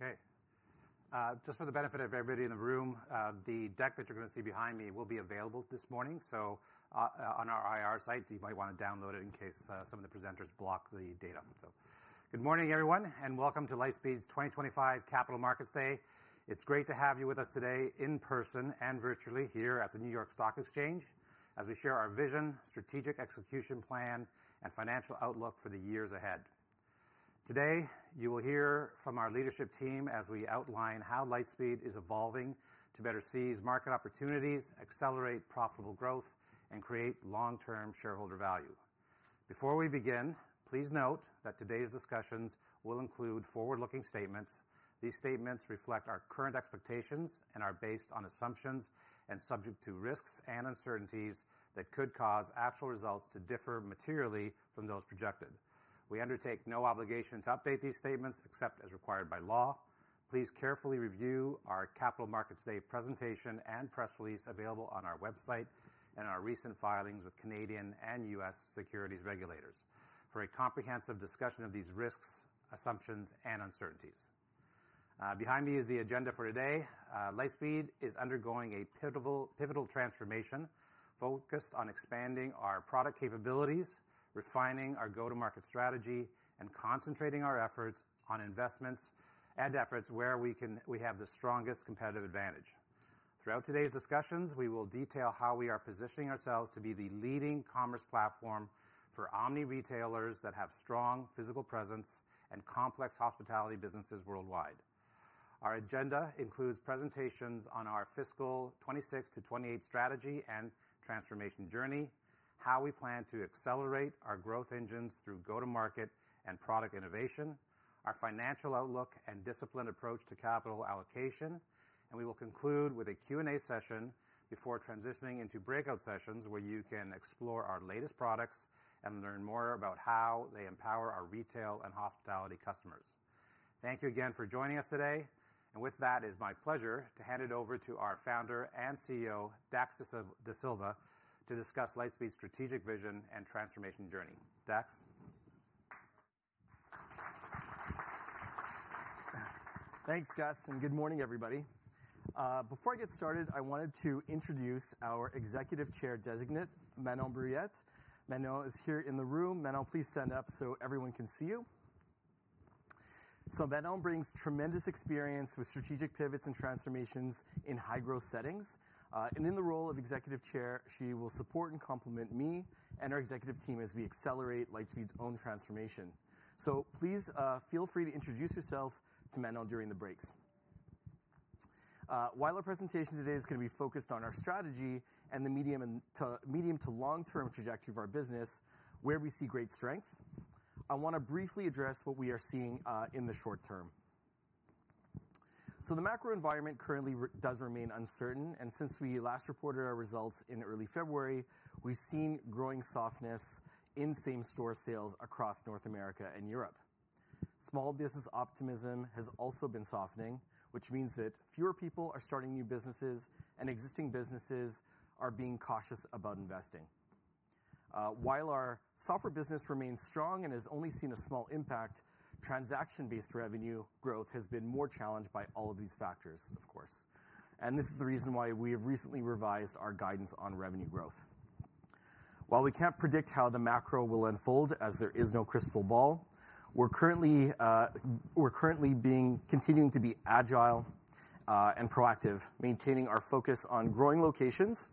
Okay. Just for the benefit of everybody in the room, the deck that you're going to see behind me will be available this morning. On our IR site, you might want to download it in case some of the presenters block the data. Good morning, everyone, and welcome to Lightspeed's 2025 Capital Markets Day. It's great to have you with us today in person and virtually here at the New York Stock Exchange as we share our vision, strategic execution plan, and financial outlook for the years ahead. Today, you will hear from our leadership team as we outline how Lightspeed is evolving to better seize market opportunities, accelerate profitable growth, and create long-term shareholder value. Before we begin, please note that today's discussions will include forward-looking statements. These statements reflect our current expectations and are based on assumptions and subject to risks and uncertainties that could cause actual results to differ materially from those projected. We undertake no obligation to update these statements except as required by law. Please carefully review our Capital Markets Day presentation and press release available on our website and our recent filings with Canadian and U.S. securities regulators for a comprehensive discussion of these risks, assumptions, and uncertainties. Behind me is the agenda for today. Lightspeed is undergoing a pivotal, pivotal transformation focused on expanding our product capabilities, refining our go-to-market strategy, and concentrating our efforts on investments and efforts where we can—we have the strongest competitive advantage. Throughout today's discussions, we will detail how we are positioning ourselves to be the leading commerce platform for omni-retailers that have strong physical presence and complex hospitality businesses worldwide. Our agenda includes presentations on our fiscal 2026 to 2028 strategy and transformation journey, how we plan to accelerate our growth engines through go-to-market and product innovation, our financial outlook and disciplined approach to capital allocation, and we will conclude with a Q&A session before transitioning into breakout sessions where you can explore our latest products and learn more about how they empower our retail and hospitality customers. Thank you again for joining us today. With that, it is my pleasure to hand it over to our Founder and CEO, Dax Dasilva, to discuss Lightspeed's strategic vision and transformation journey. Dax. Thanks, Gus, and good morning, everybody. Before I get started, I wanted to introduce our Executive Chair designate, Manon Bruyette. Manon is here in the room. Manon, please stand up so everyone can see you. Manon brings tremendous experience with strategic pivots and transformations in high-growth settings. In the role of Executive Chair, she will support and complement me and our executive team as we accelerate Lightspeed's own transformation. Please, feel free to introduce yourself to Manon during the breaks. While our presentation today is going to be focused on our strategy and the medium to long-term trajectory of our business, where we see great strength, I want to briefly address what we are seeing in the short term. The macro environment currently does remain uncertain. Since we last reported our results in early February, we've seen growing softness in same-store sales across North America and Europe. Small business optimism has also been softening, which means that fewer people are starting new businesses and existing businesses are being cautious about investing. While our software business remains strong and has only seen a small impact, transaction-based revenue growth has been more challenged by all of these factors, of course. This is the reason why we have recently revised our guidance on revenue growth. While we can't predict how the macro will unfold as there is no crystal ball, we're currently continuing to be agile and proactive, maintaining our focus on growing locations,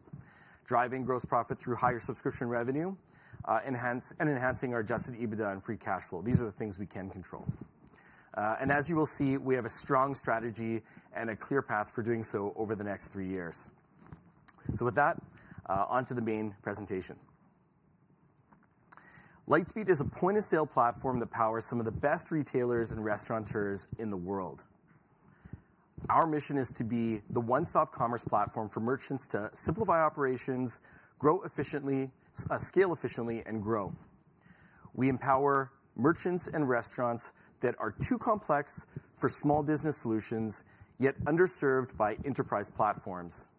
driving gross profit through higher subscription revenue, and enhancing our adjusted EBITDA and free cash flow. These are the things we can control. As you will see, we have a strong strategy and a clear path for doing so over the next three years. With that, onto the main presentation. Lightspeed is a point-of-sale platform that powers some of the best retailers and restaurateurs in the world. Our mission is to be the one-stop commerce platform for merchants to simplify operations, grow efficiently, scale efficiently, and grow. We empower merchants and restaurants that are too complex for small business solutions, yet underserved by enterprise platforms.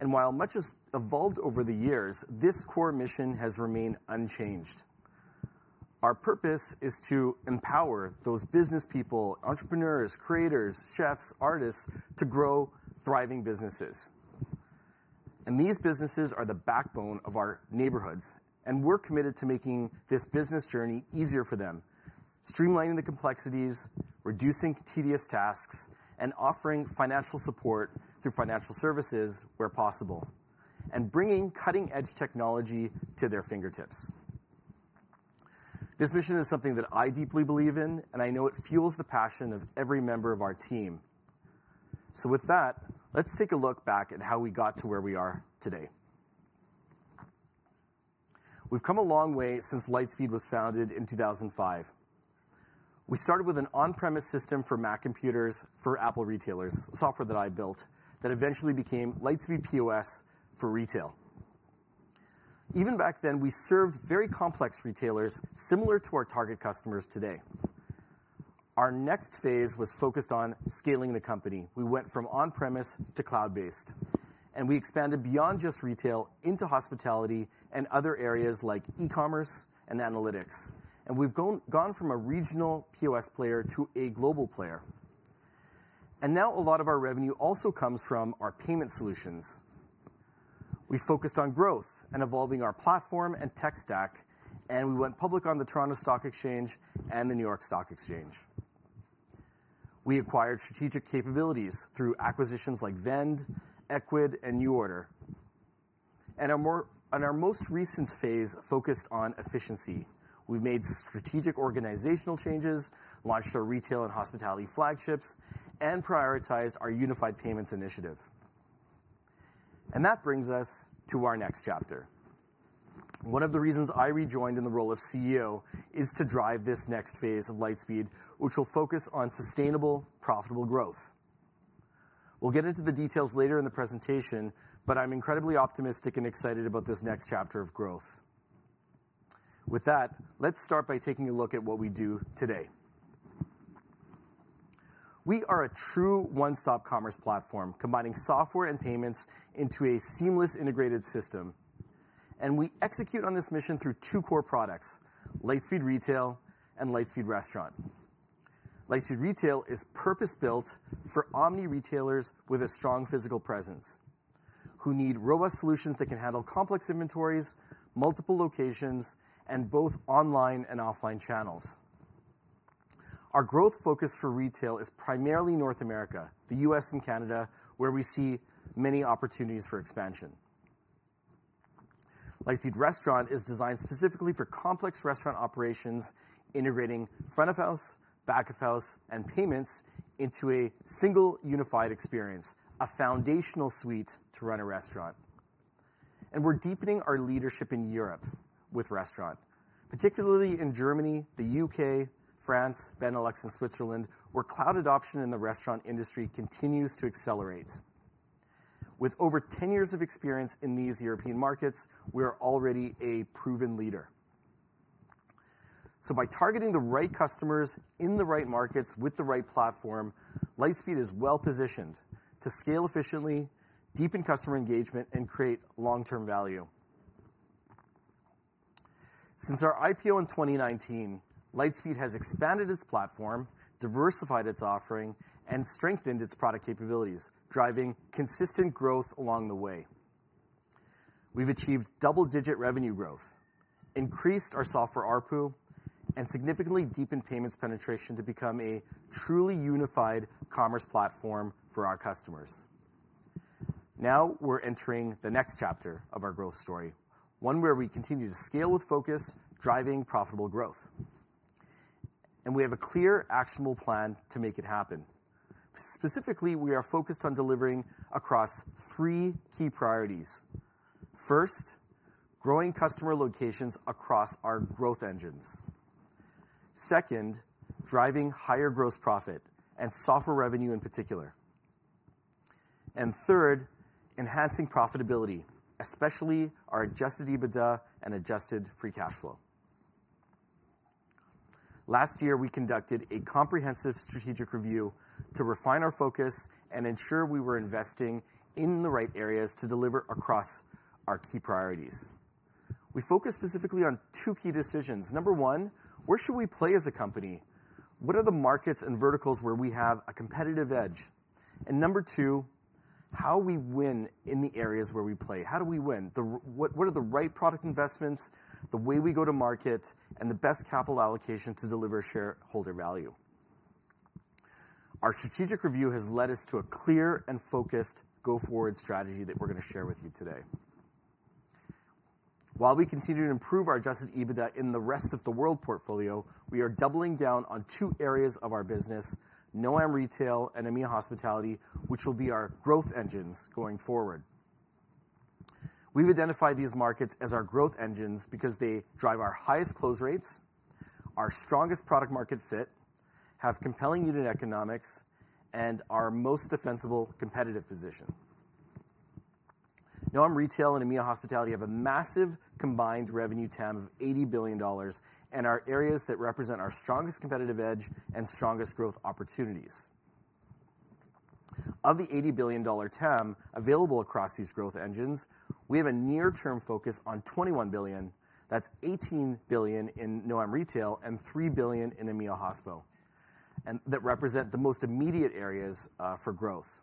While much has evolved over the years, this core mission has remained unchanged. Our purpose is to empower those business people, entrepreneurs, creators, chefs, artists to grow thriving businesses. These businesses are the backbone of our neighborhoods. We are committed to making this business journey easier for them, streamlining the complexities, reducing tedious tasks, and offering financial support through financial services where possible, and bringing cutting-edge technology to their fingertips. This mission is something that I deeply believe in, and I know it fuels the passion of every member of our team. With that, let's take a look back at how we got to where we are today. We have come a long way since Lightspeed was founded in 2005. We started with an on-premise system for Mac computers for Apple retailers, software that I built, that eventually became Lightspeed POS for retail. Even back then, we served very complex retailers similar to our target customers today. Our next phase was focused on scaling the company. We went from on-premise to cloud-based, and we expanded beyond just retail into hospitality and other areas like e-commerce and analytics. We have gone from a regional POS player to a global player. Now a lot of our revenue also comes from our payment solutions. We focused on growth and evolving our platform and tech stack, and we went public on the Toronto Stock Exchange and the New York Stock Exchange. We acquired strategic capabilities through acquisitions like Vend, Ecwid, and New Order. Our most recent phase focused on efficiency. We have made strategic organizational changes, launched our retail and hospitality flagships, and prioritized our unified payments initiative. That brings us to our next chapter. One of the reasons I rejoined in the role of CEO is to drive this next phase of Lightspeed, which will focus on sustainable, profitable growth. We will get into the details later in the presentation, but I am incredibly optimistic and excited about this next chapter of growth. With that, let's start by taking a look at what we do today. We are a true one-stop commerce platform, combining software and payments into a seamless integrated system. We execute on this mission through two core products: Lightspeed Retail and Lightspeed Restaurant. Lightspeed Retail is purpose-built for omni-retailers with a strong physical presence who need robust solutions that can handle complex inventories, multiple locations, and both online and offline channels. Our growth focus for retail is primarily North America, the U.S., and Canada, where we see many opportunities for expansion. Lightspeed Restaurant is designed specifically for complex restaurant operations, integrating front-of-house, back-of-house, and payments into a single unified experience, a foundational suite to run a restaurant. We are deepening our leadership in Europe with restaurant, particularly in Germany, the U.K., France, Benelux, and Switzerland, where cloud adoption in the restaurant industry continues to accelerate. With over 10 years of experience in these European markets, we are already a proven leader. By targeting the right customers in the right markets with the right platform, Lightspeed is well-positioned to scale efficiently, deepen customer engagement, and create long-term value. Since our IPO in 2019, Lightspeed has expanded its platform, diversified its offering, and strengthened its product capabilities, driving consistent growth along the way. We've achieved double-digit revenue growth, increased our software ARPU, and significantly deepened payments penetration to become a truly unified commerce platform for our customers. Now we're entering the next chapter of our growth story, one where we continue to scale with focus, driving profitable growth. We have a clear, actionable plan to make it happen. Specifically, we are focused on delivering across three key priorities. First, growing customer locations across our growth engines. Second, driving higher gross profit and software revenue in particular. Third, enhancing profitability, especially our adjusted EBITDA and adjusted free cash flow. Last year, we conducted a comprehensive strategic review to refine our focus and ensure we were investing in the right areas to deliver across our key priorities. We focused specifically on two key decisions. Number one, where should we play as a company? What are the markets and verticals where we have a competitive edge? Number two, how we win in the areas where we play. How do we win? What are the right product investments, the way we go to market, and the best capital allocation to deliver shareholder value? Our strategic review has led us to a clear and focused go-forward strategy that we're going to share with you today. While we continue to improve our adjusted EBITDA in the rest of the world portfolio, we are doubling down on two areas of our business, NOAM Retail and AMIA Hospitality, which will be our growth engines going forward. We've identified these markets as our growth engines because they drive our highest close rates, our strongest product-market fit, have compelling unit economics, and our most defensible competitive position. NOAM Retail and AMIA Hospitality have a massive combined revenue TAM of $80 billion and are areas that represent our strongest competitive edge and strongest growth opportunities. Of the $80 billion TAM available across these growth engines, we have a near-term focus on $21 billion. That's $18 billion in NOAM Retail and $3 billion in AMIA Hospitality, and that represent the most immediate areas for growth.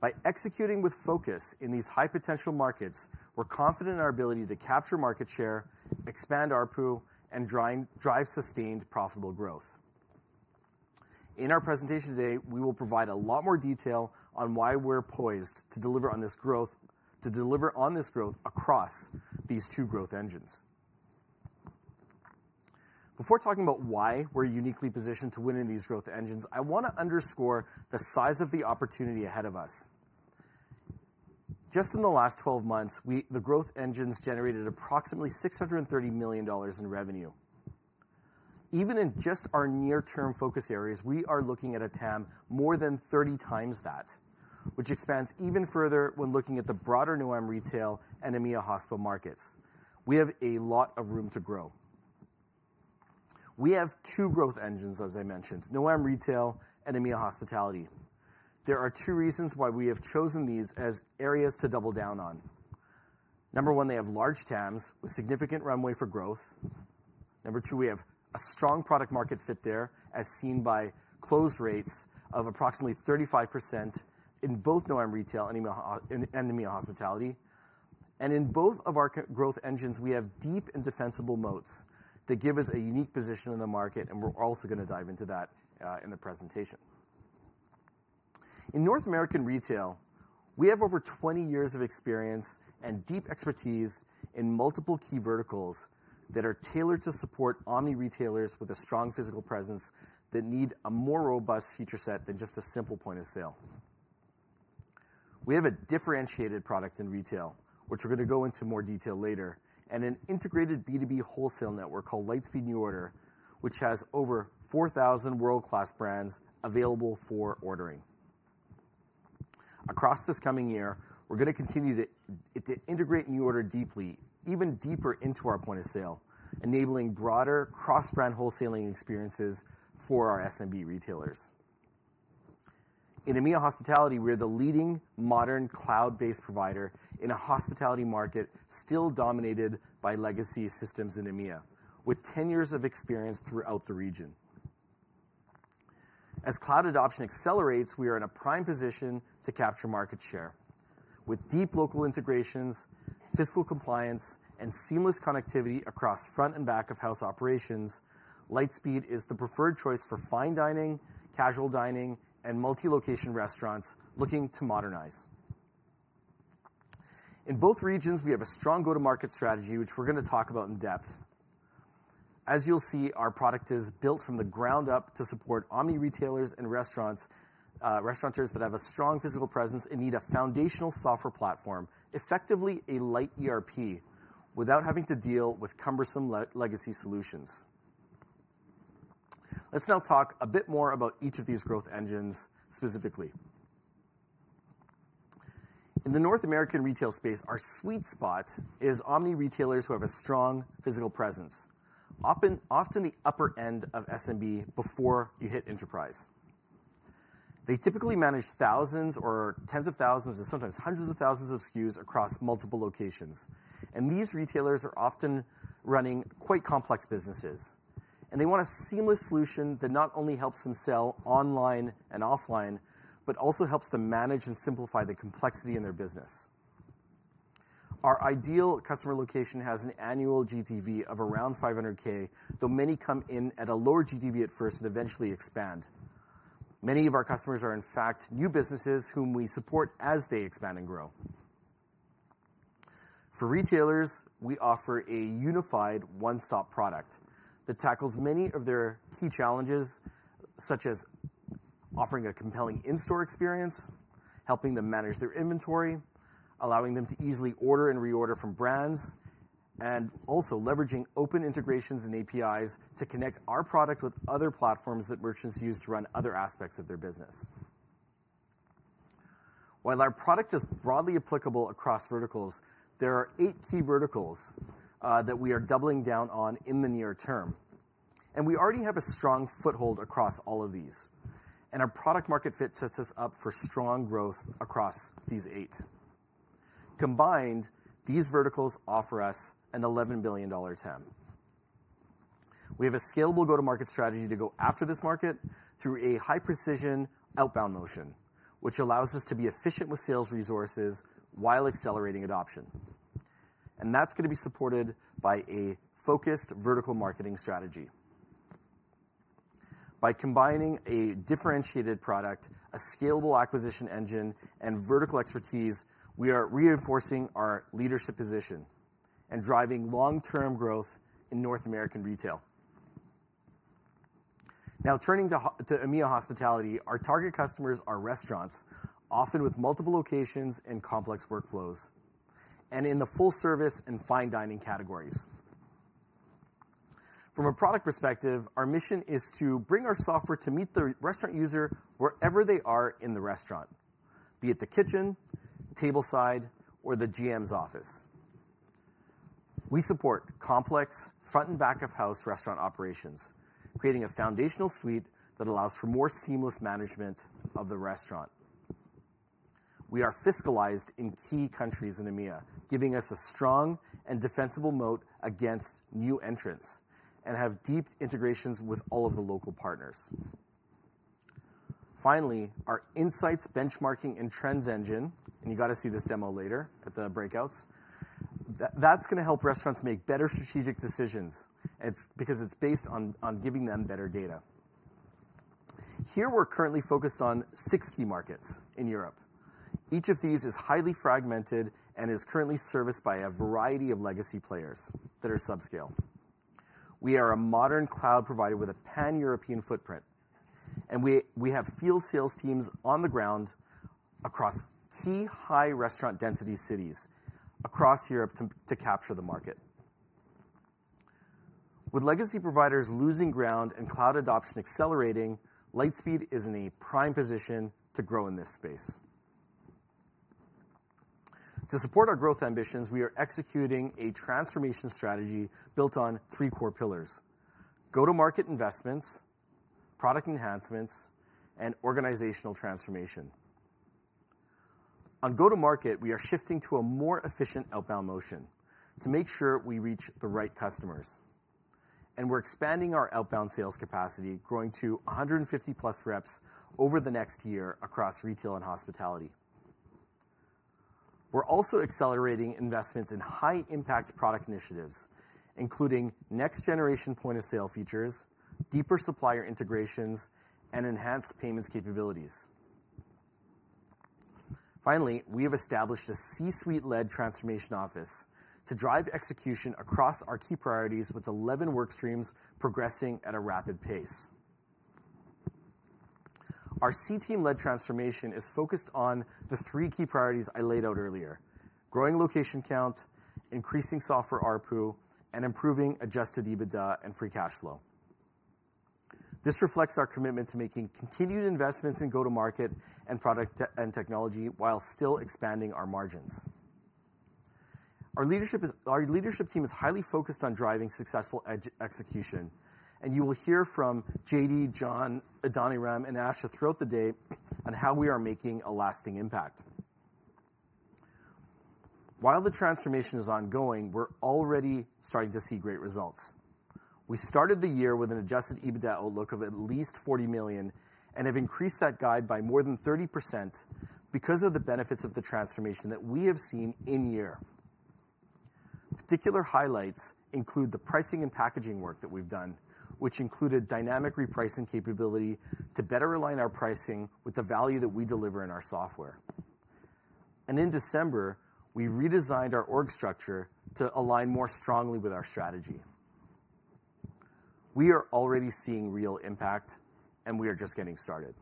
By executing with focus in these high-potential markets, we're confident in our ability to capture market share, expand ARPU, and drive sustained profitable growth. In our presentation today, we will provide a lot more detail on why we're poised to deliver on this growth, to deliver on this growth across these two growth engines. Before talking about why we're uniquely positioned to win in these growth engines, I want to underscore the size of the opportunity ahead of us. Just in the last 12 months, we the growth engines generated approximately $630 million in revenue. Even in just our near-term focus areas, we are looking at a TAM more than 30 times that, which expands even further when looking at the broader Noam Retail and AMIA Hospital markets. We have a lot of room to grow. We have two growth engines, as I mentioned, Noam Retail and AMIA Hospitality. There are two reasons why we have chosen these as areas to double down on. Number one, they have large TAMs with significant runway for growth. Number two, we have a strong product-market fit there, as seen by close rates of approximately 35% in both Noam Retail and AMIA Hospitality. In both of our growth engines, we have deep and defensible moats that give us a unique position in the market, and we're also going to dive into that in the presentation. In North American retail, we have over 20 years of experience and deep expertise in multiple key verticals that are tailored to support omni-retailers with a strong physical presence that need a more robust feature set than just a simple point of sale. We have a differentiated product in retail, which we're going to go into more detail later, and an integrated B2B wholesale network called Lightspeed New Order, which has over 4,000 world-class brands available for ordering. Across this coming year, we're going to continue to integrate New Order deeply, even deeper into our point of sale, enabling broader cross-brand wholesaling experiences for our SMB retailers. In AMIA Hospitality, we're the leading modern cloud-based provider in a hospitality market still dominated by legacy systems in AMIA, with 10 years of experience throughout the region. As cloud adoption accelerates, we are in a prime position to capture market share. With deep local integrations, fiscal compliance, and seamless connectivity across front and back-of-house operations, Lightspeed is the preferred choice for fine dining, casual dining, and multi-location restaurants looking to modernize. In both regions, we have a strong go-to-market strategy, which we're going to talk about in depth. As you'll see, our product is built from the ground up to support omni-retailers and restaurants, restaurateurs that have a strong physical presence and need a foundational software platform, effectively a light ERP, without having to deal with cumbersome legacy solutions. Let's now talk a bit more about each of these growth engines specifically. In the North American retail space, our sweet spot is omni-retailers who have a strong physical presence, often the upper end of SMB before you hit enterprise. They typically manage thousands or tens of thousands and sometimes hundreds of thousands of SKUs across multiple locations. These retailers are often running quite complex businesses. They want a seamless solution that not only helps them sell online and offline, but also helps them manage and simplify the complexity in their business. Our ideal customer location has an annual GTV of around $500,000, though many come in at a lower GTV at first and eventually expand. Many of our customers are, in fact, new businesses whom we support as they expand and grow. For retailers, we offer a unified one-stop product that tackles many of their key challenges, such as offering a compelling in-store experience, helping them manage their inventory, allowing them to easily order and reorder from brands, and also leveraging open integrations and APIs to connect our product with other platforms that merchants use to run other aspects of their business. While our product is broadly applicable across verticals, there are eight key verticals that we are doubling down on in the near term. We already have a strong foothold across all of these. Our product-market fit sets us up for strong growth across these eight. Combined, these verticals offer us an $11 billion TAM. We have a scalable go-to-market strategy to go after this market through a high-precision outbound motion, which allows us to be efficient with sales resources while accelerating adoption. That is going to be supported by a focused vertical marketing strategy. By combining a differentiated product, a scalable acquisition engine, and vertical expertise, we are reinforcing our leadership position and driving long-term growth in North American retail. Now, turning to AMIA Hospitality, our target customers are restaurants, often with multiple locations and complex workflows, and in the full-service and fine dining categories. From a product perspective, our mission is to bring our software to meet the restaurant user wherever they are in the restaurant, be it the kitchen, tableside, or the GM's office. We support complex front-and-back-of-house restaurant operations, creating a foundational suite that allows for more seamless management of the restaurant. We are fiscalized in key countries in AMIA, giving us a strong and defensible moat against new entrants and have deep integrations with all of the local partners. Finally, our insights, benchmarking, and trends engine, and you got to see this demo later at the breakouts, that's going to help restaurants make better strategic decisions because it's based on giving them better data. Here, we're currently focused on six key markets in Europe. Each of these is highly fragmented and is currently serviced by a variety of legacy players that are subscale. We are a modern cloud provider with a pan-European footprint, and we have field sales teams on the ground across key high-restaurant-density cities across Europe to capture the market. With legacy providers losing ground and cloud adoption accelerating, Lightspeed is in a prime position to grow in this space. To support our growth ambitions, we are executing a transformation strategy built on three core pillars: go-to-market investments, product enhancements, and organizational transformation. On go-to-market, we are shifting to a more efficient outbound motion to make sure we reach the right customers. We are expanding our outbound sales capacity, growing to 150-plus reps over the next year across retail and hospitality. We are also accelerating investments in high-impact product initiatives, including next-generation point-of-sale features, deeper supplier integrations, and enhanced payments capabilities. Finally, we have established a C-suite-led transformation office to drive execution across our key priorities with 11 workstreams progressing at a rapid pace. Our C-team-led transformation is focused on the three key priorities I laid out earlier: growing location count, increasing software ARPU, and improving adjusted EBITDA and free cash flow. This reflects our commitment to making continued investments in go-to-market and product and technology while still expanding our margins. Our leadership team is highly focused on driving successful execution, and you will hear from JD, John, Adoniram, and Asha throughout the day on how we are making a lasting impact. While the transformation is ongoing, we're already starting to see great results. We started the year with an adjusted EBITDA outlook of at least $40 million and have increased that guide by more than 30% because of the benefits of the transformation that we have seen in year. Particular highlights include the pricing and packaging work that we've done, which included dynamic repricing capability to better align our pricing with the value that we deliver in our software. In December, we redesigned our org structure to align more strongly with our strategy. We are already seeing real impact, and we are just getting started.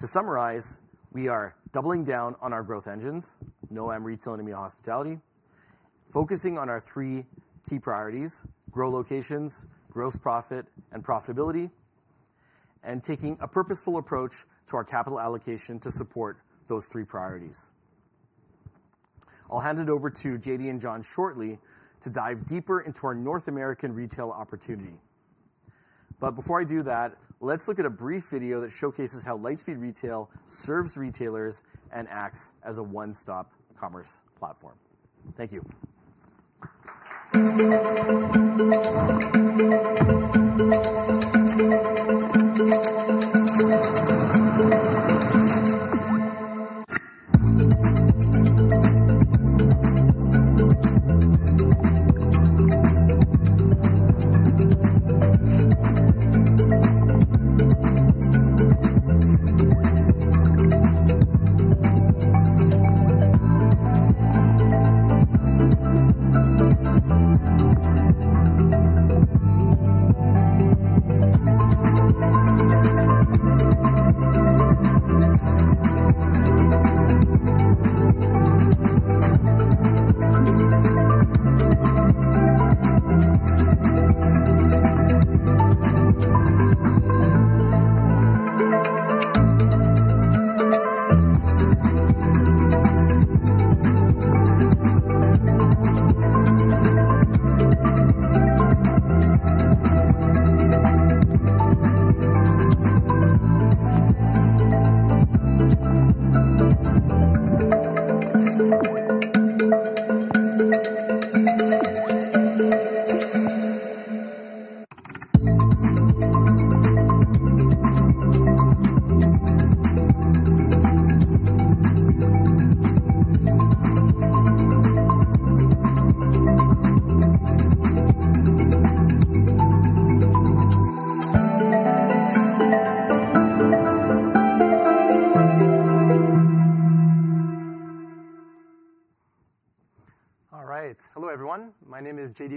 To summarize, we are doubling down on our growth engines, Noam Retail and AMIA Hospitality, focusing on our three key priorities: grow locations, gross profit, and profitability, and taking a purposeful approach to our capital allocation to support those three priorities. I'll hand it over to JD and John shortly to dive deeper into our North American retail opportunity. Before I do that, let's look at a brief video that showcases how Lightspeed Retail serves retailers and acts as a one-stop commerce platform. Thank you. All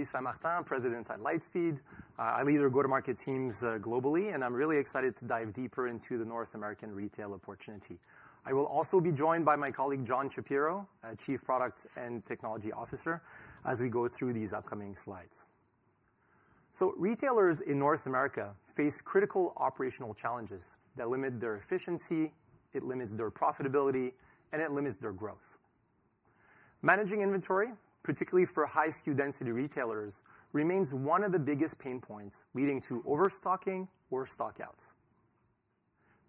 right. Hello, everyone. My name is JD Saint-Martin, President at Lightspeed. I lead our go-to-market teams globally, and I'm really excited to dive deeper into the North American retail opportunity. I will also be joined by my colleague, John Shapiro, Chief Product and Technology Officer, as we go through these upcoming slides. Retailers in North America face critical operational challenges that limit their efficiency, limit their profitability, and limit their growth. Managing inventory, particularly for high SKU density retailers, remains one of the biggest pain points leading to overstocking or stockouts.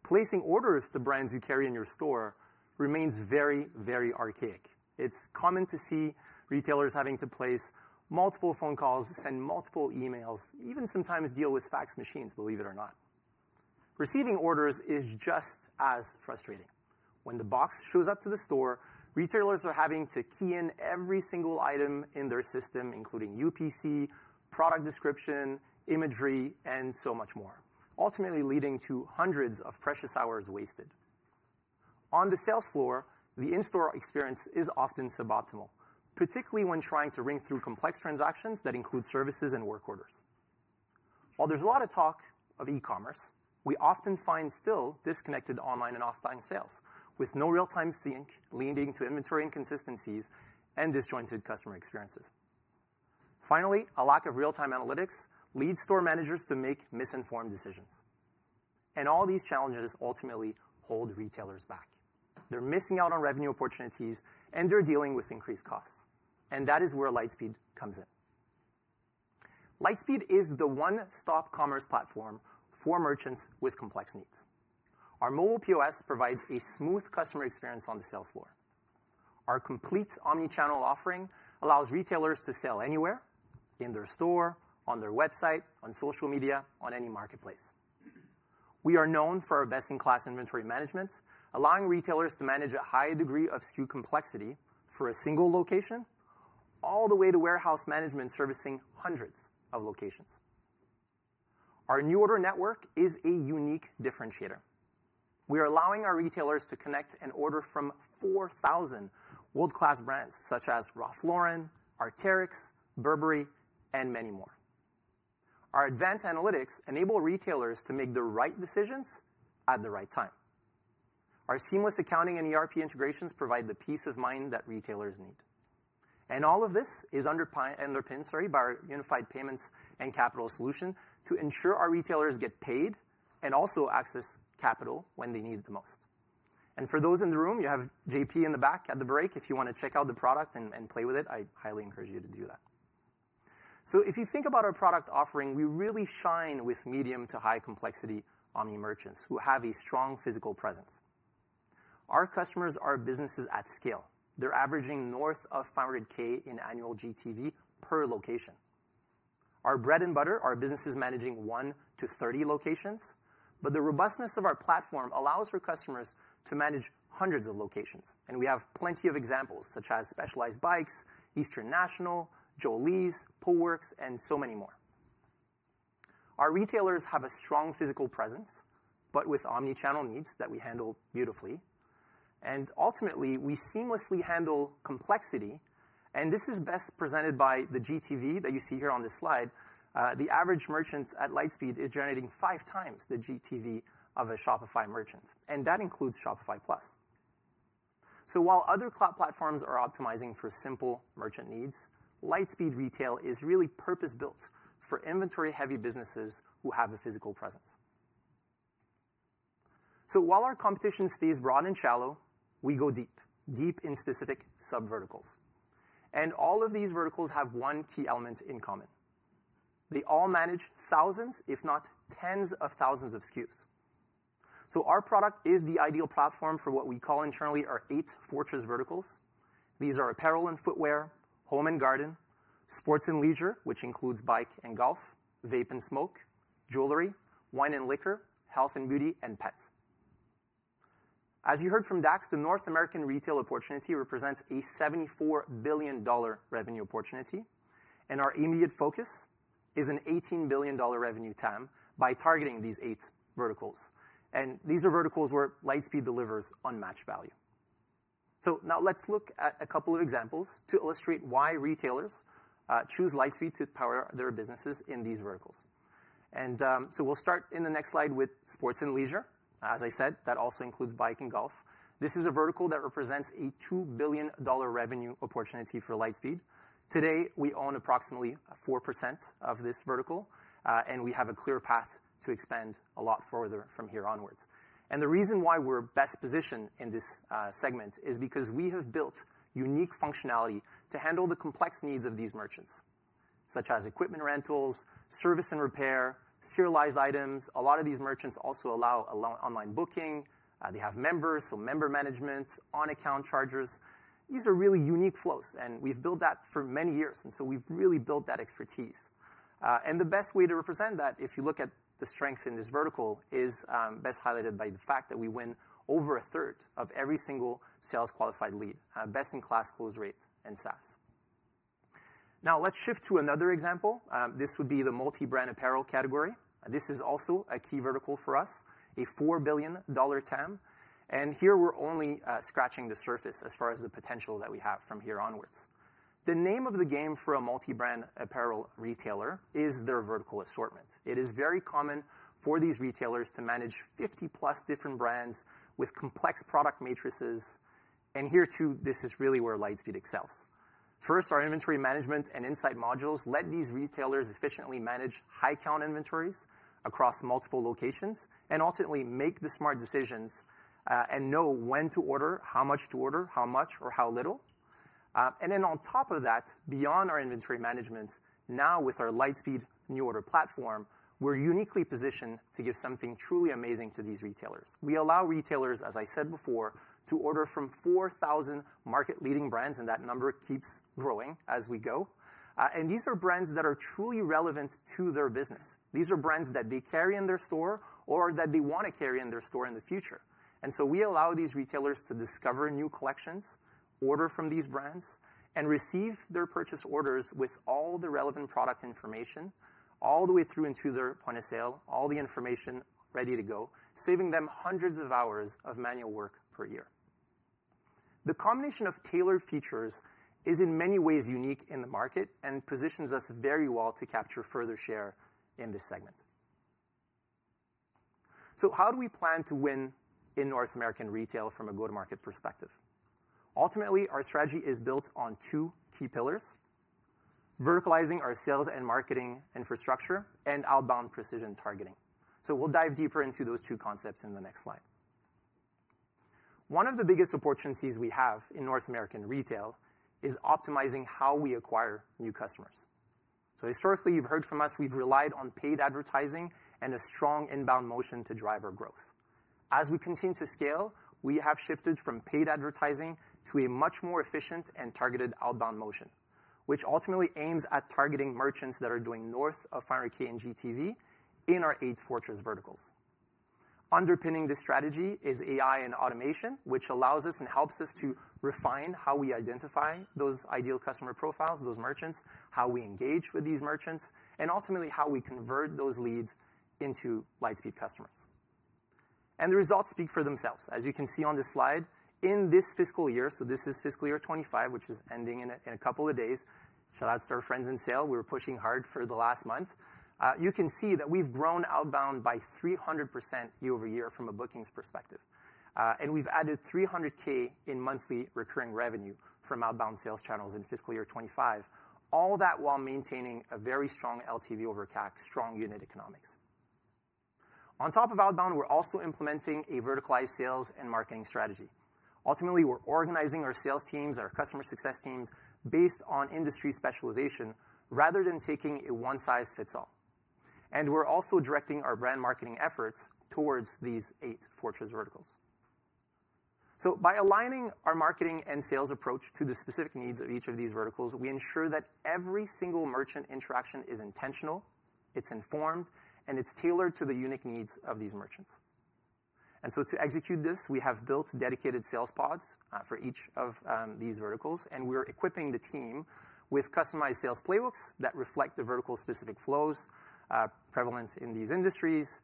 Placing orders to brands you carry in your store remains very, very archaic. It's common to see retailers having to place multiple phone calls, send multiple emails, even sometimes deal with fax machines, believe it or not. Receiving orders is just as frustrating. When the box shows up to the store, retailers are having to key in every single item in their system, including UPC, product description, imagery, and so much more, ultimately leading to hundreds of precious hours wasted. On the sales floor, the in-store experience is often suboptimal, particularly when trying to ring through complex transactions that include services and work orders. While there's a lot of talk of e-commerce, we often find still disconnected online and offline sales, with no real-time sync leading to inventory inconsistencies and disjointed customer experiences. Finally, a lack of real-time analytics leads store managers to make misinformed decisions. All these challenges ultimately hold retailers back. They're missing out on revenue opportunities, and they're dealing with increased costs. That is where Lightspeed comes in. Lightspeed is the one-stop commerce platform for merchants with complex needs. Our mobile POS provides a smooth customer experience on the sales floor. Our complete omnichannel offering allows retailers to sell anywhere: in their store, on their website, on social media, on any marketplace. We are known for our best-in-class inventory management, allowing retailers to manage a high degree of SKU complexity for a single location all the way to warehouse management servicing hundreds of locations. Our New Order network is a unique differentiator. We are allowing our retailers to connect and order from 4,000 world-class brands such as Ralph Lauren, Arc'teryx, Burberry, and many more. Our advanced analytics enable retailers to make the right decisions at the right time. Our seamless accounting and ERP integrations provide the peace of mind that retailers need. All of this is underpinned, sorry, by our unified payments and capital solution to ensure our retailers get paid and also access capital when they need it the most. For those in the room, you have JP in the back at the break. If you want to check out the product and play with it, I highly encourage you to do that. If you think about our product offering, we really shine with medium to high complexity omni-merchants who have a strong physical presence. Our customers are businesses at scale. They're averaging north of $500,000 in annual GTV per location. Our bread and butter are businesses managing 1-30 locations, but the robustness of our platform allows for customers to manage hundreds of locations. We have plenty of examples such as Specialized Bikes, Eastern National, Joe Lee's, Pullworks, and so many more. Our retailers have a strong physical presence, but with omnichannel needs that we handle beautifully. Ultimately, we seamlessly handle complexity. This is best presented by the GTV that you see here on the slide. The average merchant at Lightspeed is generating five times the GTV of a Shopify merchant, and that includes Shopify Plus. While other cloud platforms are optimizing for simple merchant needs, Lightspeed Retail is really purpose-built for inventory-heavy businesses who have a physical presence. While our competition stays broad and shallow, we go deep, deep in specific sub-verticals. All of these verticals have one key element in common. They all manage thousands, if not tens of thousands of SKUs. Our product is the ideal platform for what we call internally our eight fortress verticals. These are apparel and footwear, home and garden, sports and leisure, which includes bike and golf, vape and smoke, jewelry, wine and liquor, health and beauty, and pets. As you heard from Dax, the North American retail opportunity represents a $74 billion revenue opportunity, and our immediate focus is an $18 billion revenue TAM by targeting these eight verticals. These are verticals where Lightspeed delivers unmatched value. Now let's look at a couple of examples to illustrate why retailers choose Lightspeed to power their businesses in these verticals. We'll start in the next slide with sports and leisure. As I said, that also includes bike and golf. This is a vertical that represents a $2 billion revenue opportunity for Lightspeed. Today, we own approximately 4% of this vertical, and we have a clear path to expand a lot further from here onwards. The reason why we're best positioned in this segment is because we have built unique functionality to handle the complex needs of these merchants, such as equipment rentals, service and repair, serialized items. A lot of these merchants also allow online booking. They have members, so member management, on-account charges. These are really unique flows, and we've built that for many years, and so we've really built that expertise. The best way to represent that, if you look at the strength in this vertical, is best highlighted by the fact that we win over a third of every single sales qualified lead, best-in-class close rate and SaaS. Now let's shift to another example. This would be the multi-brand apparel category. This is also a key vertical for us, a $4 billion TAM. Here we're only scratching the surface as far as the potential that we have from here onwards. The name of the game for a multi-brand apparel retailer is their vertical assortment. It is very common for these retailers to manage 50-plus different brands with complex product matrices. Here, too, this is really where Lightspeed excels. First, our inventory management and insight modules let these retailers efficiently manage high-count inventories across multiple locations and ultimately make the smart decisions and know when to order, how much to order, how much, or how little. On top of that, beyond our inventory management, now with our Lightspeed New Order platform, we're uniquely positioned to give something truly amazing to these retailers. We allow retailers, as I said before, to order from 4,000 market-leading brands, and that number keeps growing as we go. These are brands that are truly relevant to their business. These are brands that they carry in their store or that they want to carry in their store in the future. We allow these retailers to discover new collections, order from these brands, and receive their purchase orders with all the relevant product information all the way through into their point of sale, all the information ready to go, saving them hundreds of hours of manual work per year. The combination of tailored features is, in many ways, unique in the market and positions us very well to capture further share in this segment. How do we plan to win in North American retail from a go-to-market perspective? Ultimately, our strategy is built on two key pillars: verticalizing our sales and marketing infrastructure and outbound precision targeting. We will dive deeper into those two concepts in the next slide. One of the biggest opportunities we have in North American retail is optimizing how we acquire new customers. Historically, you have heard from us, we have relied on paid advertising and a strong inbound motion to drive our growth. As we continue to scale, we have shifted from paid advertising to a much more efficient and targeted outbound motion, which ultimately aims at targeting merchants that are doing north of $500,000 in GTV in our eight fortress verticals. Underpinning this strategy is AI and automation, which allows us and helps us to refine how we identify those ideal customer profiles, those merchants, how we engage with these merchants, and ultimately how we convert those leads into Lightspeed customers. The results speak for themselves. As you can see on this slide, in this fiscal year, so this is fiscal year 2025, which is ending in a couple of days, shout out to our friends in sales. We were pushing hard for the last month. You can see that we've grown outbound by 300% year over year from a bookings perspective. We've added $300,000 in monthly recurring revenue from outbound sales channels in fiscal year 2025, all that while maintaining a very strong LTV over CAC, strong unit economics. On top of outbound, we're also implementing a verticalized sales and marketing strategy. Ultimately, we're organizing our sales teams, our customer success teams based on industry specialization rather than taking a one-size-fits-all. We're also directing our brand marketing efforts towards these eight fortress verticals. By aligning our marketing and sales approach to the specific needs of each of these verticals, we ensure that every single merchant interaction is intentional, it's informed, and it's tailored to the unique needs of these merchants. To execute this, we have built dedicated sales pods for each of these verticals, and we're equipping the team with customized sales playbooks that reflect the vertical-specific flows prevalent in these industries.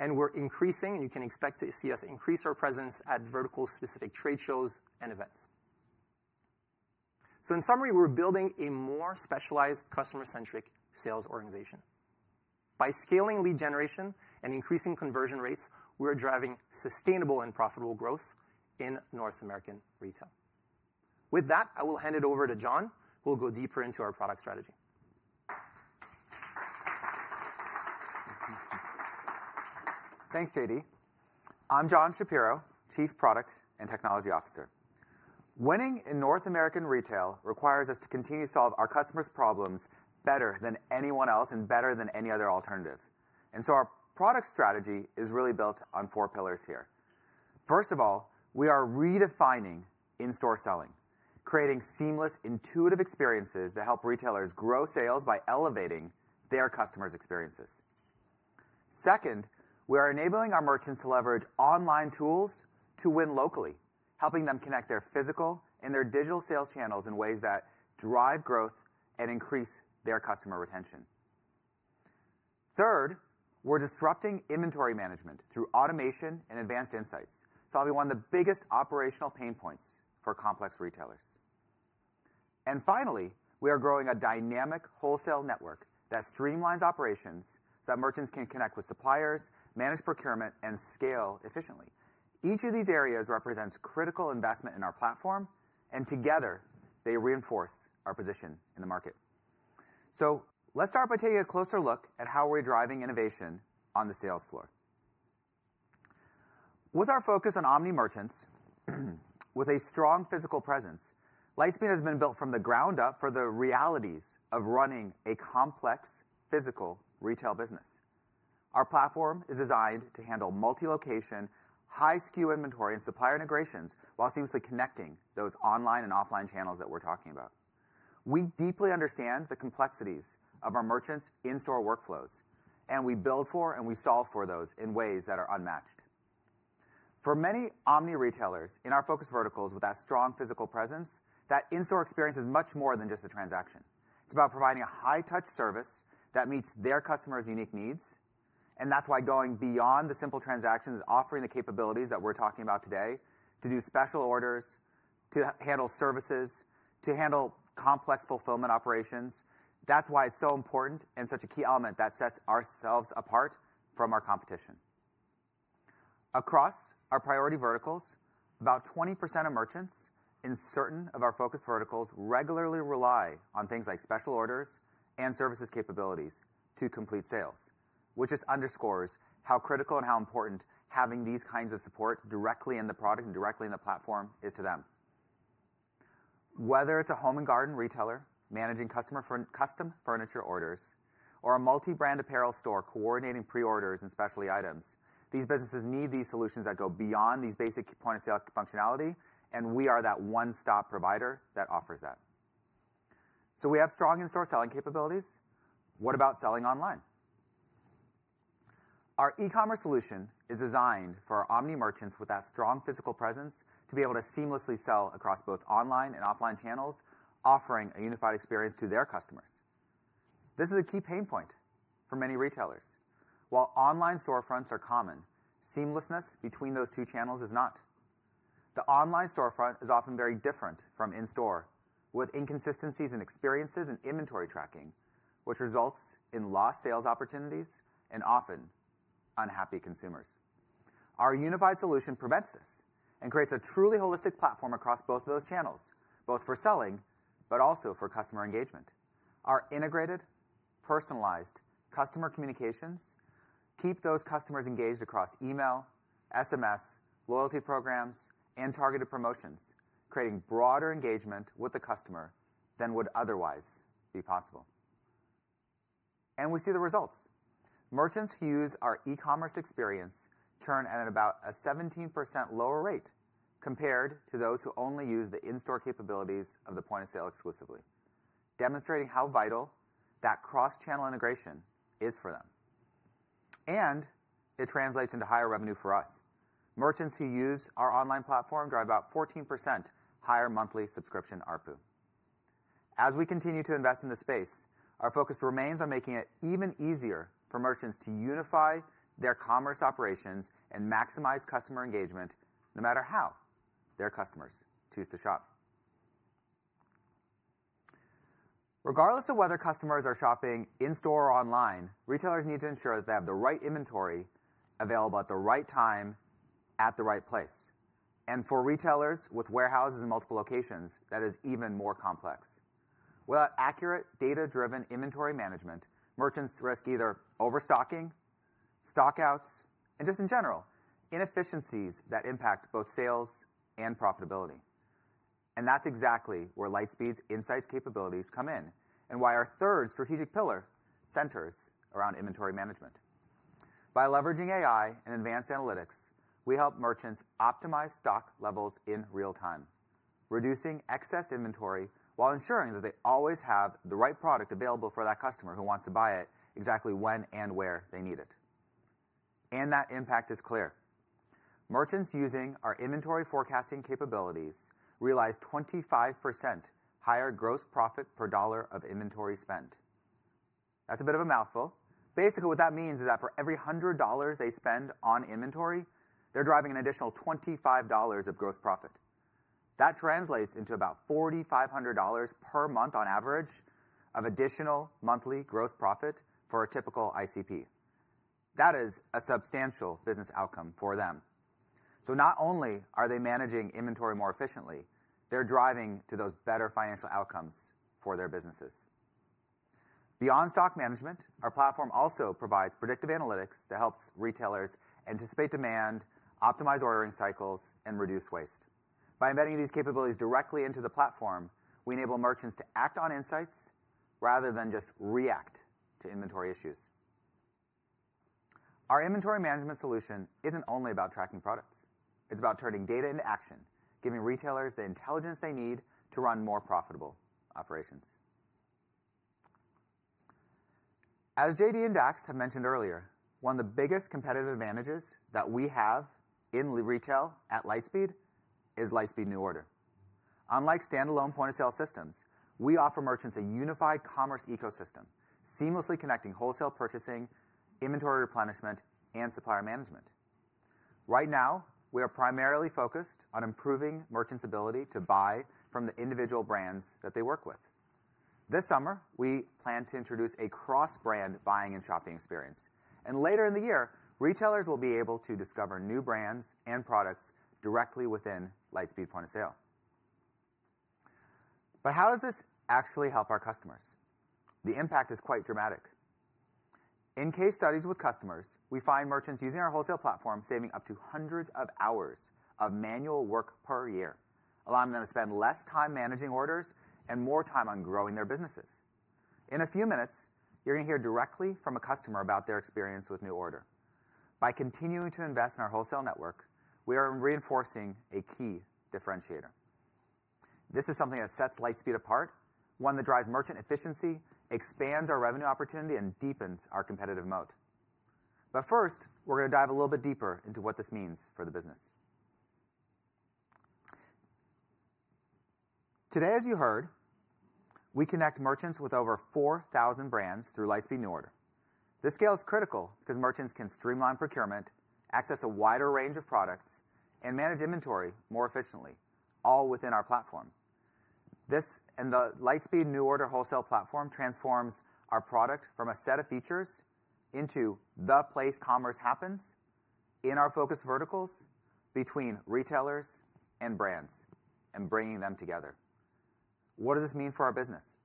We're increasing, and you can expect to see us increase our presence at vertical-specific trade shows and events. In summary, we're building a more specialized, customer-centric sales organization. By scaling lead generation and increasing conversion rates, we're driving sustainable and profitable growth in North American retail. With that, I will hand it over to John. We'll go deeper into our product strategy. Thanks, JD. I'm John Shapiro, Chief Product and Technology Officer. Winning in North American retail requires us to continue to solve our customers' problems better than anyone else and better than any other alternative. Our product strategy is really built on four pillars here. First of all, we are redefining in-store selling, creating seamless, intuitive experiences that help retailers grow sales by elevating their customers' experiences. Second, we are enabling our merchants to leverage online tools to win locally, helping them connect their physical and their digital sales channels in ways that drive growth and increase their customer retention. Third, we're disrupting inventory management through automation and advanced insights, solving one of the biggest operational pain points for complex retailers. Finally, we are growing a dynamic wholesale network that streamlines operations so that merchants can connect with suppliers, manage procurement, and scale efficiently. Each of these areas represents critical investment in our platform, and together, they reinforce our position in the market. Let's start by taking a closer look at how we're driving innovation on the sales floor. With our focus on omni-merchants, with a strong physical presence, Lightspeed has been built from the ground up for the realities of running a complex physical retail business. Our platform is designed to handle multi-location, high SKU inventory, and supplier integrations while seamlessly connecting those online and offline channels that we're talking about. We deeply understand the complexities of our merchants' in-store workflows, and we build for and we solve for those in ways that are unmatched. For many omni-retailers in our focus verticals with that strong physical presence, that in-store experience is much more than just a transaction. It's about providing a high-touch service that meets their customers' unique needs. That is why going beyond the simple transactions and offering the capabilities that we're talking about today to do special orders, to handle services, to handle complex fulfillment operations, is so important and such a key element that sets ourselves apart from our competition. Across our priority verticals, about 20% of merchants in certain of our focus verticals regularly rely on things like special orders and services capabilities to complete sales, which just underscores how critical and how important having these kinds of support directly in the product and directly in the platform is to them. Whether it's a home and garden retailer managing custom furniture orders or a multi-brand apparel store coordinating pre-orders and specialty items, these businesses need these solutions that go beyond these basic point-of-sale functionality, and we are that one-stop provider that offers that. We have strong in-store selling capabilities. What about selling online? Our e-commerce solution is designed for our omni-merchants with that strong physical presence to be able to seamlessly sell across both online and offline channels, offering a unified experience to their customers. This is a key pain point for many retailers. While online storefronts are common, seamlessness between those two channels is not. The online storefront is often very different from in-store, with inconsistencies in experiences and inventory tracking, which results in lost sales opportunities and often unhappy consumers. Our unified solution prevents this and creates a truly holistic platform across both of those channels, both for selling but also for customer engagement. Our integrated, personalized customer communications keep those customers engaged across email, SMS, loyalty programs, and targeted promotions, creating broader engagement with the customer than would otherwise be possible. We see the results. Merchants who use our e-commerce experience turn at about a 17% lower rate compared to those who only use the in-store capabilities of the point of sale exclusively, demonstrating how vital that cross-channel integration is for them. It translates into higher revenue for us. Merchants who use our online platform drive about 14% higher monthly subscription ARPU. As we continue to invest in the space, our focus remains on making it even easier for merchants to unify their commerce operations and maximize customer engagement no matter how their customers choose to shop. Regardless of whether customers are shopping in-store or online, retailers need to ensure that they have the right inventory available at the right time at the right place. For retailers with warehouses in multiple locations, that is even more complex. Without accurate data-driven inventory management, merchants risk either overstocking, stockouts, and just in general, inefficiencies that impact both sales and profitability. That is exactly where Lightspeed's insights capabilities come in and why our third strategic pillar centers around inventory management. By leveraging AI and advanced analytics, we help merchants optimize stock levels in real time, reducing excess inventory while ensuring that they always have the right product available for that customer who wants to buy it exactly when and where they need it. That impact is clear. Merchants using our inventory forecasting capabilities realize 25% higher gross profit per dollar of inventory spent. That is a bit of a mouthful. Basically, what that means is that for every $100 they spend on inventory, they are driving an additional $25 of gross profit. That translates into about $4,500 per month on average of additional monthly gross profit for a typical ICP. That is a substantial business outcome for them. Not only are they managing inventory more efficiently, they're driving to those better financial outcomes for their businesses. Beyond stock management, our platform also provides predictive analytics that helps retailers anticipate demand, optimize ordering cycles, and reduce waste. By embedding these capabilities directly into the platform, we enable merchants to act on insights rather than just react to inventory issues. Our inventory management solution isn't only about tracking products. It's about turning data into action, giving retailers the intelligence they need to run more profitable operations. As JD and Dax have mentioned earlier, one of the biggest competitive advantages that we have in retail at Lightspeed is Lightspeed New Order. Unlike standalone point-of-sale systems, we offer merchants a unified commerce ecosystem, seamlessly connecting wholesale purchasing, inventory replenishment, and supplier management. Right now, we are primarily focused on improving merchants' ability to buy from the individual brands that they work with. This summer, we plan to introduce a cross-brand buying and shopping experience. Later in the year, retailers will be able to discover new brands and products directly within Lightspeed point of sale. How does this actually help our customers? The impact is quite dramatic. In case studies with customers, we find merchants using our wholesale platform saving up to hundreds of hours of manual work per year, allowing them to spend less time managing orders and more time on growing their businesses. In a few minutes, you're going to hear directly from a customer about their experience with New Order. By continuing to invest in our wholesale network, we are reinforcing a key differentiator. This is something that sets Lightspeed apart, one that drives merchant efficiency, expands our revenue opportunity, and deepens our competitive moat. First, we're going to dive a little bit deeper into what this means for the business. Today, as you heard, we connect merchants with over 4,000 brands through Lightspeed New Order. This scale is critical because merchants can streamline procurement, access a wider range of products, and manage inventory more efficiently, all within our platform. This and the Lightspeed New Order wholesale platform transforms our product from a set of features into the place commerce happens in our focus verticals between retailers and brands and bringing them together. What does this mean for our business?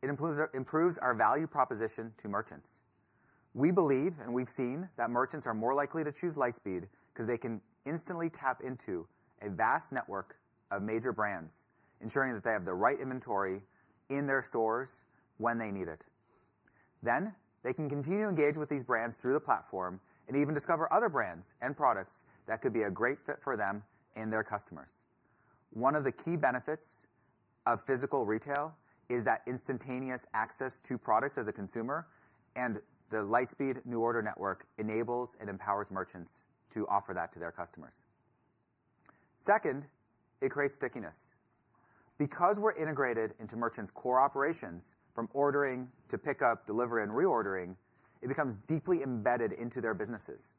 It improves our value proposition to merchants. We believe, and we've seen, that merchants are more likely to choose Lightspeed because they can instantly tap into a vast network of major brands, ensuring that they have the right inventory in their stores when they need it. They can continue to engage with these brands through the platform and even discover other brands and products that could be a great fit for them and their customers. One of the key benefits of physical retail is that instantaneous access to products as a consumer, and the Lightspeed New Order network enables and empowers merchants to offer that to their customers. Second, it creates stickiness. Because we're integrated into merchants' core operations from ordering to pickup, delivery, and reordering, it becomes deeply embedded into their businesses.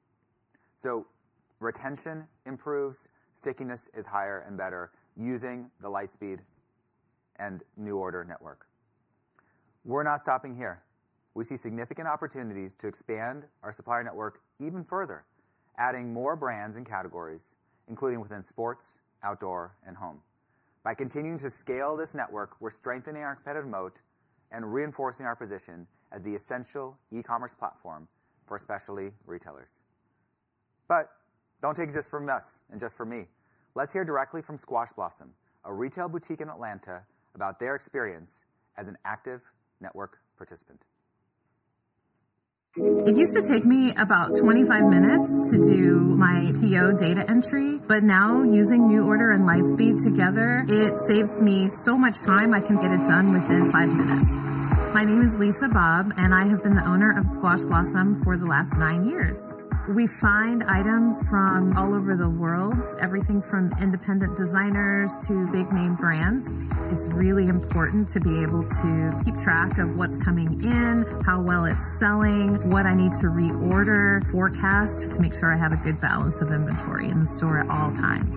Retention improves, stickiness is higher and better using the Lightspeed and New Order network. We're not stopping here. We see significant opportunities to expand our supplier network even further, adding more brands and categories, including within sports, outdoor, and home. By continuing to scale this network, we're strengthening our competitive moat and reinforcing our position as the essential e-commerce platform for especially retailers. Do not take it just from us and just from me. Let's hear directly from Squash Blossom, a retail boutique in Atlanta, about their experience as an active network participant. It used to take me about 25 minutes to do my PO data entry, but now using New Order and Lightspeed together, it saves me so much time. I can get it done within five minutes. My name is Lisa Bobb, and I have been the owner of Squash Blossom for the last nine years. We find items from all over the world, everything from independent designers to big-name brands. It's really important to be able to keep track of what's coming in, how well it's selling, what I need to reorder, forecast to make sure I have a good balance of inventory in the store at all times.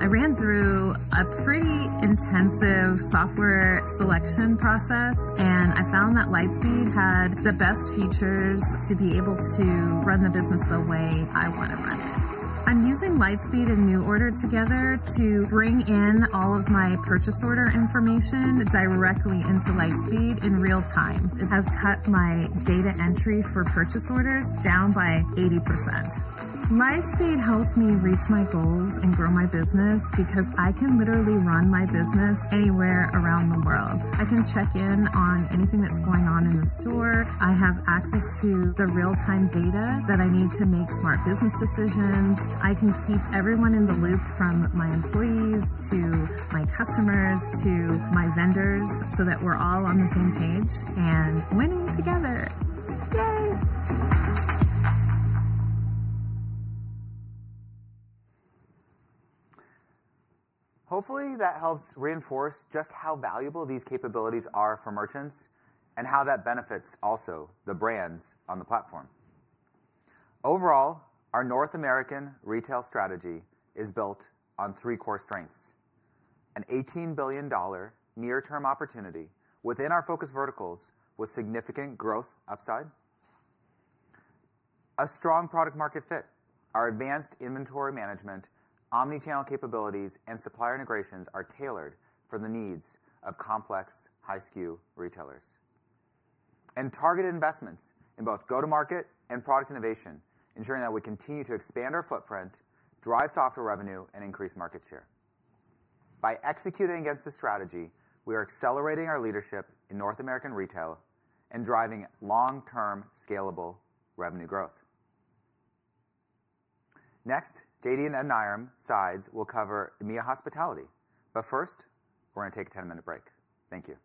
I ran through a pretty intensive software selection process, and I found that Lightspeed had the best features to be able to run the business the way I want to run it. I'm using Lightspeed and New Order together to bring in all of my purchase order information directly into Lightspeed in real time. It has cut my data entry for purchase orders down by 80%. Lightspeed helps me reach my goals and grow my business because I can literally run my business anywhere around the world. I can check in on anything that's going on in the store. I have access to the real-time data that I need to make smart business decisions. I can keep everyone in the loop from my employees to my customers to my vendors so that we're all on the same page and winning together. Yay! Hopefully, that helps reinforce just how valuable these capabilities are for merchants and how that benefits also the brands on the platform. Overall, our North American retail strategy is built on three core strengths: an $18 billion near-term opportunity within our focus verticals with significant growth upside, a strong product-market fit. Our advanced inventory management, omnichannel capabilities, and supplier integrations are tailored for the needs of complex high-SKU retailers and targeted investments in both go-to-market and product innovation, ensuring that we continue to expand our footprint, drive software revenue, and increase market share. By executing against this strategy, we are accelerating our leadership in North American retail and driving long-term scalable revenue growth. Next, JD and Adoniram Sides will cover EMEA Hospitality. First, we're going to take a 10-minute break. Thank you.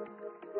Yeah, I have to intro the—yeah. Yeah. Get two more minutes.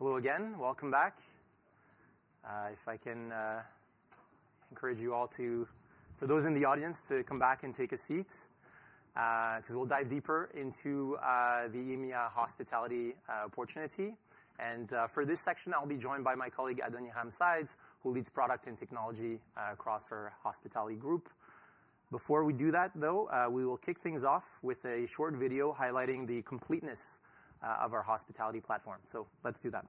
Hello again. Welcome back. If I can encourage you all to—for those in the audience—to come back and take a seat because we'll dive deeper into the EMEA Hospitality opportunity. For this section, I'll be joined by my colleague, Adoniram Sides, who leads product and technology across our hospitality group. Before we do that, though, we will kick things off with a short video highlighting the completeness of our hospitality platform. Let's do that.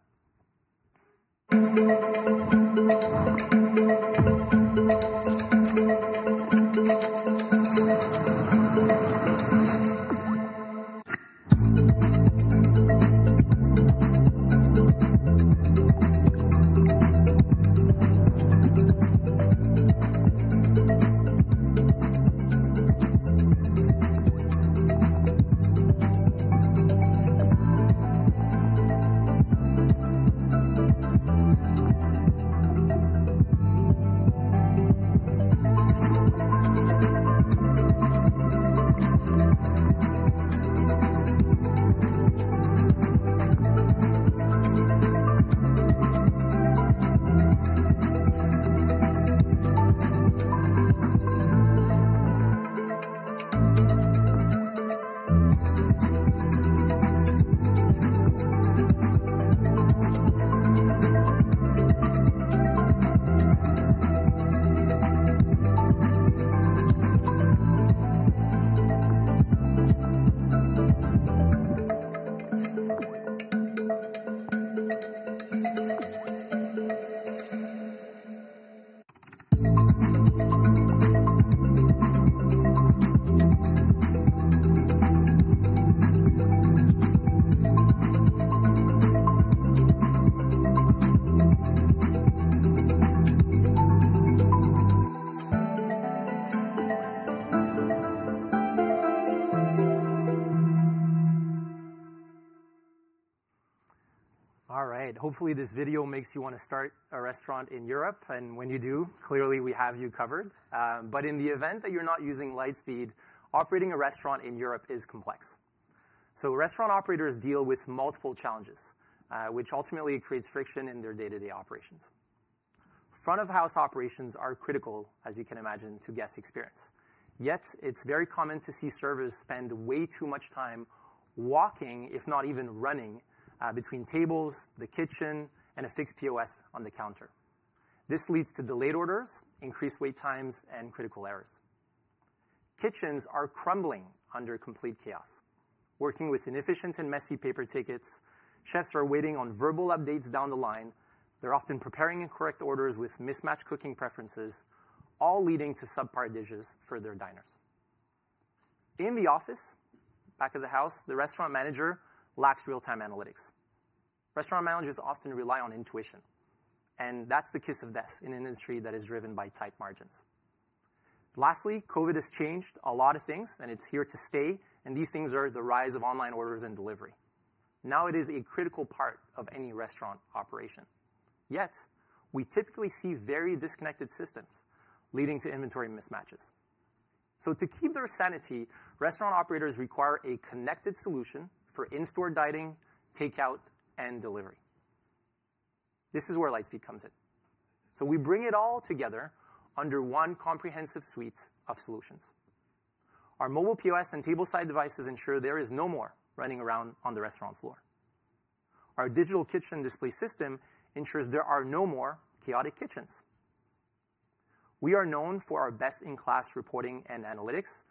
All right. Hopefully, this video makes you want to start a restaurant in Europe. When you do, clearly, we have you covered. In the event that you're not using Lightspeed, operating a restaurant in Europe is complex. Restaurant operators deal with multiple challenges, which ultimately creates friction in their day-to-day operations. Front-of-house operations are critical, as you can imagine, to guest experience. Yet, it's very common to see servers spend way too much time walking, if not even running, between tables, the kitchen, and a fixed POS on the counter. This leads to delayed orders, increased wait times, and critical errors. Kitchens are crumbling under complete chaos. Working with inefficient and messy paper tickets, chefs are waiting on verbal updates down the line. They're often preparing incorrect orders with mismatched cooking preferences, all leading to subpar dishes for their diners. In the office, back of the house, the restaurant manager lacks real-time analytics. Restaurant managers often rely on intuition. That's the kiss of death in an industry that is driven by tight margins. Lastly, COVID has changed a lot of things, and it's here to stay. These things are the rise of online orders and delivery. Now it is a critical part of any restaurant operation. Yet, we typically see very disconnected systems leading to inventory mismatches. To keep their sanity, restaurant operators require a connected solution for in-store dining, takeout, and delivery. This is where Lightspeed comes in. We bring it all together under one comprehensive suite of solutions. Our mobile POS and table-side devices ensure there is no more running around on the restaurant floor. Our digital Kitchen Display System ensures there are no more chaotic kitchens. We are known for our best-in-class reporting and analytics.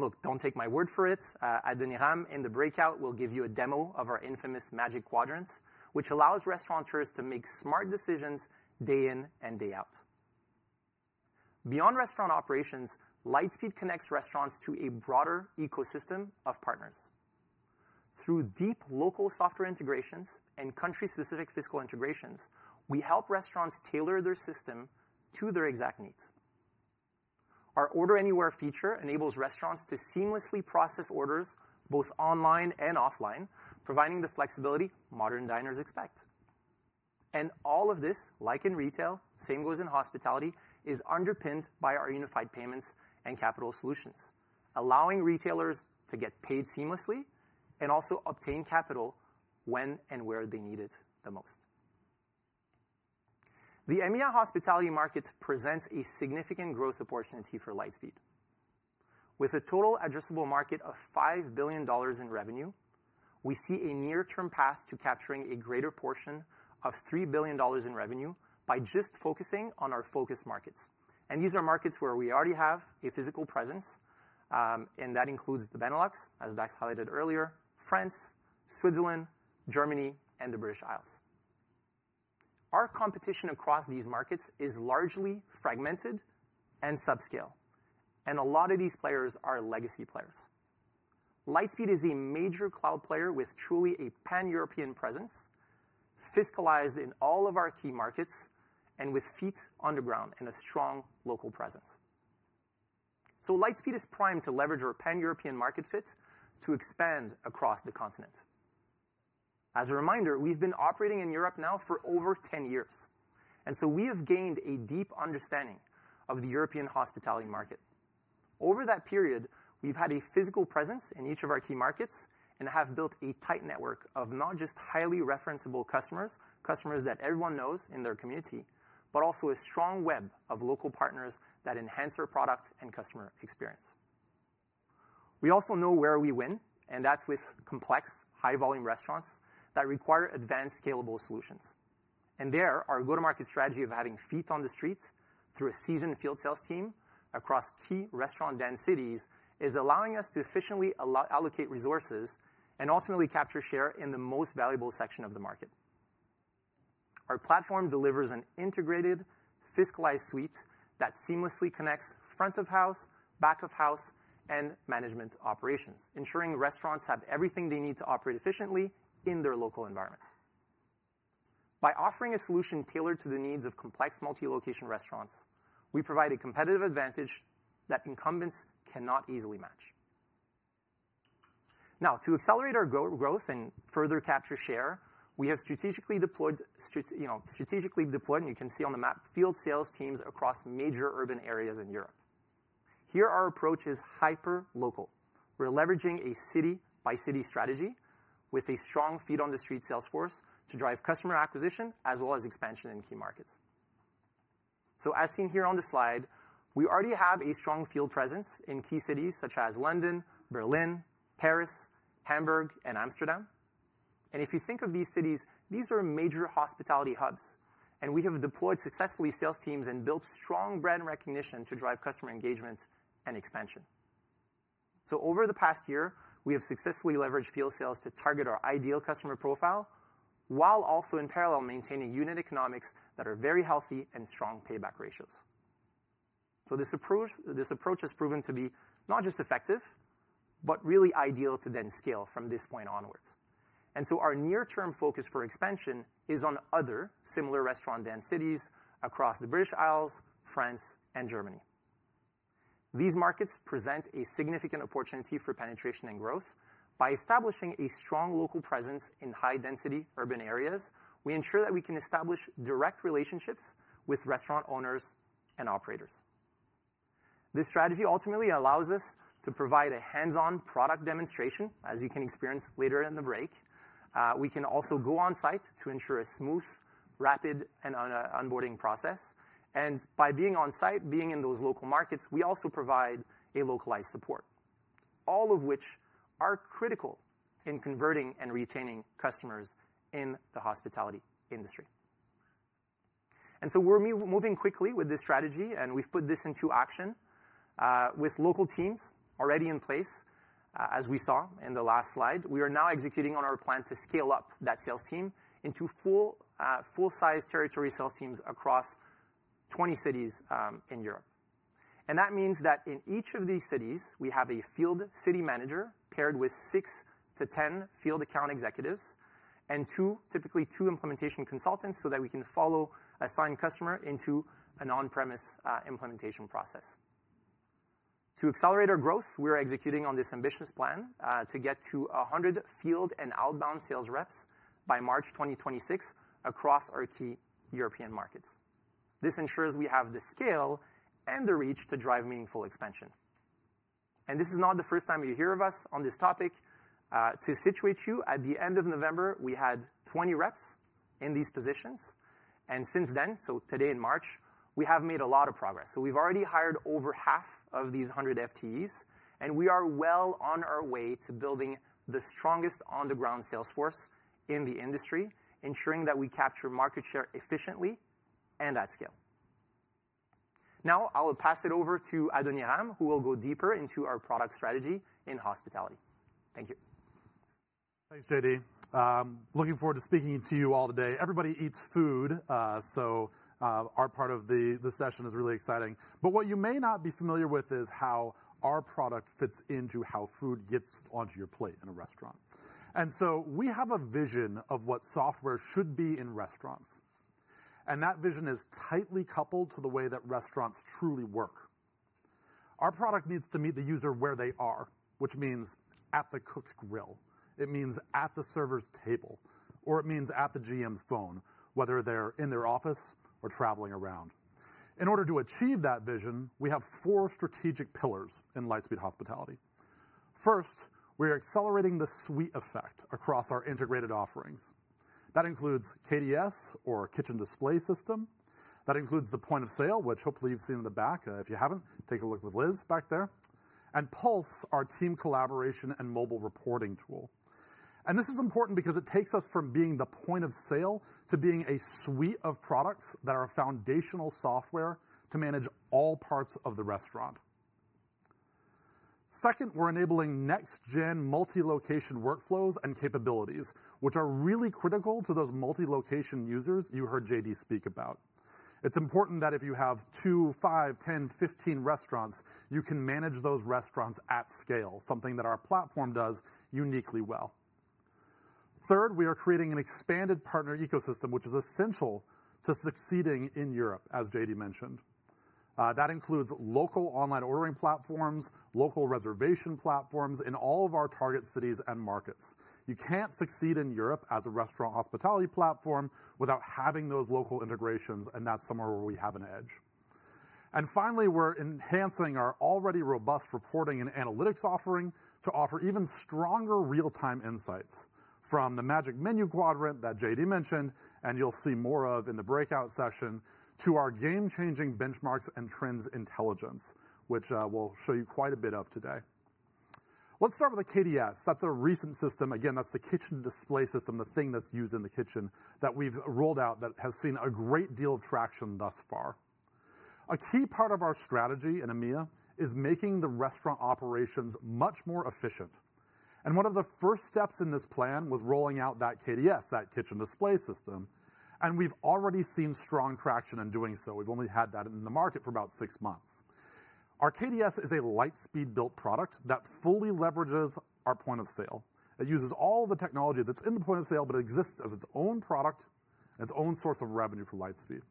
Look, do not take my word for it. Ed Nirum in the breakout will give you a demo of our infamous magic quadrant, which allows restaurateurs to make smart decisions day in and day out. Beyond restaurant operations, Lightspeed connects restaurants to a broader ecosystem of partners. Through deep local software integrations and country-specific fiscal integrations, we help restaurants tailor their system to their exact needs. Our OrderAnywhere feature enables restaurants to seamlessly process orders both online and offline, providing the flexibility modern diners expect. All of this, like in retail, same goes in hospitality, is underpinned by our unified payments and capital solutions, allowing retailers to get paid seamlessly and also obtain capital when and where they need it the most. The EMEA hospitality market presents a significant growth opportunity for Lightspeed. With a total addressable market of $5 billion in revenue, we see a near-term path to capturing a greater portion of $3 billion in revenue by just focusing on our focus markets. These are markets where we already have a physical presence. That includes the Benelux, as Dax highlighted earlier, France, Switzerland, Germany, and the British Isles. Our competition across these markets is largely fragmented and subscale. A lot of these players are legacy players. Lightspeed is a major cloud player with truly a pan-European presence, fiscalized in all of our key markets, with feet on the ground and a strong local presence. Lightspeed is primed to leverage our pan-European market fit to expand across the continent. As a reminder, we've been operating in Europe now for over 10 years. We have gained a deep understanding of the European hospitality market. Over that period, we've had a physical presence in each of our key markets and have built a tight network of not just highly referenceable customers, customers that everyone knows in their community, but also a strong web of local partners that enhance our product and customer experience. We also know where we win, and that's with complex, high-volume restaurants that require advanced, scalable solutions. Our go-to-market strategy of having feet on the street through a seasoned field sales team across key restaurant densities is allowing us to efficiently allocate resources and ultimately capture share in the most valuable section of the market. Our platform delivers an integrated, fiscalized suite that seamlessly connects front-of-house, back-of-house, and management operations, ensuring restaurants have everything they need to operate efficiently in their local environment. By offering a solution tailored to the needs of complex, multi-location restaurants, we provide a competitive advantage that incumbents cannot easily match. To accelerate our growth and further capture share, we have strategically deployed, and you can see on the map, field sales teams across major urban areas in Europe. Here, our approach is hyper-local. We're leveraging a city-by-city strategy with a strong feet-on-the-street sales force to drive customer acquisition as well as expansion in key markets. As seen here on the slide, we already have a strong field presence in key cities such as London, Berlin, Paris, Hamburg, and Amsterdam. If you think of these cities, these are major hospitality hubs. We have deployed successfully sales teams and built strong brand recognition to drive customer engagement and expansion. Over the past year, we have successfully leveraged field sales to target our ideal customer profile while also in parallel maintaining unit economics that are very healthy and strong payback ratios. This approach has proven to be not just effective, but really ideal to then scale from this point onwards. Our near-term focus for expansion is on other similar restaurant densities across the British Isles, France, and Germany. These markets present a significant opportunity for penetration and growth. By establishing a strong local presence in high-density urban areas, we ensure that we can establish direct relationships with restaurant owners and operators. This strategy ultimately allows us to provide a hands-on product demonstration, as you can experience later in the break. We can also go on-site to ensure a smooth, rapid, and onboarding process. By being on-site, being in those local markets, we also provide a localized support, all of which are critical in converting and retaining customers in the hospitality industry. We are moving quickly with this strategy, and we have put this into action with local teams already in place. As we saw in the last slide, we are now executing on our plan to scale up that sales team into full-size territory sales teams across 20 cities in Europe. That means that in each of these cities, we have a field city manager paired with 6 to 10 field account executives and typically two implementation consultants so that we can follow a signed customer into an on-premise implementation process. To accelerate our growth, we are executing on this ambitious plan to get to 100 field and outbound sales reps by March 2026 across our key European markets. This ensures we have the scale and the reach to drive meaningful expansion. This is not the first time you hear of us on this topic. To situate you, at the end of November, we had 20 reps in these positions. Since then, today in March, we have made a lot of progress. We have already hired over half of these 100 FTEs. We are well on our way to building the strongest on-the-ground sales force in the industry, ensuring that we capture market share efficiently and at scale. Now, I'll pass it over to Adoniram, who will go deeper into our product strategy in hospitality. Thank you. Thanks, JD. Looking forward to speaking to you all today. Everybody eats food, so our part of the session is really exciting. What you may not be familiar with is how our product fits into how food gets onto your plate in a restaurant. We have a vision of what software should be in restaurants. That vision is tightly coupled to the way that restaurants truly work. Our product needs to meet the user where they are, which means at the cook's grill. It means at the server's table, or it means at the GM's phone, whether they're in their office or traveling around. In order to achieve that vision, we have four strategic pillars in Lightspeed Hospitality. First, we're accelerating the suite effect across our integrated offerings. That includes KDS, or Kitchen Display System. That includes the point of sale, which hopefully you've seen in the back. If you haven't, take a look with Liz back there. Pulse, our team collaboration and mobile reporting tool. This is important because it takes us from being the point of sale to being a suite of products that are foundational software to manage all parts of the restaurant. Second, we're enabling next-gen multi-location workflows and capabilities, which are really critical to those multi-location users you heard JD speak about. It's important that if you have 2, 5, 10, 15 restaurants, you can manage those restaurants at scale, something that our platform does uniquely well. Third, we are creating an expanded partner ecosystem, which is essential to succeeding in Europe, as JD mentioned. That includes local online ordering platforms, local reservation platforms in all of our target cities and markets. You can't succeed in Europe as a restaurant hospitality platform without having those local integrations, and that's somewhere where we have an edge. Finally, we're enhancing our already robust reporting and analytics offering to offer even stronger real-time insights from the magic menu quadrant that JD mentioned, and you'll see more of in the breakout session, to our game-changing benchmarks and trends intelligence, which we'll show you quite a bit of today. Let's start with the KDS. That's a recent system. Again, that's the Kitchen Display System, the thing that's used in the kitchen that we've rolled out that has seen a great deal of traction thus far. A key part of our strategy in EMEA is making the restaurant operations much more efficient. One of the first steps in this plan was rolling out that KDS, that Kitchen Display System. We've already seen strong traction in doing so. We've only had that in the market for about six months. Our KDS is a Lightspeed-built product that fully leverages our point of sale. It uses all the technology that's in the point of sale, but it exists as its own product and its own source of revenue for Lightspeed.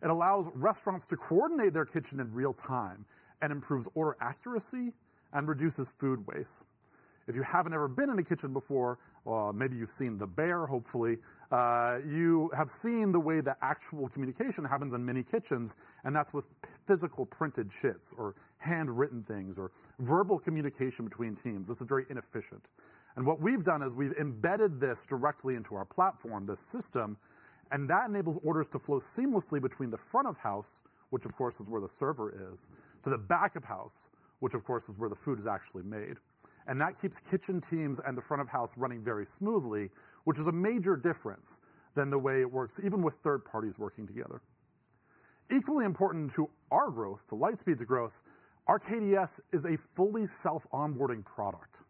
It allows restaurants to coordinate their kitchen in real time and improves order accuracy and reduces food waste. If you haven't ever been in a kitchen before, maybe you've seen The Bear, hopefully, you have seen the way that actual communication happens in many kitchens, and that's with physical printed sheets or handwritten things or verbal communication between teams. This is very inefficient. What we've done is we've embedded this directly into our platform, this system, and that enables orders to flow seamlessly between the front of house, which of course is where the server is, to the back of house, which of course is where the food is actually made. That keeps kitchen teams and the front of house running very smoothly, which is a major difference than the way it works, even with third parties working together. Equally important to our growth, to Lightspeed's growth, our KDS is a fully self-onboarding product.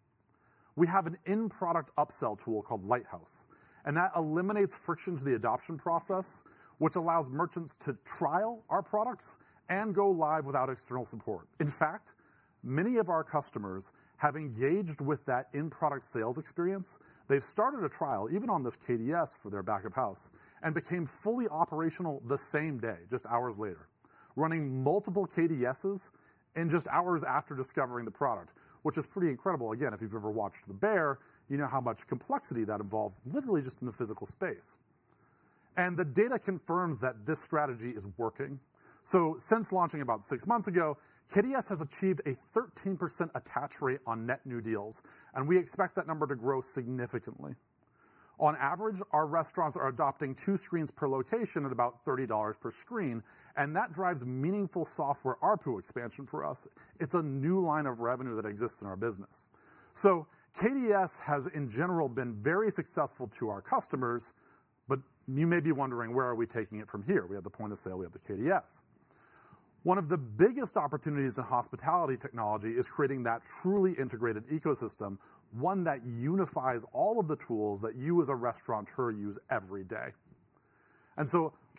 We have an in-product upsell tool called Lighthouse, and that eliminates friction to the adoption process, which allows merchants to trial our products and go live without external support. In fact, many of our customers have engaged with that in-product sales experience. They've started a trial, even on this KDS for their back of house, and became fully operational the same day, just hours later, running multiple KDSs in just hours after discovering the product, which is pretty incredible. Again, if you've ever watched The Bear, you know how much complexity that involves, literally just in the physical space. The data confirms that this strategy is working. Since launching about six months ago, KDS has achieved a 13% attach rate on net new deals, and we expect that number to grow significantly. On average, our restaurants are adopting two screens per location at about $30 per screen, and that drives meaningful software RPU expansion for us. It's a new line of revenue that exists in our business. KDS has, in general, been very successful to our customers, but you may be wondering, where are we taking it from here? We have the point of sale. We have the KDS. One of the biggest opportunities in hospitality technology is creating that truly integrated ecosystem, one that unifies all of the tools that you, as a restaurateur, use every day.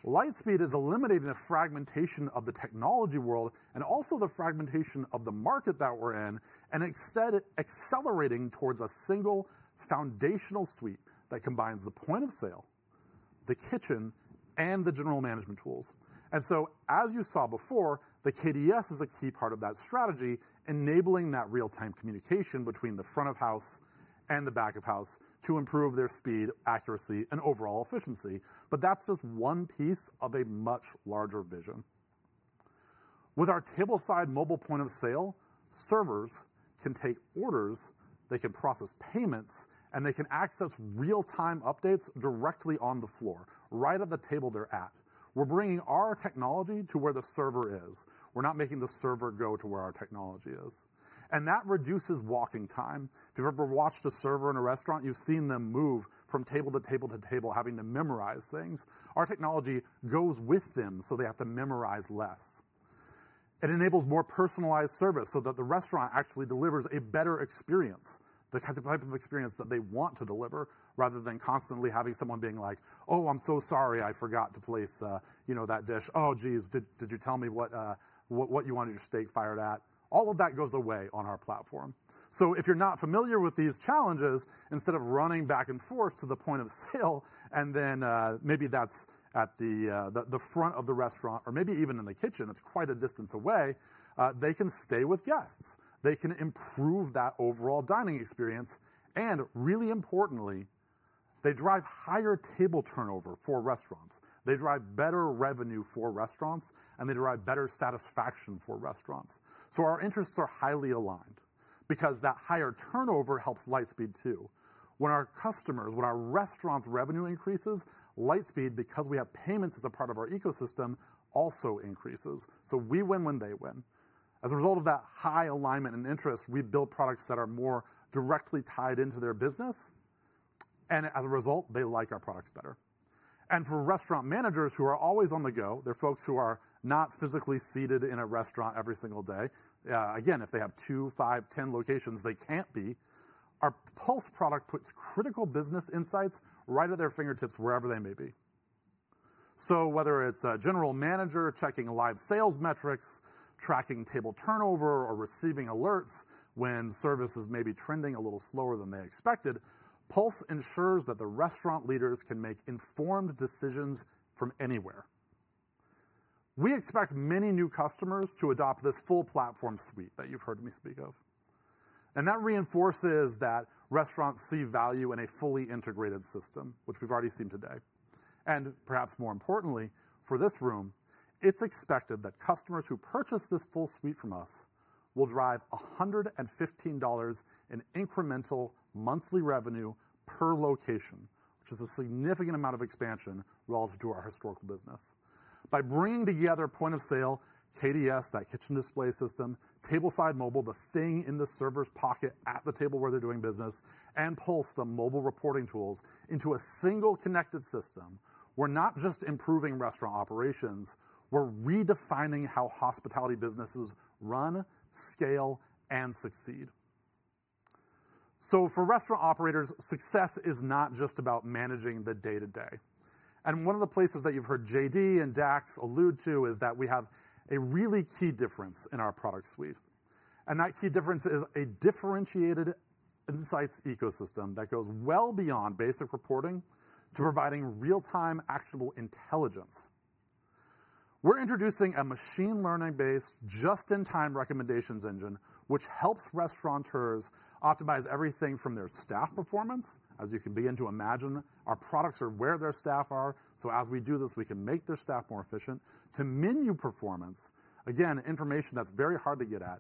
Lightspeed is eliminating the fragmentation of the technology world and also the fragmentation of the market that we're in and accelerating towards a single foundational suite that combines the point of sale, the kitchen, and the general management tools. As you saw before, the KDS is a key part of that strategy, enabling that real-time communication between the front of house and the back of house to improve their speed, accuracy, and overall efficiency. That is just one piece of a much larger vision. With our tableside mobile point of sale, servers can take orders, they can process payments, and they can access real-time updates directly on the floor, right at the table they're at. We're bringing our technology to where the server is. We're not making the server go to where our technology is. That reduces walking time. If you've ever watched a server in a restaurant, you've seen them move from table to table to table, having to memorize things. Our technology goes with them, so they have to memorize less. It enables more personalized service so that the restaurant actually delivers a better experience, the type of experience that they want to deliver, rather than constantly having someone being like, "Oh, I'm so sorry. I forgot to place that dish. Oh, geez. Did you tell me what you wanted your steak fired at?" All of that goes away on our platform. If you're not familiar with these challenges, instead of running back and forth to the point of sale, and then maybe that's at the front of the restaurant or maybe even in the kitchen, it's quite a distance away, they can stay with guests. They can improve that overall dining experience. Really importantly, they drive higher table turnover for restaurants. They drive better revenue for restaurants, and they drive better satisfaction for restaurants. Our interests are highly aligned because that higher turnover helps Lightspeed too. When our customers, when our restaurants' revenue increases, Lightspeed, because we have payments as a part of our ecosystem, also increases. We win when they win. As a result of that high alignment and interest, we build products that are more directly tied into their business. As a result, they like our products better. For restaurant managers who are always on the go, they're folks who are not physically seated in a restaurant every single day. If they have 2, 5, 10 locations, they can't be. Our Pulse product puts critical business insights right at their fingertips wherever they may be. Whether it's a general manager checking live sales metrics, tracking table turnover, or receiving alerts when services may be trending a little slower than they expected, Pulse ensures that the restaurant leaders can make informed decisions from anywhere. We expect many new customers to adopt this full platform suite that you have heard me speak of. That reinforces that restaurants see value in a fully integrated system, which we have already seen today. Perhaps more importantly, for this room, it is expected that customers who purchase this full suite from us will drive $115 in incremental monthly revenue per location, which is a significant amount of expansion relative to our historical business. By bringing together point of sale, KDS, that Kitchen Display System, tableside mobile, the thing in the server's pocket at the table where they are doing business, and Pulse, the mobile reporting tools, into a single connected system, we are not just improving restaurant operations. We are redefining how hospitality businesses run, scale, and succeed. For restaurant operators, success is not just about managing the day-to-day. One of the places that you've heard JD and Dax allude to is that we have a really key difference in our product suite. That key difference is a differentiated insights ecosystem that goes well beyond basic reporting to providing real-time actionable intelligence. We're introducing a machine learning-based just-in-time recommendations engine, which helps restaurateurs optimize everything from their staff performance, as you can begin to imagine. Our products are where their staff are. As we do this, we can make their staff more efficient, to menu performance, again, information that's very hard to get at,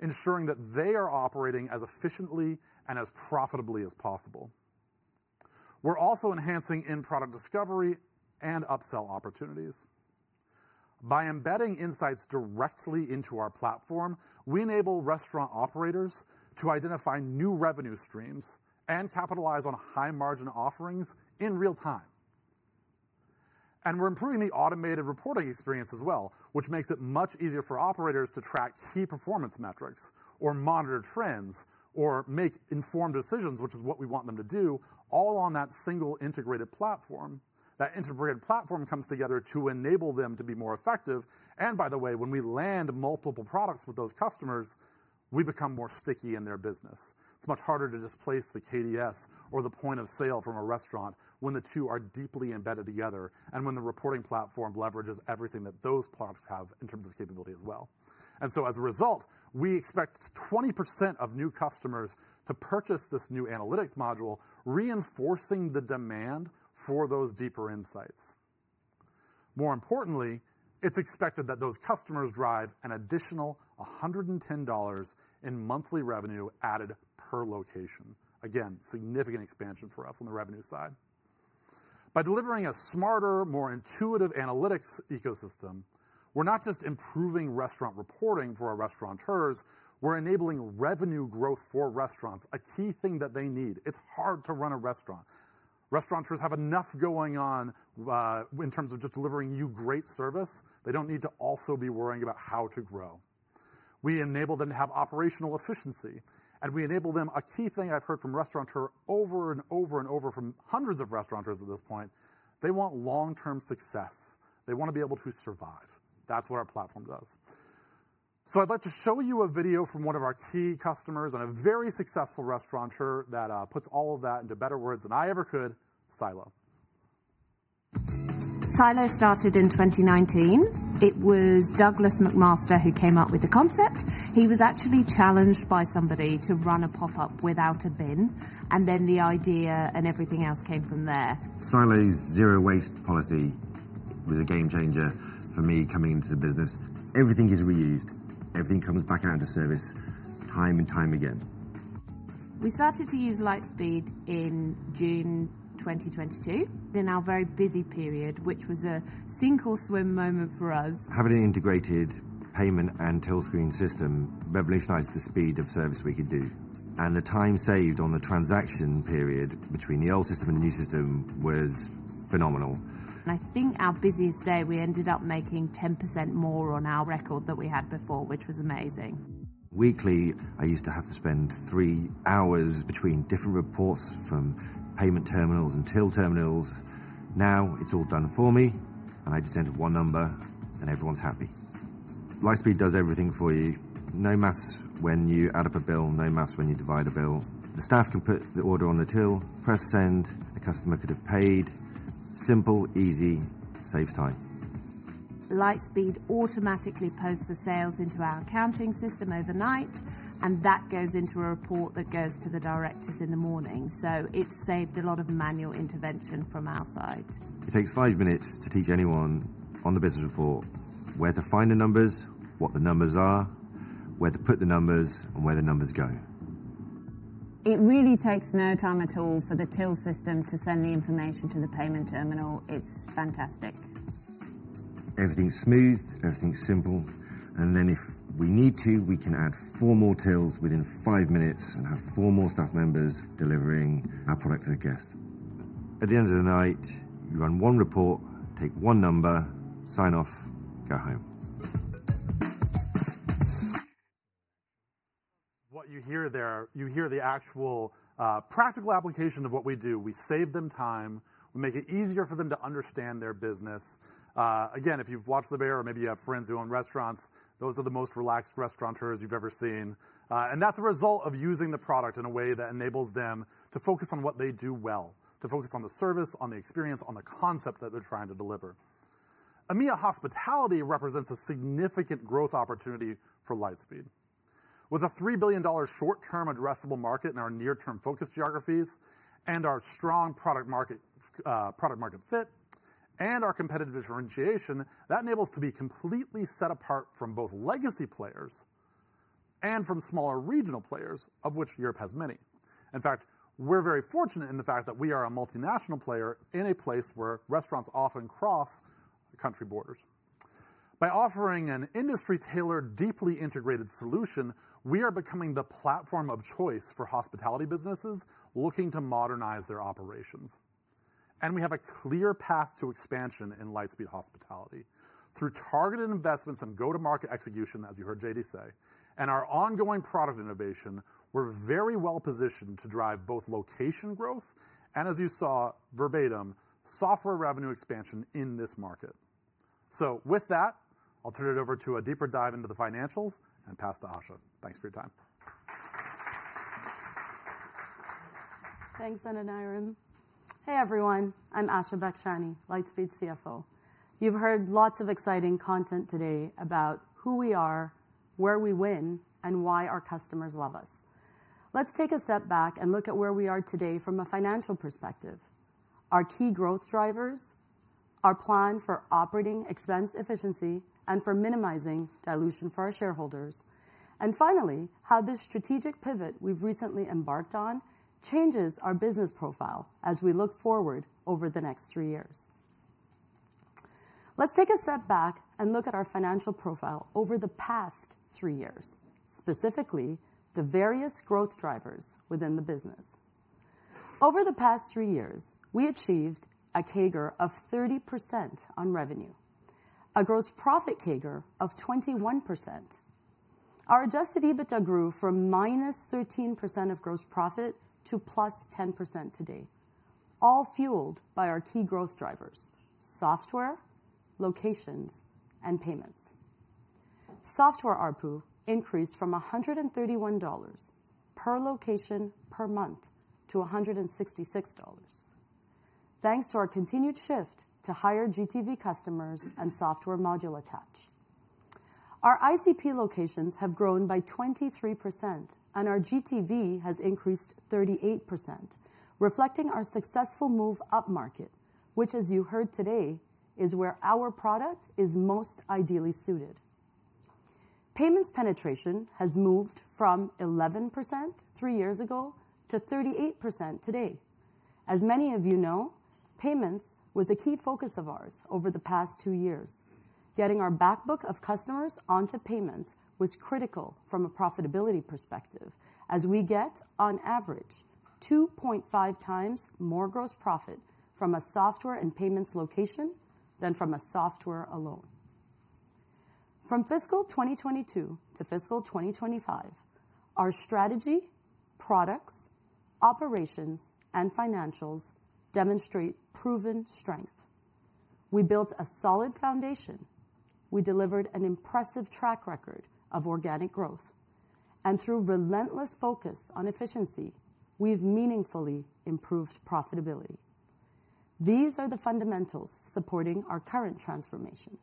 ensuring that they are operating as efficiently and as profitably as possible. We're also enhancing in-product discovery and upsell opportunities. By embedding insights directly into our platform, we enable restaurant operators to identify new revenue streams and capitalize on high-margin offerings in real time. We are improving the automated reporting experience as well, which makes it much easier for operators to track key performance metrics or monitor trends or make informed decisions, which is what we want them to do, all on that single integrated platform. That integrated platform comes together to enable them to be more effective. By the way, when we land multiple products with those customers, we become more sticky in their business. It is much harder to displace the KDS or the point of sale from a restaurant when the two are deeply embedded together and when the reporting platform leverages everything that those products have in terms of capability as well. As a result, we expect 20% of new customers to purchase this new analytics module, reinforcing the demand for those deeper insights. More importantly, it's expected that those customers drive an additional $110 in monthly revenue added per location. Again, significant expansion for us on the revenue side. By delivering a smarter, more intuitive analytics ecosystem, we're not just improving restaurant reporting for our restaurateurs. We're enabling revenue growth for restaurants, a key thing that they need. It's hard to run a restaurant. Restaurateurs have enough going on in terms of just delivering you great service. They don't need to also be worrying about how to grow. We enable them to have operational efficiency, and we enable them a key thing I've heard from restaurateurs over and over and over from hundreds of restaurateurs at this point. They want long-term success. They want to be able to survive. That's what our platform does. I'd like to show you a video from one of our key customers and a very successful restaurateur that puts all of that into better words than I ever could: Silo. Silo started in 2019. It was Douglas McMaster who came up with the concept. He was actually challenged by somebody to run a pop-up without a bin, and then the idea and everything else came from there. Silo's zero waste policy was a game changer for me coming into the business. Everything is reused. Everything comes back out into service time and time again. We started to use Lightspeed in June 2022 in our very busy period, which was a sink or swim moment for us. Having an integrated payment and tellscreen system revolutionized the speed of service we could do. The time saved on the transaction period between the old system and the new system was phenomenal. I think our busiest day, we ended up making 10% more on our record than we had before, which was amazing. Weekly, I used to have to spend three hours between different reports from payment terminals and till terminals. Now it's all done for me, and I just enter one number, and everyone's happy. Lightspeed does everything for you. No maths when you add up a bill, no maths when you divide a bill. The staff can put the order on the till, press send. A customer could have paid. Simple, easy, saves time. Lightspeed automatically posts the sales into our accounting system overnight, and that goes into a report that goes to the directors in the morning. It has saved a lot of manual intervention from our side. It takes five minutes to teach anyone on the business report where to find the numbers, what the numbers are, where to put the numbers, and where the numbers go. It really takes no time at all for the till system to send the information to the payment terminal. It's fantastic. Everything's smooth. Everything's simple. If we need to, we can add four more tills within five minutes and have four more staff members delivering our product to the guest. At the end of the night, you run one report, take one number, sign off, go home. What you hear there, you hear the actual practical application of what we do. We save them time. We make it easier for them to understand their business. Again, if you've watched The Bear or maybe you have friends who own restaurants, those are the most relaxed restaurateurs you've ever seen. That is a result of using the product in a way that enables them to focus on what they do well, to focus on the service, on the experience, on the concept that they are trying to deliver. EMEA Hospitality represents a significant growth opportunity for Lightspeed. With a $3 billion short-term addressable market in our near-term focus geographies and our strong product-market fit and our competitive differentiation, that enables us to be completely set apart from both legacy players and from smaller regional players, of which Europe has many. In fact, we are very fortunate in the fact that we are a multinational player in a place where restaurants often cross country borders. By offering an industry-tailored, deeply integrated solution, we are becoming the platform of choice for hospitality businesses looking to modernize their operations. We have a clear path to expansion in Lightspeed Hospitality through targeted investments and go-to-market execution, as you heard JD say, and our ongoing product innovation. We are very well positioned to drive both location growth and, as you saw verbatim, software revenue expansion in this market. With that, I will turn it over to a deeper dive into the financials and pass to Asha. Thanks for your time. Thanks, Zen and Iron. Hey, everyone. I am Asha Bakshani, Lightspeed CFO. You have heard lots of exciting content today about who we are, where we win, and why our customers love us. Let's take a step back and look at where we are today from a financial perspective: our key growth drivers, our plan for operating expense efficiency and for minimizing dilution for our shareholders, and finally, how this strategic pivot we've recently embarked on changes our business profile as we look forward over the next three years. Let's take a step back and look at our financial profile over the past three years, specifically the various growth drivers within the business. Over the past three years, we achieved a CAGR of 30% on revenue, a gross profit CAGR of 21%. Our adjusted EBITDA grew from minus 13% of gross profit to plus 10% today, all fueled by our key growth drivers: software, locations, and payments. Software ARPU increased from $131 per location per month to $166, thanks to our continued shift to higher GTV customers and software module attach. Our ICP locations have grown by 23%, and our GTV has increased 38%, reflecting our successful move up market, which, as you heard today, is where our product is most ideally suited. Payments penetration has moved from 11% three years ago to 38% today. As many of you know, payments was a key focus of ours over the past two years. Getting our backbook of customers onto payments was critical from a profitability perspective, as we get, on average, 2.5 times more gross profit from a software and payments location than from a software alone. From fiscal 2022 to fiscal 2025, our strategy, products, operations, and financials demonstrate proven strength. We built a solid foundation. We delivered an impressive track record of organic growth. Through relentless focus on efficiency, we've meaningfully improved profitability. These are the fundamentals supporting our current transformation.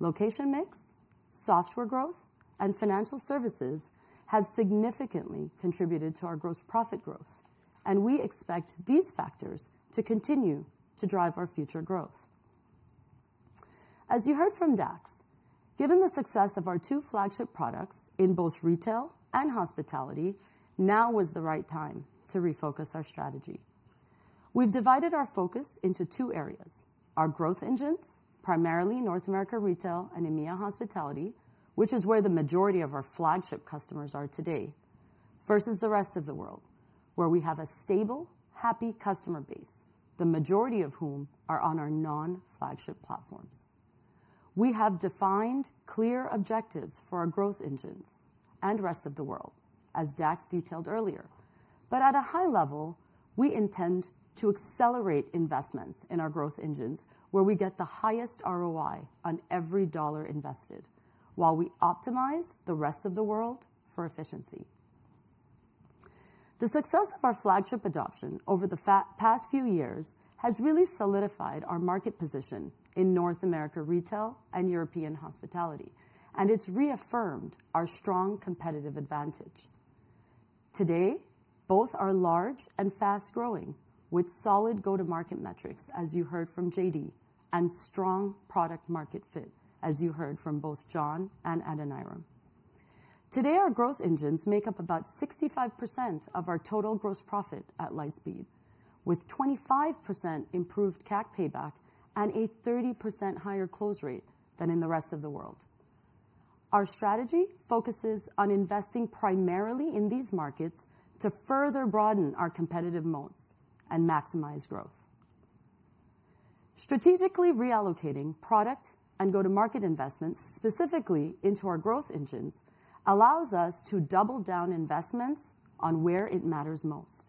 Location mix, software growth, and financial services have significantly contributed to our gross profit growth, and we expect these factors to continue to drive our future growth. As you heard from Dax, given the success of our two flagship products in both retail and hospitality, now was the right time to refocus our strategy. We've divided our focus into two areas: our growth engines, primarily North America retail and EMEA Hospitality, which is where the majority of our flagship customers are today, versus the rest of the world, where we have a stable, happy customer base, the majority of whom are on our non-flagship platforms. We have defined, clear objectives for our growth engines and rest of the world, as Dax detailed earlier. At a high level, we intend to accelerate investments in our growth engines where we get the highest ROI on every dollar invested, while we optimize the rest of the world for efficiency. The success of our flagship adoption over the past few years has really solidified our market position in North America retail and European hospitality, and it's reaffirmed our strong competitive advantage. Today, both are large and fast-growing with solid go-to-market metrics, as you heard from JD, and strong product-market fit, as you heard from both John and Adoniram. Today, our growth engines make up about 65% of our total gross profit at Lightspeed, with 25% improved CAC payback and a 30% higher close rate than in the rest of the world. Our strategy focuses on investing primarily in these markets to further broaden our competitive moats and maximize growth. Strategically reallocating product and go-to-market investments specifically into our growth engines allows us to double down investments on where it matters most,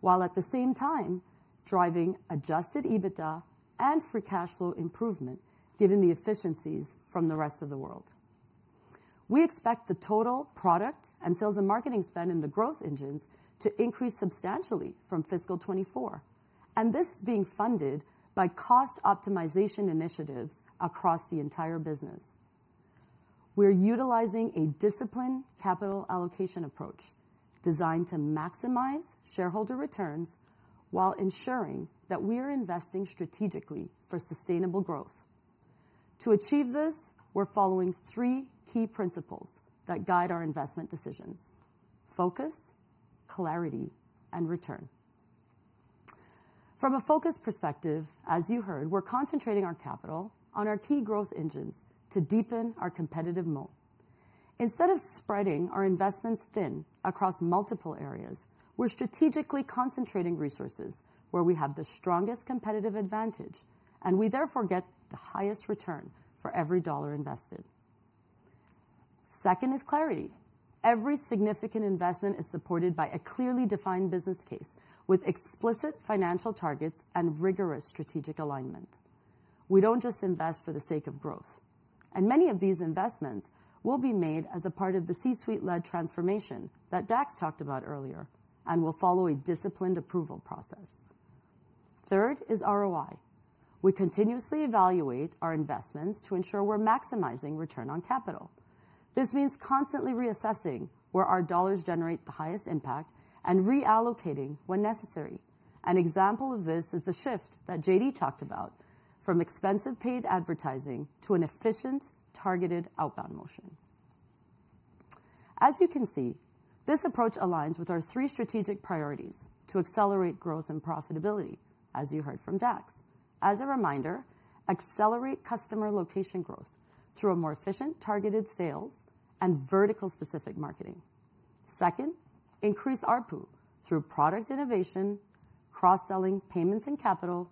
while at the same time driving adjusted EBITDA and free cash flow improvement given the efficiencies from the rest of the world. We expect the total product and sales and marketing spend in the growth engines to increase substantially from fiscal 2024, and this is being funded by cost optimization initiatives across the entire business. We're utilizing a disciplined capital allocation approach designed to maximize shareholder returns while ensuring that we are investing strategically for sustainable growth. To achieve this, we're following three key principles that guide our investment decisions: focus, clarity, and return. From a focus perspective, as you heard, we're concentrating our capital on our key growth engines to deepen our competitive moat. Instead of spreading our investments thin across multiple areas, we're strategically concentrating resources where we have the strongest competitive advantage, and we therefore get the highest return for every dollar invested. Second is clarity. Every significant investment is supported by a clearly defined business case with explicit financial targets and rigorous strategic alignment. We don't just invest for the sake of growth, and many of these investments will be made as a part of the C-suite-led transformation that Dax talked about earlier and will follow a disciplined approval process. Third is ROI. We continuously evaluate our investments to ensure we're maximizing return on capital. This means constantly reassessing where our dollars generate the highest impact and reallocating when necessary. An example of this is the shift that JD talked about from expensive paid advertising to an efficient, targeted outbound motion. As you can see, this approach aligns with our three strategic priorities to accelerate growth and profitability, as you heard from Dax. As a reminder, accelerate customer location growth through a more efficient, targeted sales and vertical-specific marketing. Second, increase ARPU through product innovation, cross-selling payments and capital,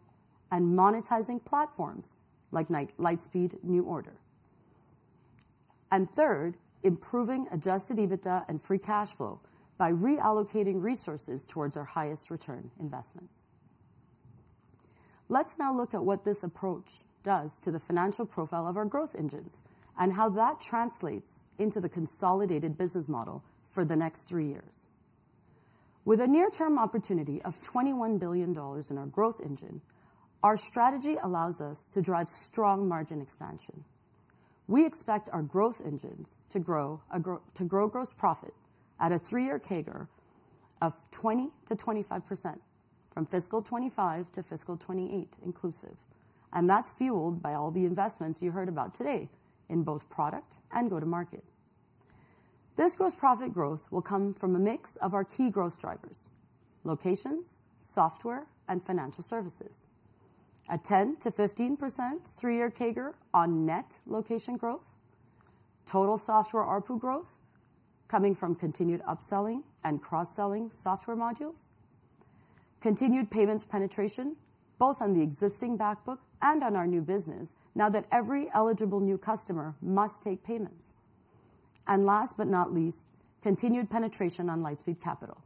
and monetizing platforms like Lightspeed New Order. Third, improving adjusted EBITDA and free cash flow by reallocating resources towards our highest return investments. Let's now look at what this approach does to the financial profile of our growth engines and how that translates into the consolidated business model for the next three years. With a near-term opportunity of $21 billion in our growth engine, our strategy allows us to drive strong margin expansion. We expect our growth engines to grow gross profit at a three-year CAGR of 20%-25% from fiscal 2025 to fiscal 2028 inclusive. That is fueled by all the investments you heard about today in both product and go-to-market. This gross profit growth will come from a mix of our key growth drivers: locations, software, and financial services. A 10%-15% three-year CAGR on net location growth, total software ARPU growth coming from continued upselling and cross-selling software modules, continued payments penetration both on the existing backbook and on our new business now that every eligible new customer must take payments, and last but not least, continued penetration on Lightspeed Capital.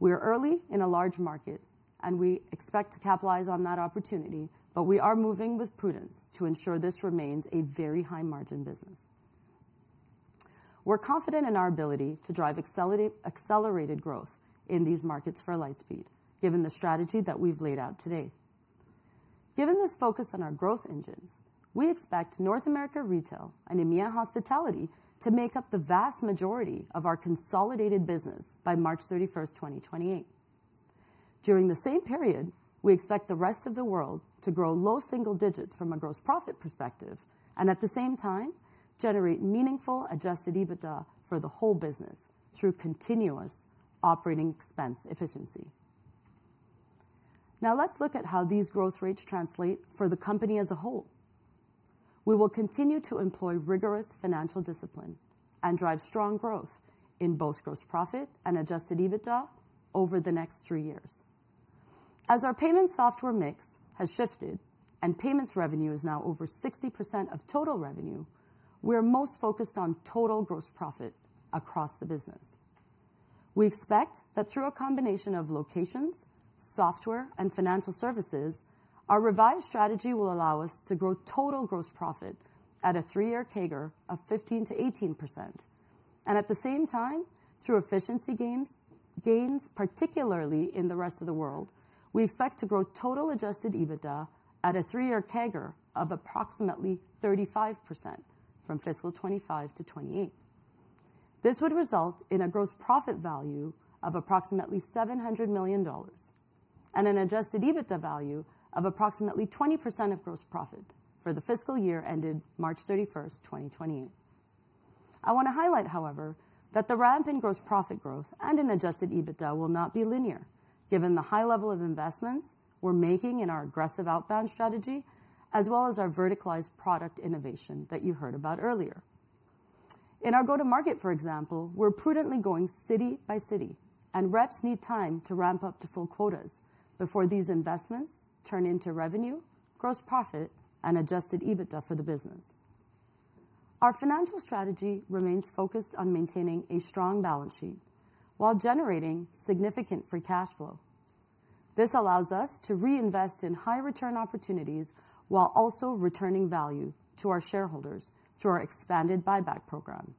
We are early in a large market, and we expect to capitalize on that opportunity, but we are moving with prudence to ensure this remains a very high-margin business. We are confident in our ability to drive accelerated growth in these markets for Lightspeed, given the strategy that we have laid out today. Given this focus on our growth engines, we expect North America retail and EMEA Hospitality to make up the vast majority of our consolidated business by March 31, 2028. During the same period, we expect the rest of the world to grow low single digits from a gross profit perspective and, at the same time, generate meaningful adjusted EBITDA for the whole business through continuous operating expense efficiency. Now, let's look at how these growth rates translate for the company as a whole. We will continue to employ rigorous financial discipline and drive strong growth in both gross profit and adjusted EBITDA over the next three years. As our payments software mix has shifted and payments revenue is now over 60% of total revenue, we are most focused on total gross profit across the business. We expect that through a combination of locations, software, and financial services, our revised strategy will allow us to grow total gross profit at a three-year CAGR of 15%-18%. At the same time, through efficiency gains, particularly in the rest of the world, we expect to grow total adjusted EBITDA at a three-year CAGR of approximately 35% from fiscal 2025 to 2028. This would result in a gross profit value of approximately $700 million and an adjusted EBITDA value of approximately 20% of gross profit for the fiscal year ended March 31, 2028. I want to highlight, however, that the ramp in gross profit growth and in adjusted EBITDA will not be linear, given the high level of investments we're making in our aggressive outbound strategy, as well as our verticalized product innovation that you heard about earlier. In our go-to-market, for example, we're prudently going city by city, and reps need time to ramp up to full quotas before these investments turn into revenue, gross profit, and adjusted EBITDA for the business. Our financial strategy remains focused on maintaining a strong balance sheet while generating significant free cash flow. This allows us to reinvest in high-return opportunities while also returning value to our shareholders through our expanded buyback program.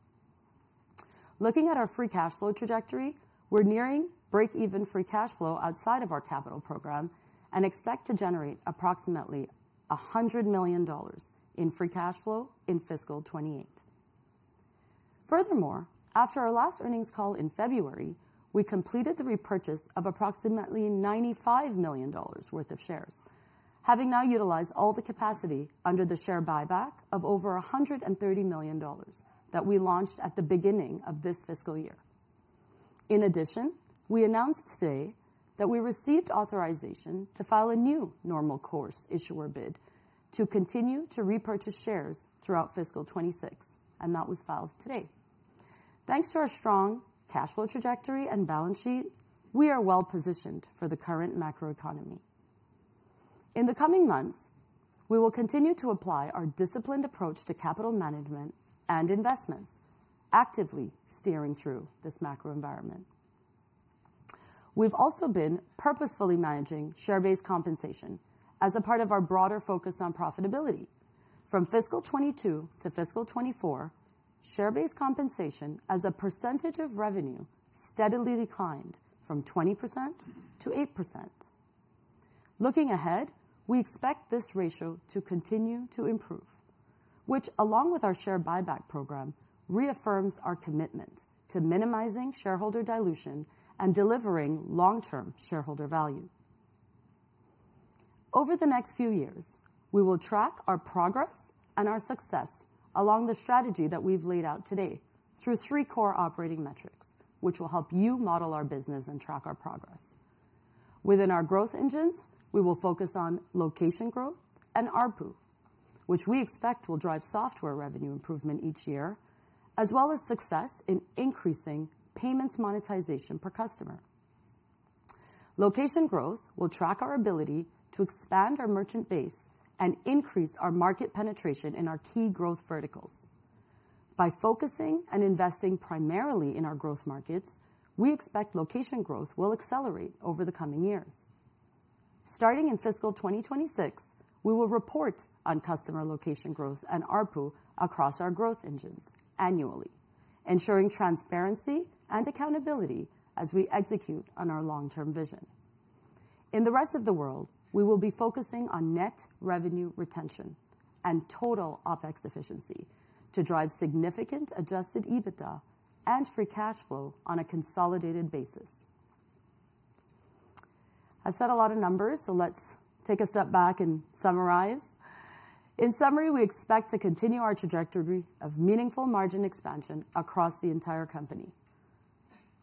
Looking at our free cash flow trajectory, we're nearing break-even free cash flow outside of our capital program and expect to generate approximately $100 million in free cash flow in fiscal 2028. Furthermore, after our last earnings call in February, we completed the repurchase of approximately $95 million worth of shares, having now utilized all the capacity under the share buyback of over $130 million that we launched at the beginning of this fiscal year. In addition, we announced today that we received authorization to file a new normal course issuer bid to continue to repurchase shares throughout fiscal 2026, and that was filed today. Thanks to our strong cash flow trajectory and balance sheet, we are well positioned for the current macroeconomy. In the coming months, we will continue to apply our disciplined approach to capital management and investments, actively steering through this macro environment. We've also been purposefully managing share-based compensation as a part of our broader focus on profitability. From fiscal 2022 to fiscal 2024, share-based compensation as a percentage of revenue steadily declined from 20% to 8%. Looking ahead, we expect this ratio to continue to improve, which, along with our share buyback program, reaffirms our commitment to minimizing shareholder dilution and delivering long-term shareholder value. Over the next few years, we will track our progress and our success along the strategy that we've laid out today through three core operating metrics, which will help you model our business and track our progress. Within our growth engines, we will focus on location growth and ARPU, which we expect will drive software revenue improvement each year, as well as success in increasing payments monetization per customer. Location growth will track our ability to expand our merchant base and increase our market penetration in our key growth verticals. By focusing and investing primarily in our growth markets, we expect location growth will accelerate over the coming years. Starting in fiscal 2026, we will report on customer location growth and ARPU across our growth engines annually, ensuring transparency and accountability as we execute on our long-term vision. In the rest of the world, we will be focusing on net revenue retention and total OPEX efficiency to drive significant adjusted EBITDA and free cash flow on a consolidated basis. I've said a lot of numbers, so let's take a step back and summarize. In summary, we expect to continue our trajectory of meaningful margin expansion across the entire company.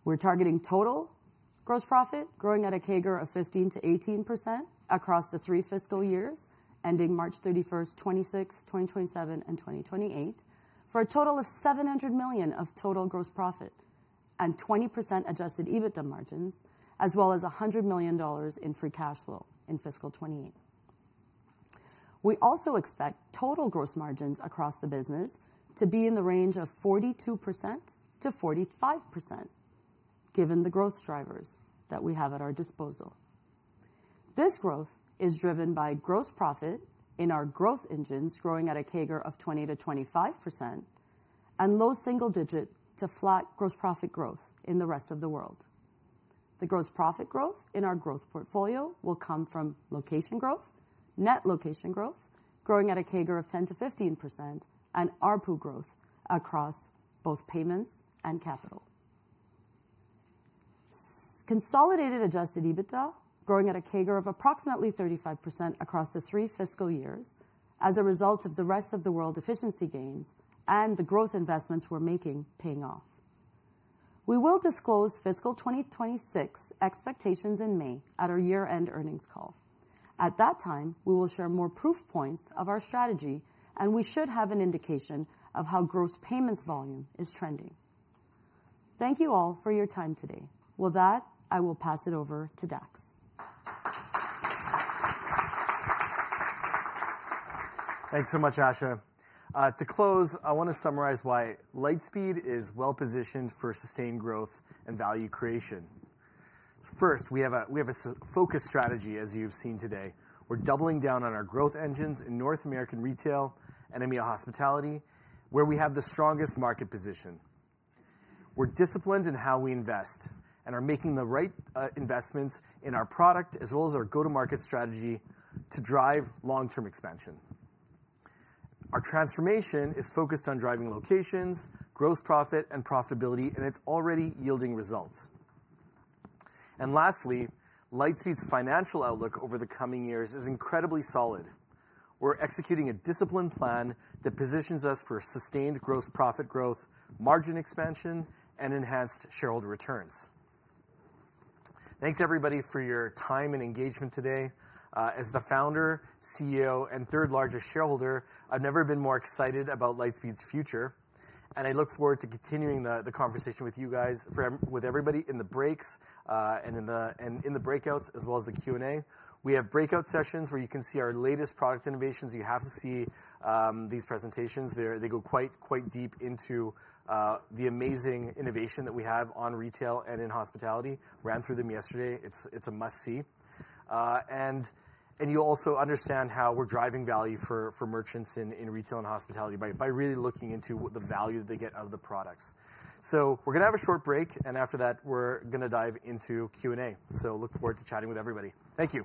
We're targeting total gross profit growing at a CAGR of 15%-18% across the three fiscal years ending March 31, 2026, 2027, and 2028 for a total of $700 million of total gross profit and 20% adjusted EBITDA margins, as well as $100 million in free cash flow in fiscal 2028. We also expect total gross margins across the business to be in the range of 42%-45%, given the growth drivers that we have at our disposal. This growth is driven by gross profit in our growth engines growing at a CAGR of 20%-25% and low single digit to flat gross profit growth in the rest of the world. The gross profit growth in our growth portfolio will come from location growth, net location growth growing at a CAGR of 10%-15%, and ARPU growth across both payments and capital. Consolidated adjusted EBITDA growing at a CAGR of approximately 35% across the three fiscal years as a result of the rest of the world efficiency gains and the growth investments we're making paying off. We will disclose fiscal 2026 expectations in May at our year-end earnings call. At that time, we will share more proof points of our strategy, and we should have an indication of how gross payments volume is trending. Thank you all for your time today. With that, I will pass it over to Dax. Thanks so much, Asha. To close, I want to summarize why Lightspeed is well positioned for sustained growth and value creation. First, we have a focused strategy, as you've seen today. We're doubling down on our growth engines in North American retail and EMEA Hospitality, where we have the strongest market position. We're disciplined in how we invest and are making the right investments in our product as well as our go-to-market strategy to drive long-term expansion. Our transformation is focused on driving locations, gross profit, and profitability, and it's already yielding results. Lastly, Lightspeed's financial outlook over the coming years is incredibly solid. We're executing a disciplined plan that positions us for sustained gross profit growth, margin expansion, and enhanced shareholder returns. Thanks, everybody, for your time and engagement today. As the founder, CEO, and third-largest shareholder, I've never been more excited about Lightspeed's future, and I look forward to continuing the conversation with you guys, with everybody in the breaks and in the breakouts, as well as the Q&A. We have breakout sessions where you can see our latest product innovations. You have to see these presentations. They go quite deep into the amazing innovation that we have on retail and in hospitality. Ran through them yesterday. It's a must-see. You will also understand how we're driving value for merchants in retail and hospitality by really looking into the value that they get out of the products. We are going to have a short break, and after that, we are going to dive into Q&A. I look forward to chatting with everybody. Thank you.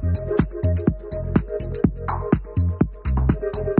Okay, I'll let everybody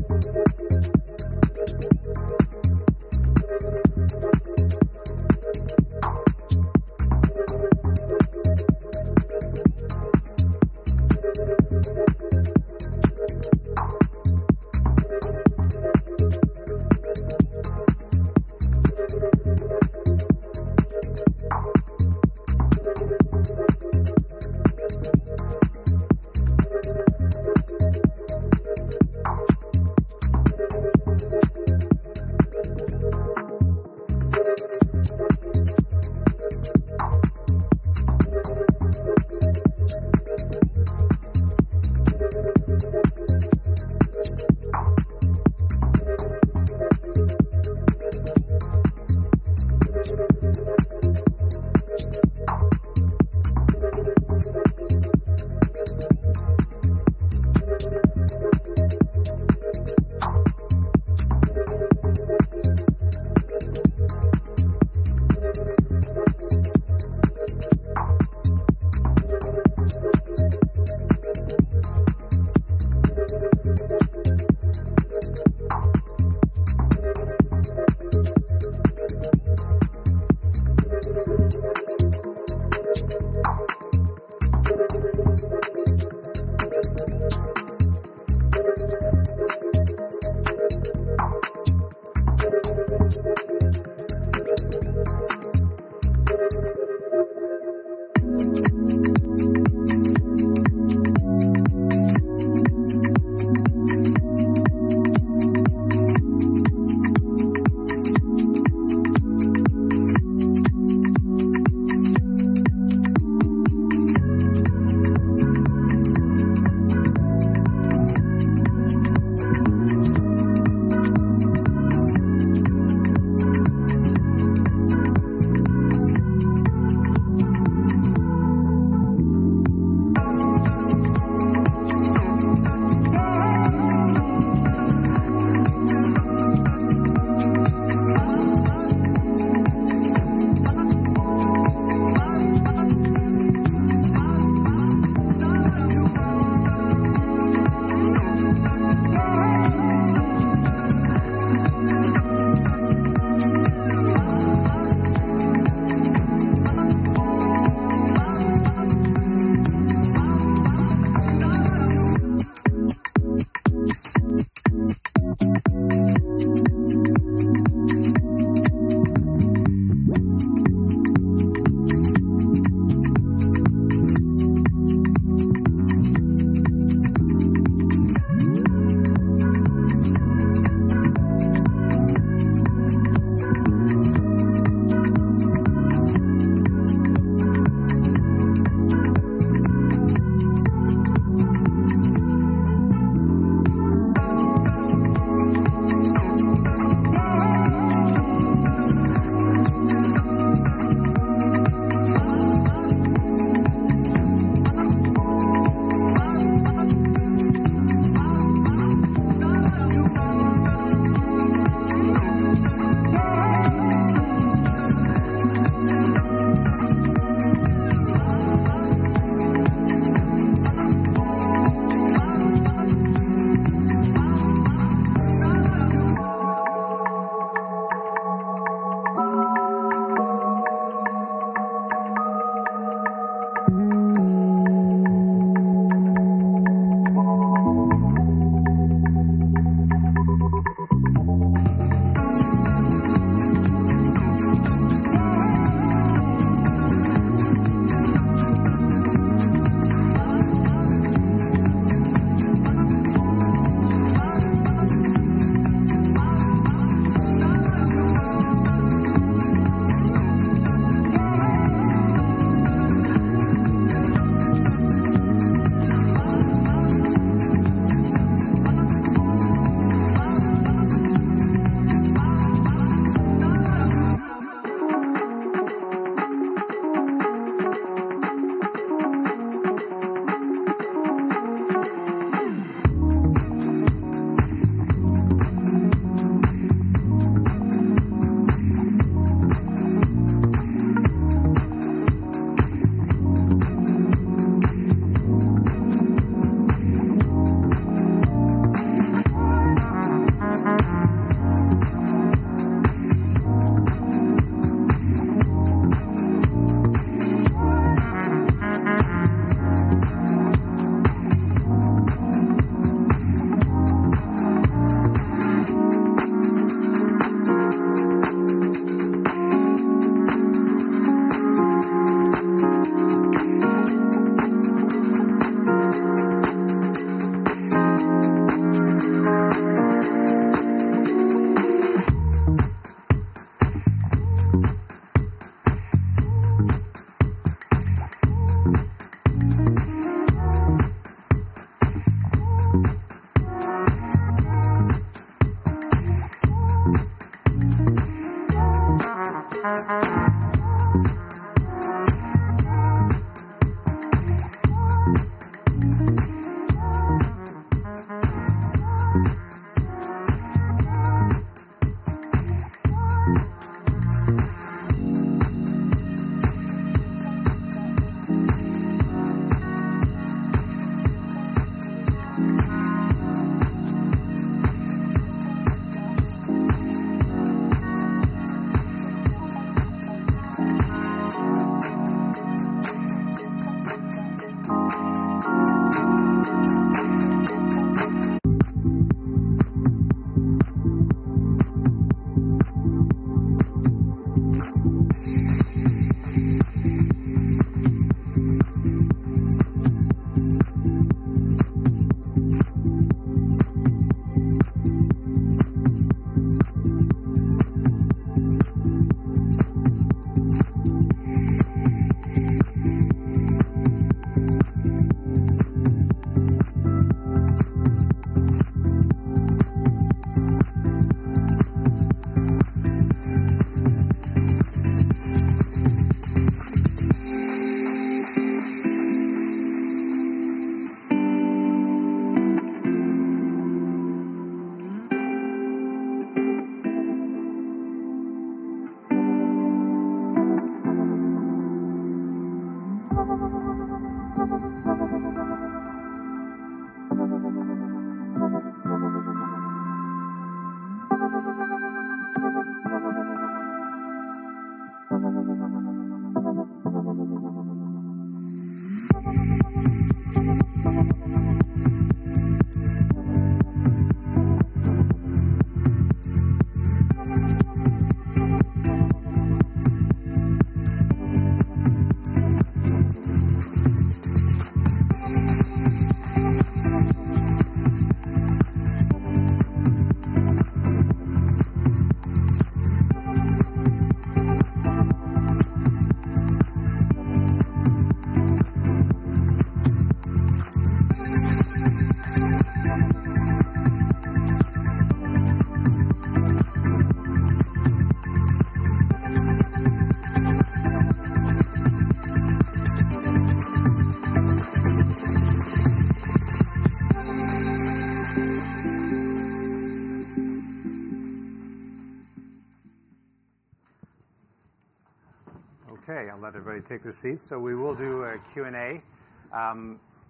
take their seats. We will do a Q&A.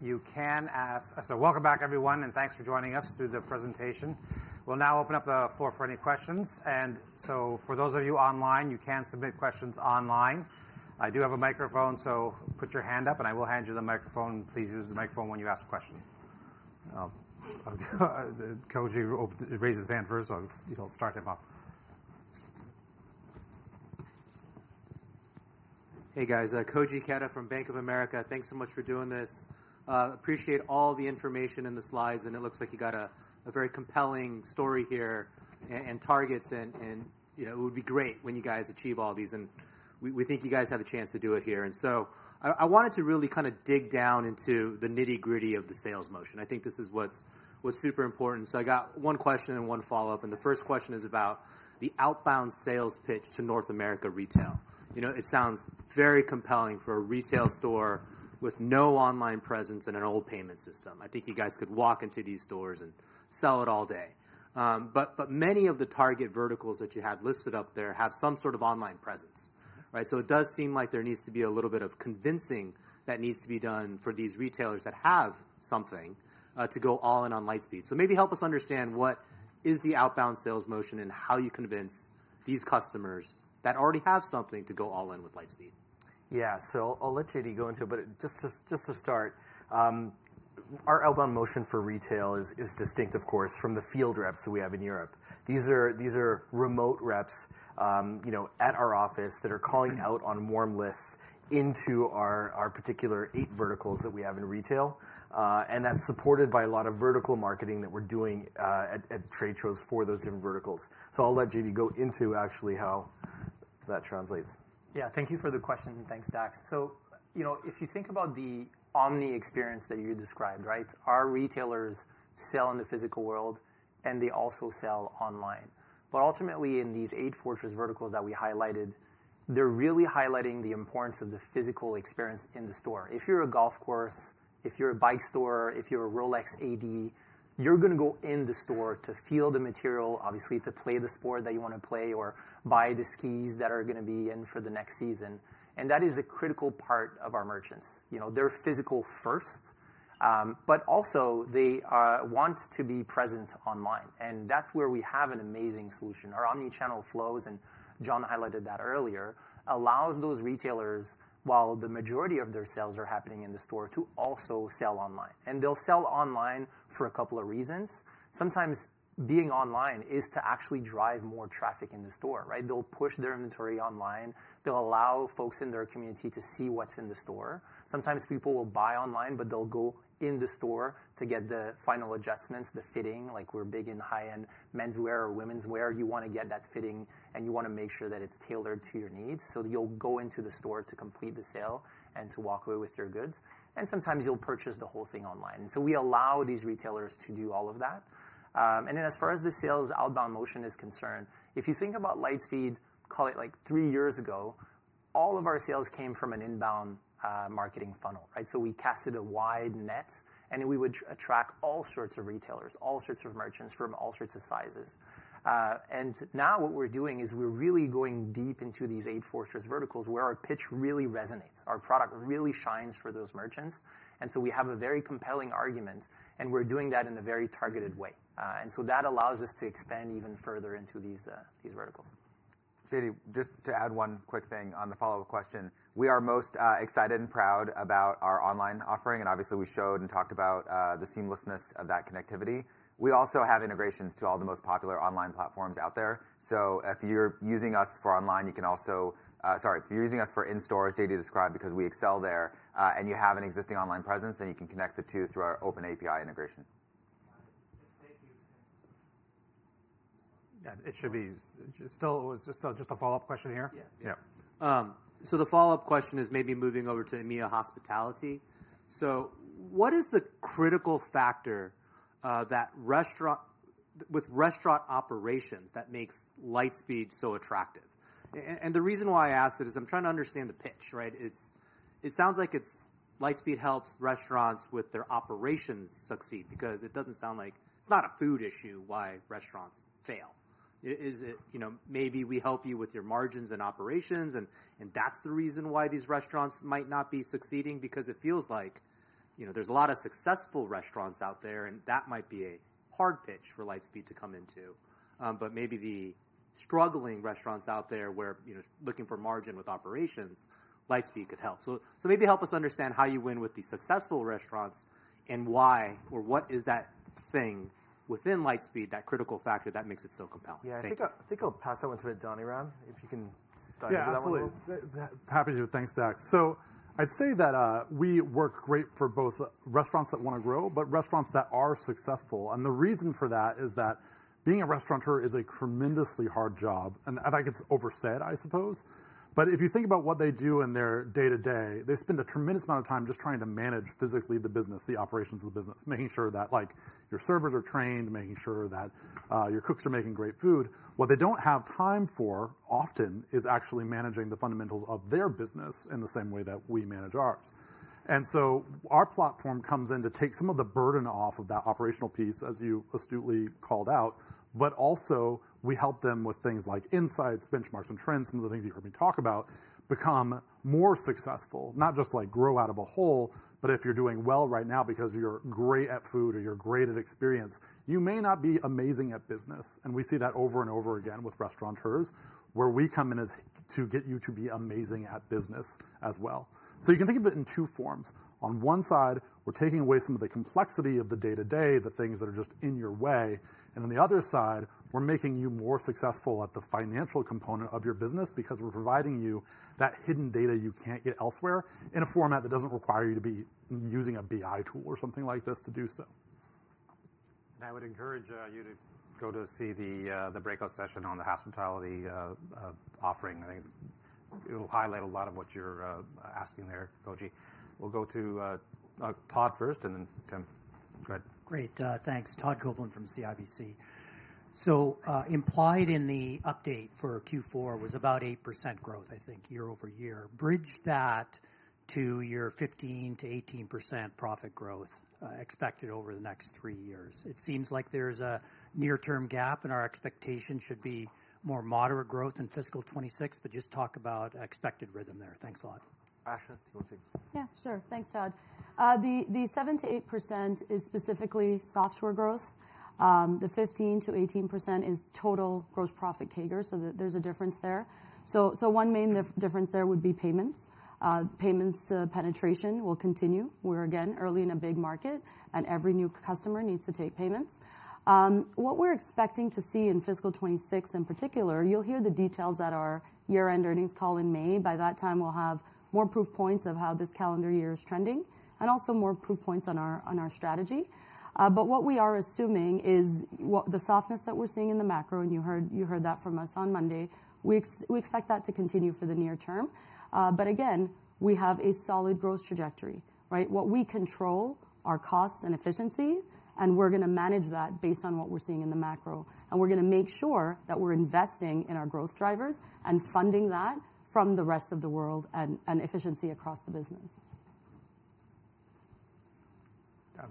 You can ask—welcome back, everyone, and thanks for joining us through the presentation. We'll now open up the floor for any questions. For those of you online, you can submit questions online. I do have a microphone, so put your hand up, and I will hand you the microphone. Please use the microphone when you ask a question. Koji raised his hand first, so I'll start him off. Hey, guys. Koji Ikeda from Bank of America. Thanks so much for doing this. Appreciate all the information in the slides, and it looks like you got a very compelling story here and targets. It would be great when you guys achieve all these, and we think you guys have a chance to do it here. I wanted to really kind of dig down into the nitty-gritty of the sales motion. I think this is what's super important. I got one question and one follow-up. The first question is about the outbound sales pitch to North America retail. It sounds very compelling for a retail store with no online presence and an old payment system. I think you guys could walk into these stores and sell it all day. Many of the target verticals that you have listed up there have some sort of online presence, right? It does seem like there needs to be a little bit of convincing that needs to be done for these retailers that have something to go all in on Lightspeed. Maybe help us understand what is the outbound sales motion and how you convince these customers that already have something to go all in with Lightspeed. Yeah, I'll let JD go into it. Just to start, our outbound motion for retail is distinct, of course, from the field reps that we have in Europe. These are remote reps at our office that are calling out on warm lists into our particular eight verticals that we have in retail. That is supported by a lot of vertical marketing that we are doing at trade shows for those different verticals. I will let JD go into actually how that translates. Yeah, thank you for the question, and thanks, Dax. If you think about the omni experience that you described, right, our retailers sell in the physical world, and they also sell online. Ultimately, in these eight fortress verticals that we highlighted, they are really highlighting the importance of the physical experience in the store. If you're a golf course, if you're a bike store, if you're a Rolex AD, you're going to go in the store to feel the material, obviously to play the sport that you want to play, or buy the skis that are going to be in for the next season. That is a critical part of our merchants. They're physical first, but also they want to be present online. That is where we have an amazing solution. Our omnichannel flows, and John highlighted that earlier, allows those retailers, while the majority of their sales are happening in the store, to also sell online. They'll sell online for a couple of reasons. Sometimes being online is to actually drive more traffic in the store, right? They'll push their inventory online. They'll allow folks in their community to see what's in the store. Sometimes people will buy online, but they'll go in the store to get the final adjustments, the fitting. Like we're big in high-end menswear or women's wear. You want to get that fitting, and you want to make sure that it's tailored to your needs. You go into the store to complete the sale and to walk away with your goods. Sometimes you'll purchase the whole thing online. We allow these retailers to do all of that. As far as the sales outbound motion is concerned, if you think about Lightspeed, call it like three years ago, all of our sales came from an inbound marketing funnel, right? We casted a wide net, and we would attract all sorts of retailers, all sorts of merchants from all sorts of sizes. Now what we're doing is we're really going deep into these eight fortress verticals where our pitch really resonates. Our product really shines for those merchants. We have a very compelling argument, and we're doing that in a very targeted way. That allows us to expand even further into these verticals. JD, just to add one quick thing on the follow-up question. We are most excited and proud about our online offering. Obviously, we showed and talked about the seamlessness of that connectivity. We also have integrations to all the most popular online platforms out there. If you're using us for online, you can also—sorry, if you're using us for in-store, as JD described, because we excel there, and you have an existing online presence, then you can connect the two through our open API integration. Yeah, it should be still—it was still just a follow-up question here? Yeah. The follow-up question is maybe moving over to EMEA hospitality. What is the critical factor with restaurant operations that makes Lightspeed so attractive? The reason why I asked it is I'm trying to understand the pitch, right? It sounds like Lightspeed helps restaurants with their operations succeed because it doesn't sound like it's not a food issue why restaurants fail. Is it maybe we help you with your margins and operations, and that's the reason why these restaurants might not be succeeding? It feels like there's a lot of successful restaurants out there, and that might be a hard pitch for Lightspeed to come into. Maybe the struggling restaurants out there where looking for margin with operations, Lightspeed could help. Maybe help us understand how you win with the successful restaurants and why, or what is that thing within Lightspeed, that critical factor that makes it so compelling? I think I'll pass that one to Donnie, if you can dive into that one. Yeah, absolutely. Happy to. Thanks, Dax. I'd say that we work great for both restaurants that want to grow, but restaurants that are successful. The reason for that is that being a restaurateur is a tremendously hard job. I think it's over said, I suppose. If you think about what they do in their day-to-day, they spend a tremendous amount of time just trying to manage physically the business, the operations of the business, making sure that your servers are trained, making sure that your cooks are making great food. What they don't have time for often is actually managing the fundamentals of their business in the same way that we manage ours. Our platform comes in to take some of the burden off of that operational piece, as you astutely called out. We help them with things like insights, benchmarks, and trends, some of the things you heard me talk about, become more successful, not just like grow out of a hole. If you're doing well right now because you're great at food or you're great at experience, you may not be amazing at business. We see that over and over again with restaurateurs, where we come in to get you to be amazing at business as well. You can think of it in two forms. On one side, we're taking away some of the complexity of the day-to-day, the things that are just in your way. On the other side, we're making you more successful at the financial component of your business because we're providing you that hidden data you can't get elsewhere in a format that doesn't require you to be using a BI tool or something like this to do so. I would encourage you to go to see the breakout session on the hospitality offering. I think it'll highlight a lot of what you're asking there, Koji. We'll go to Todd first, and then Tim. Go ahead. Great. Thanks. Todd Coupland from CIBC. Implied in the update for Q4 was about 8% growth, I think, year over year. Bridge that to your 15%-18% profit growth expected over the next three years. It seems like there's a near-term gap, and our expectation should be more moderate growth in fiscal 2026, but just talk about expected rhythm there. Thanks a lot. Asha, do you want to take this one? Yeah, sure. Thanks, Todd. The 7%-8% is specifically software growth. The 15%-18% is total gross profit CAGR. There is a difference there. One main difference there would be payments. Payments penetration will continue. We're again early in a big market, and every new customer needs to take payments. What we're expecting to see in fiscal 2026 in particular, you'll hear the details at our year-end earnings call in May. By that time, we'll have more proof points of how this calendar year is trending, and also more proof points on our strategy. What we are assuming is the softness that we're seeing in the macro, and you heard that from us on Monday. We expect that to continue for the near term. Again, we have a solid growth trajectory, right? What we control are cost and efficiency, and we're going to manage that based on what we're seeing in the macro. We're going to make sure that we're investing in our growth drivers and funding that from the rest of the world and efficiency across the business.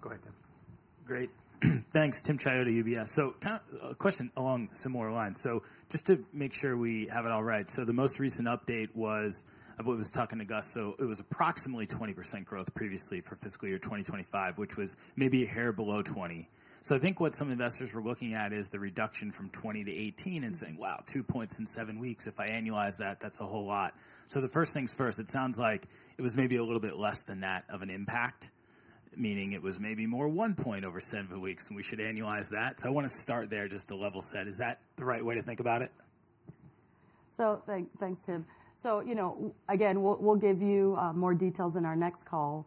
Go ahead, Tim. Great. Thanks. Tim Chiodo, UBS. A question along similar lines. Just to make sure we have it all right, the most recent update was, I believe I was talking to Gus, so it was approximately 20% growth previously for fiscal year 2025, which was maybe a hair below 20%. I think what some investors were looking at is the reduction from 20 to 18 and saying, "Wow, 2.7 weeks. If I annualize that, that's a whole lot." The first thing's first, it sounds like it was maybe a little bit less than that of an impact, meaning it was maybe more 1.7 weeks, and we should annualize that. I want to start there just to level set. Is that the right way to think about it? Thanks, Tim. Again, we'll give you more details in our next call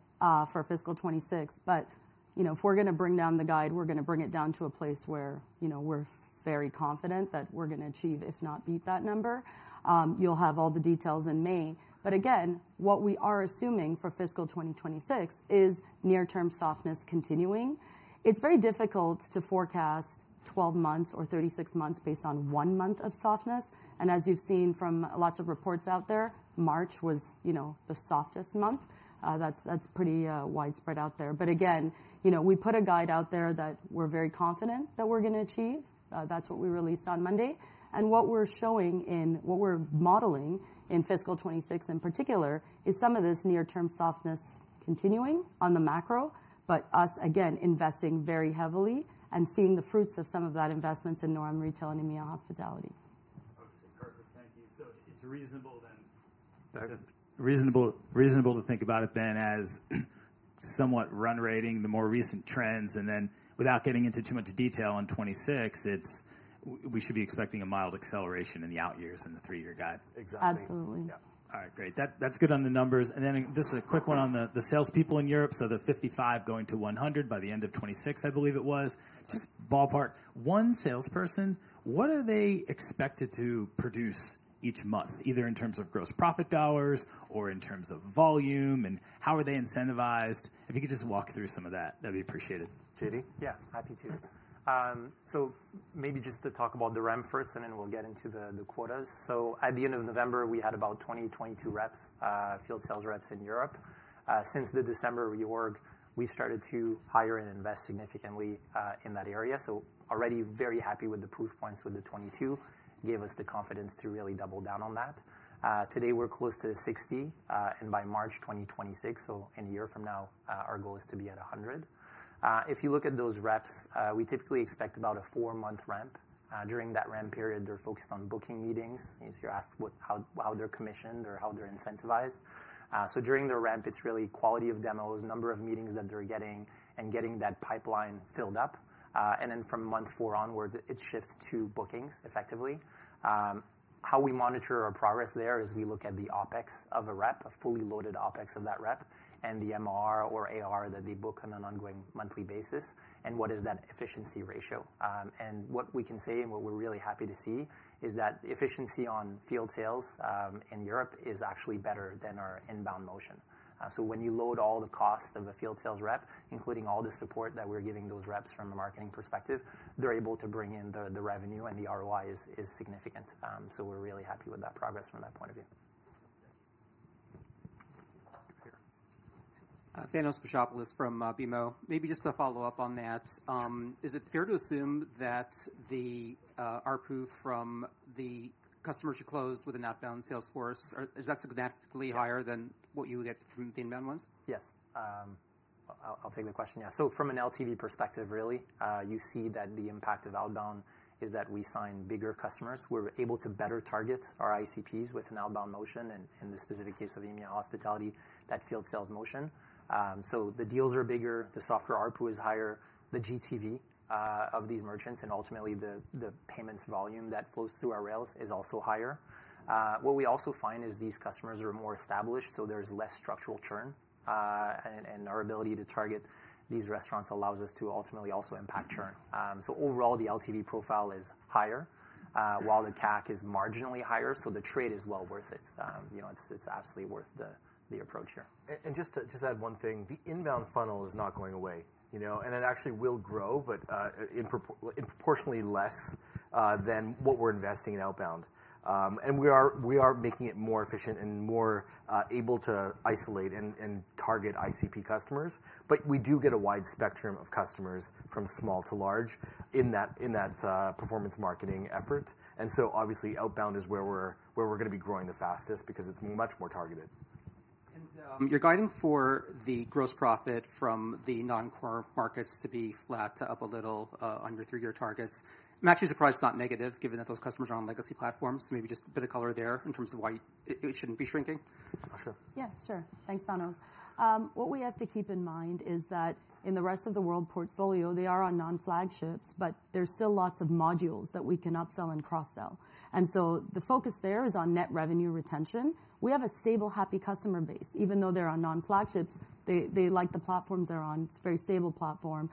for fiscal 2026. If we're going to bring down the guide, we're going to bring it down to a place where we're very confident that we're going to achieve, if not beat that number. You'll have all the details in May. Again, what we are assuming for fiscal 2026 is near-term softness continuing. It's very difficult to forecast 12 months or 36 months based on one month of softness. As you've seen from lots of reports out there, March was the softest month. That's pretty widespread out there. Again, we put a guide out there that we're very confident that we're going to achieve. That's what we released on Monday. What we're showing in what we're modeling in fiscal 2026 in particular is some of this near-term softness continuing on the macro, but us, again, investing very heavily and seeing the fruits of some of that investments in norm retail and EMEA hospitality. Perfect. Perfect. Thank you. It's reasonable then to think about it then as somewhat run rating the more recent trends. Without getting into too much detail on 2026, we should be expecting a mild acceleration in the out years in the three-year guide. Exactly. Absolutely. Yeah. All right. Great. That's good on the numbers. This is a quick one on the salespeople in Europe. They're 55 going to 100 by the end of 2026, I believe it was. Just ballpark. One salesperson, what are they expected to produce each month, either in terms of gross profit dollars or in terms of volume, and how are they incentivized? If you could just walk through some of that, that'd be appreciated. JD? Yeah, happy to. Maybe just to talk about the REM first, and then we'll get into the quotas. At the end of November, we had about 20-22 reps, field sales reps in Europe. Since the December reorg, we've started to hire and invest significantly in that area. Already very happy with the proof points with the 22 gave us the confidence to really double down on that. Today, we're close to 60. By March 2026, so in a year from now, our goal is to be at 100. If you look at those reps, we typically expect about a four-month ramp. During that ramp period, they're focused on booking meetings. If you're asked how they're commissioned or how they're incentivized, during their ramp, it's really quality of demos, number of meetings that they're getting, and getting that pipeline filled up. From month four onwards, it shifts to bookings effectively. How we monitor our progress there is we look at the OpEx of a rep, a fully loaded OpEx of that rep, and the MRR or ARR that they book on an ongoing monthly basis, and what is that efficiency ratio. What we can say, and what we're really happy to see, is that efficiency on field sales in Europe is actually better than our inbound motion. When you load all the cost of a field sales rep, including all the support that we're giving those reps from a marketing perspective, they're able to bring in the revenue, and the ROI is significant. We're really happy with that progress from that point of view. Thank you. Thanos Moschopoulos from BMO. Maybe just to follow up on that, is it fair to assume that the ARPU from the customers you closed with an outbound sales force, is that significantly higher than what you get from the inbound ones? Yes. I'll take the question. Yeah. From an LTV perspective, really, you see that the impact of outbound is that we sign bigger customers. We're able to better target our ICPs with an outbound motion, and in the specific case of EMEA hospitality, that field sales motion. The deals are bigger, the software ARPU is higher, the GTV of these merchants, and ultimately the payments volume that flows through our rails is also higher. What we also find is these customers are more established, so there's less structural churn. Our ability to target these restaurants allows us to ultimately also impact churn. Overall, the LTV profile is higher, while the CAC is marginally higher. The trade is well worth it. It's absolutely worth the approach here. Just to add one thing, the inbound funnel is not going away. It actually will grow, but in proportionally less than what we're investing in outbound. We are making it more efficient and more able to isolate and target ICP customers. We do get a wide spectrum of customers from small to large in that performance marketing effort. Obviously, outbound is where we're going to be growing the fastest because it's much more targeted. Your guiding for the gross profit from the non-core markets to be flat to up a little under three-year targets, I'm actually surprised it's not negative given that those customers are on legacy platforms. Maybe just a bit of color there in terms of why it shouldn't be shrinking. Sure. Yeah, sure. Thanks, Thanos. What we have to keep in mind is that in the rest of the world portfolio, they are on non-flagships, but there's still lots of modules that we can upsell and cross-sell. The focus there is on net revenue retention. We have a stable, happy customer base. Even though they're on non-flagships, they like the platforms they're on. It's a very stable platform.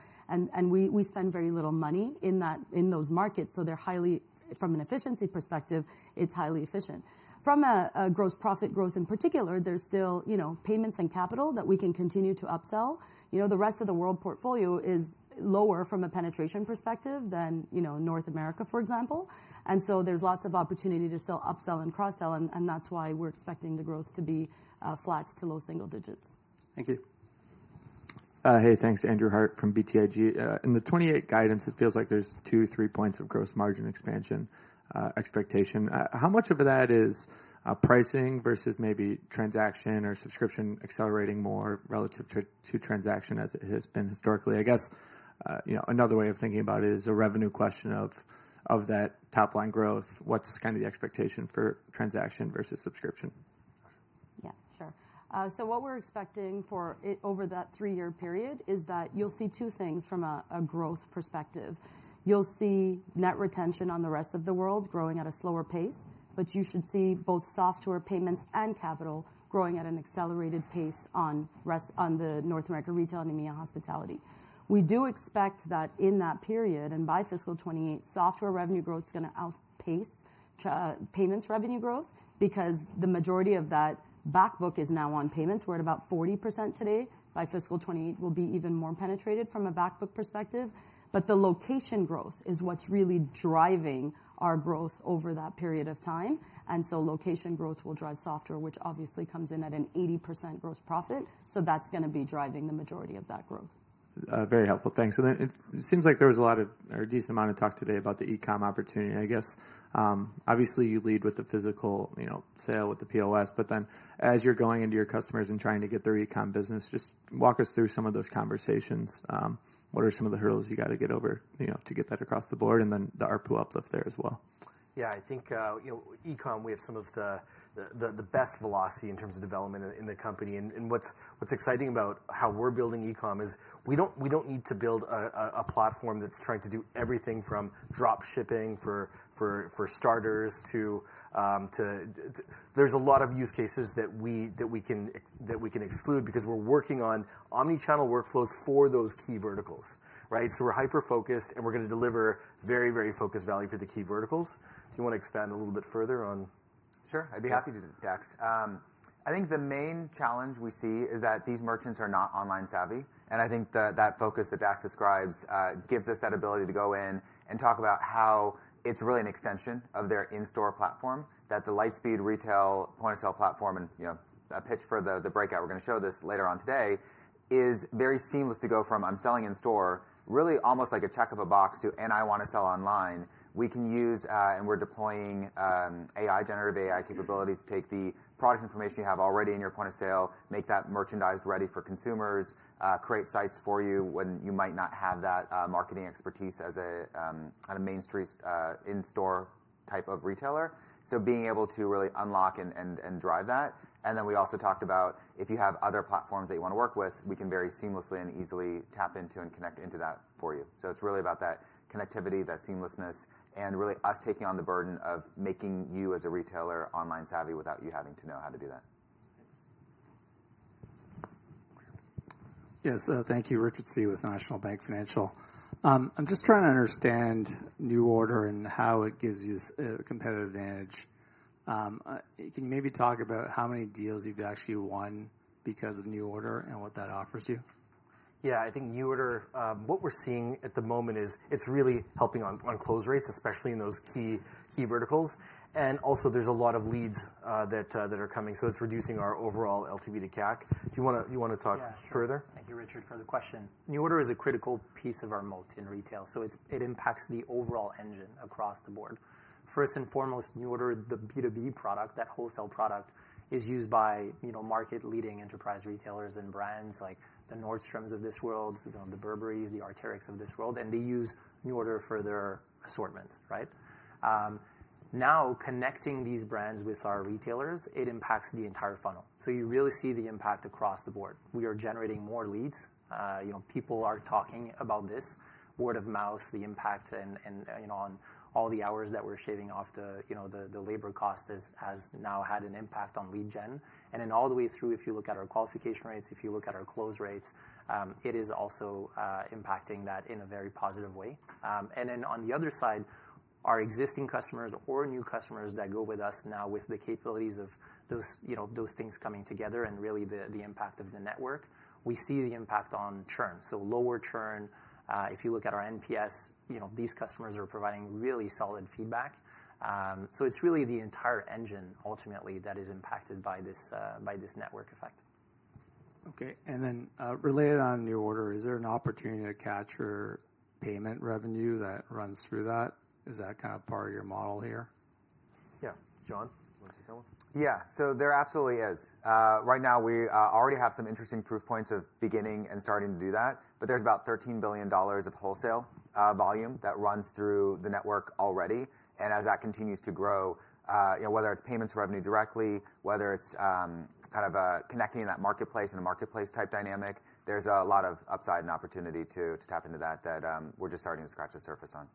We spend very little money in those markets. From an efficiency perspective, it's highly efficient. From a gross profit growth in particular, there's still payments and capital that we can continue to upsell. The rest of the world portfolio is lower from a penetration perspective than North America, for example. There is lots of opportunity to still upsell and cross-sell. That's why we're expecting the growth to be flat to low single digits. Thank you. Hey, thanks. Andrew Hart from BTIG. In the 2028 guidance, it feels like there's two-three points of gross margin expansion expectation. How much of that is pricing versus maybe transaction or subscription accelerating more relative to transaction as it has been historically? I guess another way of thinking about it is a revenue question of that top-line growth. What's kind of the expectation for transaction versus subscription? Yeah, sure. What we're expecting for over that three-year period is that you'll see two things from a growth perspective. You'll see net retention on the rest of the world growing at a slower pace, but you should see both software payments and capital growing at an accelerated pace on the North America retail and EMEA hospitality. We do expect that in that period and by fiscal 2028, software revenue growth is going to outpace payments revenue growth because the majority of that backbook is now on payments. We're at about 40% today. By fiscal 2028, we'll be even more penetrated from a backbook perspective. The location growth is what's really driving our growth over that period of time. Location growth will drive software, which obviously comes in at an 80% gross profit. That is going to be driving the majority of that growth. Very helpful. Thanks. It seems like there was a lot of or a decent amount of talk today about the e-com opportunity. I guess, obviously, you lead with the physical sale with the POS, but then as you are going into your customers and trying to get their e-com business, just walk us through some of those conversations. What are some of the hurdles you have to get over to get that across the board and then the ARPU uplift there as well? I think e-com, we have some of the best velocity in terms of development in the company. What's exciting about how we're building e-com is we don't need to build a platform that's trying to do everything from drop shipping for starters to there's a lot of use cases that we can exclude because we're working on omnichannel workflows for those key verticals, right? We are hyper-focused, and we're going to deliver very, very focused value for the key verticals. Do you want to expand a little bit further on? Sure. I'd be happy to do that, Dax. I think the main challenge we see is that these merchants are not online savvy. I think that that focus that Dax describes gives us that ability to go in and talk about how it's really an extension of their in-store platform, that the Lightspeed Retail point of sale platform and a pitch for the breakout we're going to show this later on today is very seamless to go from I'm selling in store, really almost like a check of a box to and I want to sell online. We can use, and we're deploying AI, generative AI capabilities to take the product information you have already in your point of sale, make that merchandise ready for consumers, create sites for you when you might not have that marketing expertise as a mainstream in-store type of retailer. Being able to really unlock and drive that. We also talked about if you have other platforms that you want to work with, we can very seamlessly and easily tap into and connect into that for you. It is really about that connectivity, that seamlessness, and really us taking on the burden of making you as a retailer online savvy without you having to know how to do that. Yes. Thank you. Richard Tse with National Bank Financial. I'm just trying to understand New Order and how it gives you a competitive advantage. Can you maybe talk about how many deals you've actually won because of New Order and what that offers you? Yeah, I think New Order, what we're seeing at the moment is it's really helping on close rates, especially in those key verticals. Also, there are a lot of leads that are coming. It is reducing our overall LTV to CAC. Do you want to talk further? Thank you, Richard, for the question. New Order is a critical piece of our moat in retail. It impacts the overall engine across the board. First and foremost, New Order, the B2B product, that wholesale product is used by market-leading enterprise retailers and brands like the Nordstroms of this world, the Burberrys, the Arc'teryx of this world. They use New Order for their assortment, right? Now, connecting these brands with our retailers, it impacts the entire funnel. You really see the impact across the board. We are generating more leads. People are talking about this, word of mouth, the impact on all the hours that we're shaving off the labor cost has now had an impact on lead gen. Then all the way through, if you look at our qualification rates, if you look at our close rates, it is also impacting that in a very positive way. On the other side, our existing customers or new customers that go with us now with the capabilities of those things coming together and really the impact of the network, we see the impact on churn. Lower churn, if you look at our NPS, these customers are providing really solid feedback. It is really the entire engine ultimately that is impacted by this network effect. Okay. Related on New Order, is there an opportunity to capture payment revenue that runs through that? Is that kind of part of your model here? Yeah. John, you want to take that one? Yeah. There absolutely is. Right now, we already have some interesting proof points of beginning and starting to do that. There is about $13 billion of wholesale volume that runs through the network already. As that continues to grow, whether it is payments revenue directly, whether it is kind of connecting in that marketplace and a marketplace type dynamic, there is a lot of upside and opportunity to tap into that that we are just starting to scratch the surface on.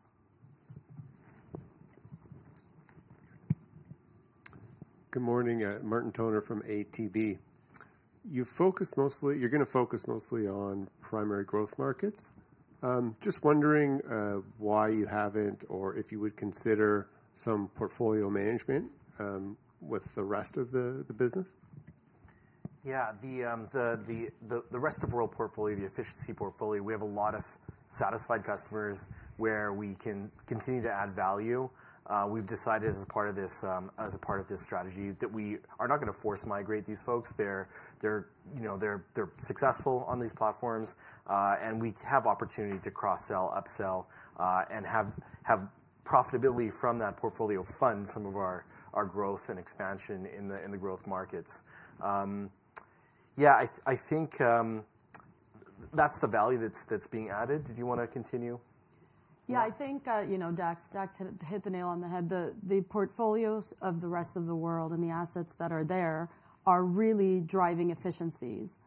Good morning. Martin Toner from ATB. You are going to focus mostly on primary growth markets. Just wondering why you have not or if you would consider some portfolio management with the rest of the business. Yeah. The rest of world portfolio, the efficiency portfolio, we have a lot of satisfied customers where we can continue to add value. We have decided as a part of this strategy that we are not going to force migrate these folks. They're successful on these platforms. We have opportunity to cross-sell, upsell, and have profitability from that portfolio fund some of our growth and expansion in the growth markets. I think that's the value that's being added. Did you want to continue? I think, Dax, hit the nail on the head. The portfolios of the rest of the world and the assets that are there are really driving efficiencies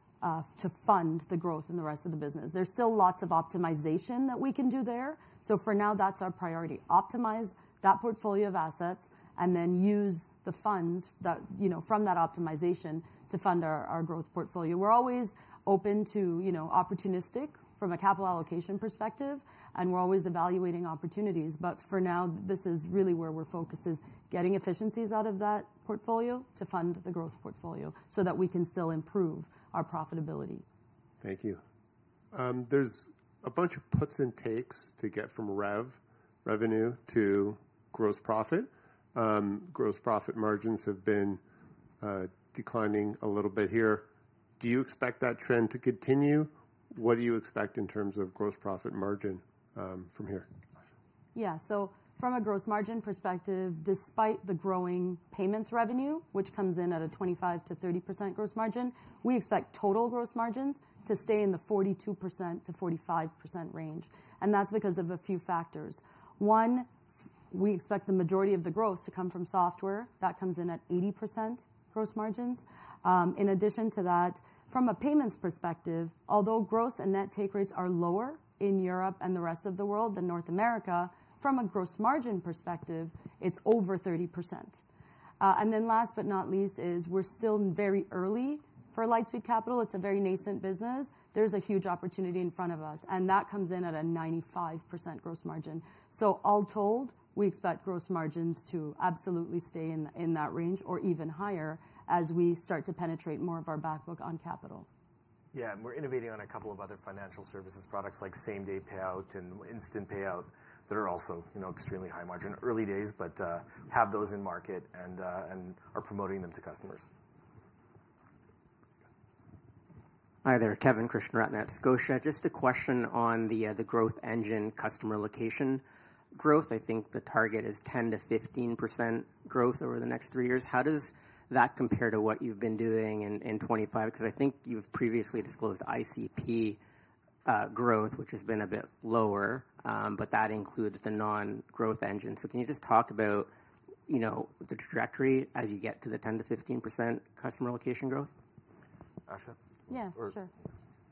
to fund the growth in the rest of the business. There's still lots of optimization that we can do there. For now, that's our priority. Optimize that portfolio of assets and then use the funds from that optimization to fund our growth portfolio. We're always open to opportunistic from a capital allocation perspective, and we're always evaluating opportunities. For now, this is really where we're focused is getting efficiencies out of that portfolio to fund the growth portfolio so that we can still improve our profitability. Thank you. There's a bunch of puts and takes to get from revenue to gross profit. Gross profit margins have been declining a little bit here. Do you expect that trend to continue? What do you expect in terms of gross profit margin from here? Yeah. From a gross margin perspective, despite the growing payments revenue, which comes in at a 25%-30% gross margin, we expect total gross margins to stay in the 42%-45% range. That's because of a few factors. One, we expect the majority of the growth to come from software that comes in at 80% gross margins. In addition to that, from a payments perspective, although gross and net take rates are lower in Europe and the rest of the world than North America, from a gross margin perspective, it's over 30%. Last but not least is we're still very early for Lightspeed Capital. It's a very nascent business. There's a huge opportunity in front of us. That comes in at a 95% gross margin. All told, we expect gross margins to absolutely stay in that range or even higher as we start to penetrate more of our backbook on capital. Yeah. We're innovating on a couple of other financial services products like same-day payout and instant payout that are also extremely high margin. Early days, but have those in market and are promoting them to customers. Hi there. Kevin Krishnaratne at Scotia. Just a question on the growth engine customer location growth. I think the target is 10%-15% growth over the next three years. How does that compare to what you've been doing in 2025? Because I think you've previously disclosed ICP growth, which has been a bit lower, but that includes the non-growth engine. Can you just talk about the trajectory as you get to the 10%-15% customer location growth? Asha. Yeah, sure.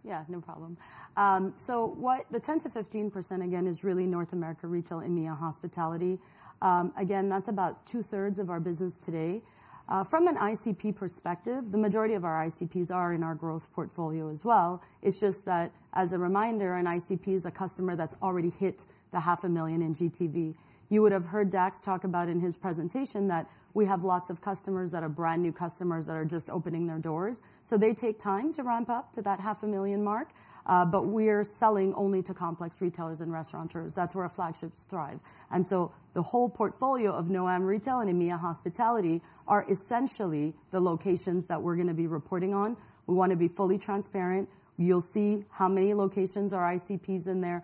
Yeah, no problem. The 10%-15%, again, is really North America retail and EMEA hospitality. That is about two-thirds of our business today. From an ICP perspective, the majority of our ICPs are in our growth portfolio as well. It's just that, as a reminder, an ICP is a customer that's already hit the $500,000 in GTV. You would have heard Dax talk about in his presentation that we have lots of customers that are brand new customers that are just opening their doors. They take time to ramp up to that $500,000 mark. We are selling only to complex retailers and restaurateurs. That is where our flagships thrive. The whole portfolio of North American retail and EMEA hospitality are essentially the locations that we are going to be reporting on. We want to be fully transparent. You will see how many locations are ICPs in there.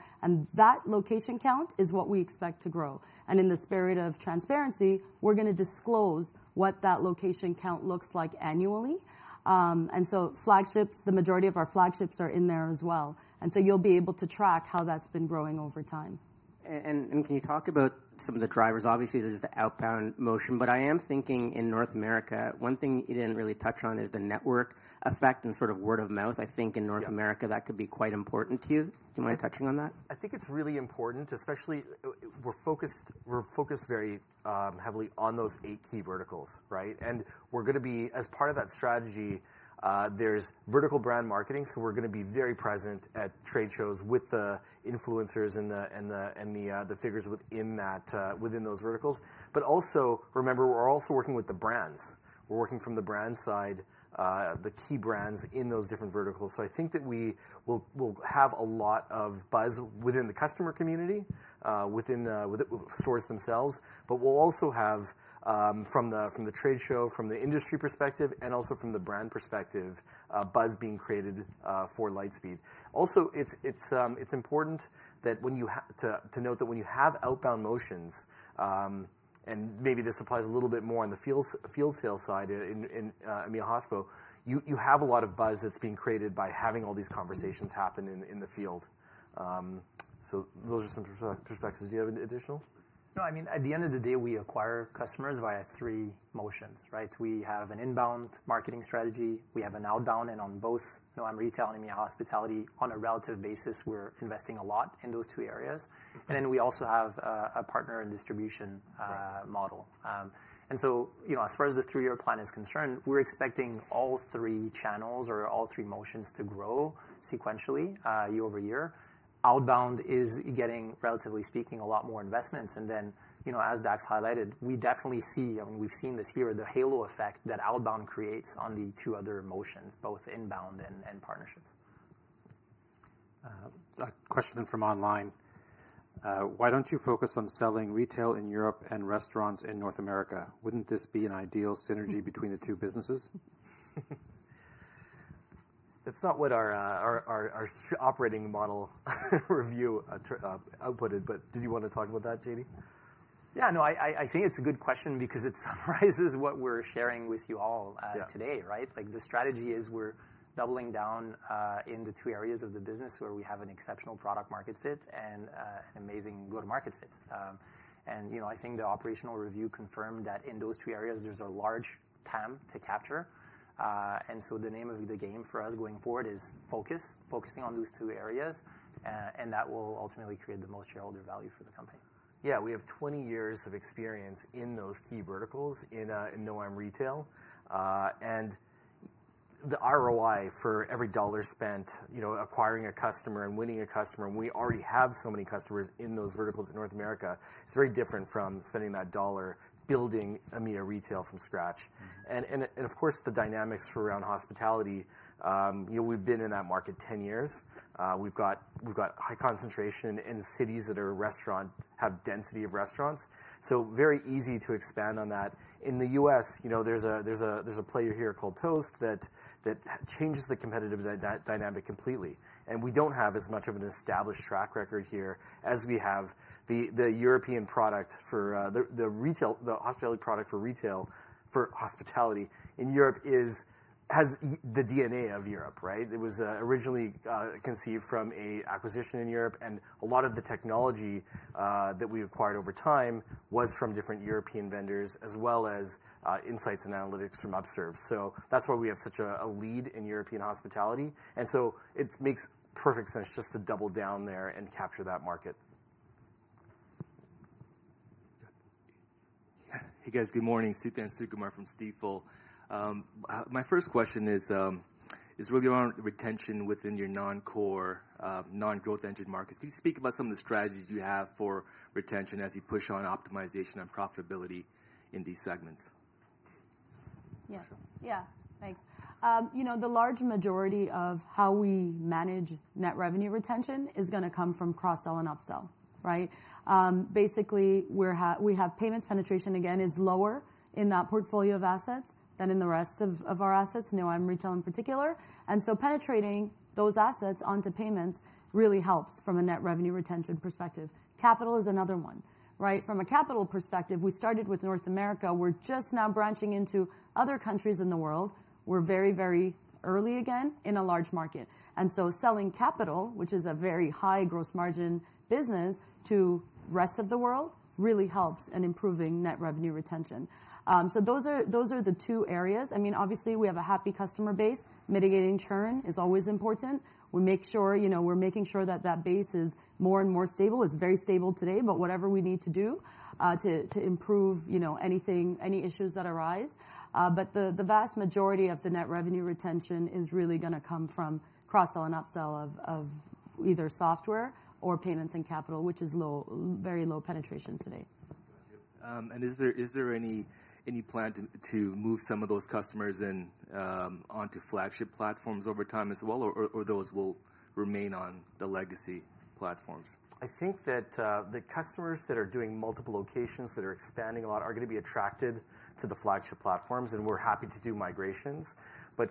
That location count is what we expect to grow. In the spirit of transparency, we are going to disclose what that location count looks like annually. Flagships, the majority of our flagships are in there as well. You will be able to track how that has been growing over time. Can you talk about some of the drivers? Obviously, there's the outbound motion. I am thinking in North America, one thing you did not really touch on is the network effect and sort of word of mouth. I think in North America, that could be quite important to you. Do you mind touching on that? I think it's really important, especially we're focused very heavily on those eight key verticals, right? We are going to be, as part of that strategy, there's vertical brand marketing. We are going to be very present at trade shows with the influencers and the figures within those verticals. Also, remember, we are also working with the brands. We are working from the brand side, the key brands in those different verticals. I think that we will have a lot of buzz within the customer community, within stores themselves. We will also have from the trade show, from the industry perspective, and also from the brand perspective, buzz being created for Lightspeed. Also, it's important to note that when you have outbound motions, and maybe this applies a little bit more on the field sale side in EMEA hospitality, you have a lot of buzz that's being created by having all these conversations happen in the field. Those are some perspectives. Do you have additional? No, I mean, at the end of the day, we acquire customers via three motions, right? We have an inbound marketing strategy. We have an outbound. And on both North American retail and EMEA hospitality, on a relative basis, we're investing a lot in those two areas. Then we also have a partner and distribution model. As far as the three-year plan is concerned, we're expecting all three channels or all three motions to grow sequentially year over year. Outbound is getting, relatively speaking, a lot more investments. As Dax highlighted, we definitely see, and we've seen this year, the halo effect that outbound creates on the two other motions, both inbound and partnerships. Question from online. Why don't you focus on selling retail in Europe and restaurants in North America? Wouldn't this be an ideal synergy between the two businesses? That's not what our operating model review outputted. Did you want to talk about that, JD? Yeah. No, I think it's a good question because it summarizes what we're sharing with you all today, right? The strategy is we're doubling down in the two areas of the business where we have an exceptional product-market fit and an amazing go-to-market fit. I think the operational review confirmed that in those two areas, there's a large TAM to capture. The name of the game for us going forward is focus, focusing on those two areas. That will ultimately create the most shareholder valuefor the company. Yeah. We have 20 years of experience in those key verticals in North American retail. The ROI for every dollar spent acquiring a customer and winning a customer, and we already have so many customers in those verticals in North America, it's very different from spending that dollar building EMEA retail from scratch. Of course, the dynamics around hospitality, we've been in that market 10 years. We've got high concentration in cities that have density of restaurants. Very easy to expand on that. In the U.S., there's a player here called Toast that changes the competitive dynamic completely. We do not have as much of an established track record here as we have. The European product for the hospitality product for retail for hospitality in Europe has the DNA of Europe, right? It was originally conceived from an acquisition in Europe. A lot of the technology that we acquired over time was from different European vendors as well as insights and analytics from UpServe. That is why we have such a lead in European hospitality. It makes perfect sense just to double down there and capture that market. Hey, guys. Good morning. Suthan Sukumar from Stifel. My first question is really around retention within your non-core, non-growth engine markets. Can you speak about some of the strategies you have for retention as you push on optimization and profitability in these segments? Yeah. Yeah, thanks. The large majority of how we manage net revenue retention is going to come from cross-sell and upsell, right? Basically, we have payments penetration, again, is lower in that portfolio of assets than in the rest of our assets, Noam retail in particular. Penetrating those assets onto payments really helps from a net revenue retention perspective. Capital is another one, right? From a capital perspective, we started with North America. We're just now branching into other countries in the world. We're very, very early again in a large market. Selling capital, which is a very high gross margin business to the rest of the world, really helps in improving net revenue retention. Those are the two areas. I mean, obviously, we have a happy customer base. Mitigating churn is always important. We make sure we're making sure that that base is more and more stable. It's very stable today, whatever we need to do to improve any issues that arise. The vast majority of the net revenue retention is really going to come from cross-sell and upsell of either software or payments and capital, which is very low penetration today. Is there any plan to move some of those customers onto flagship platforms over time as well, or those will remain on the legacy platforms? I think that the customers that are doing multiple locations that are expanding a lot are going to be attracted to the flagship platforms. We're happy to do migrations.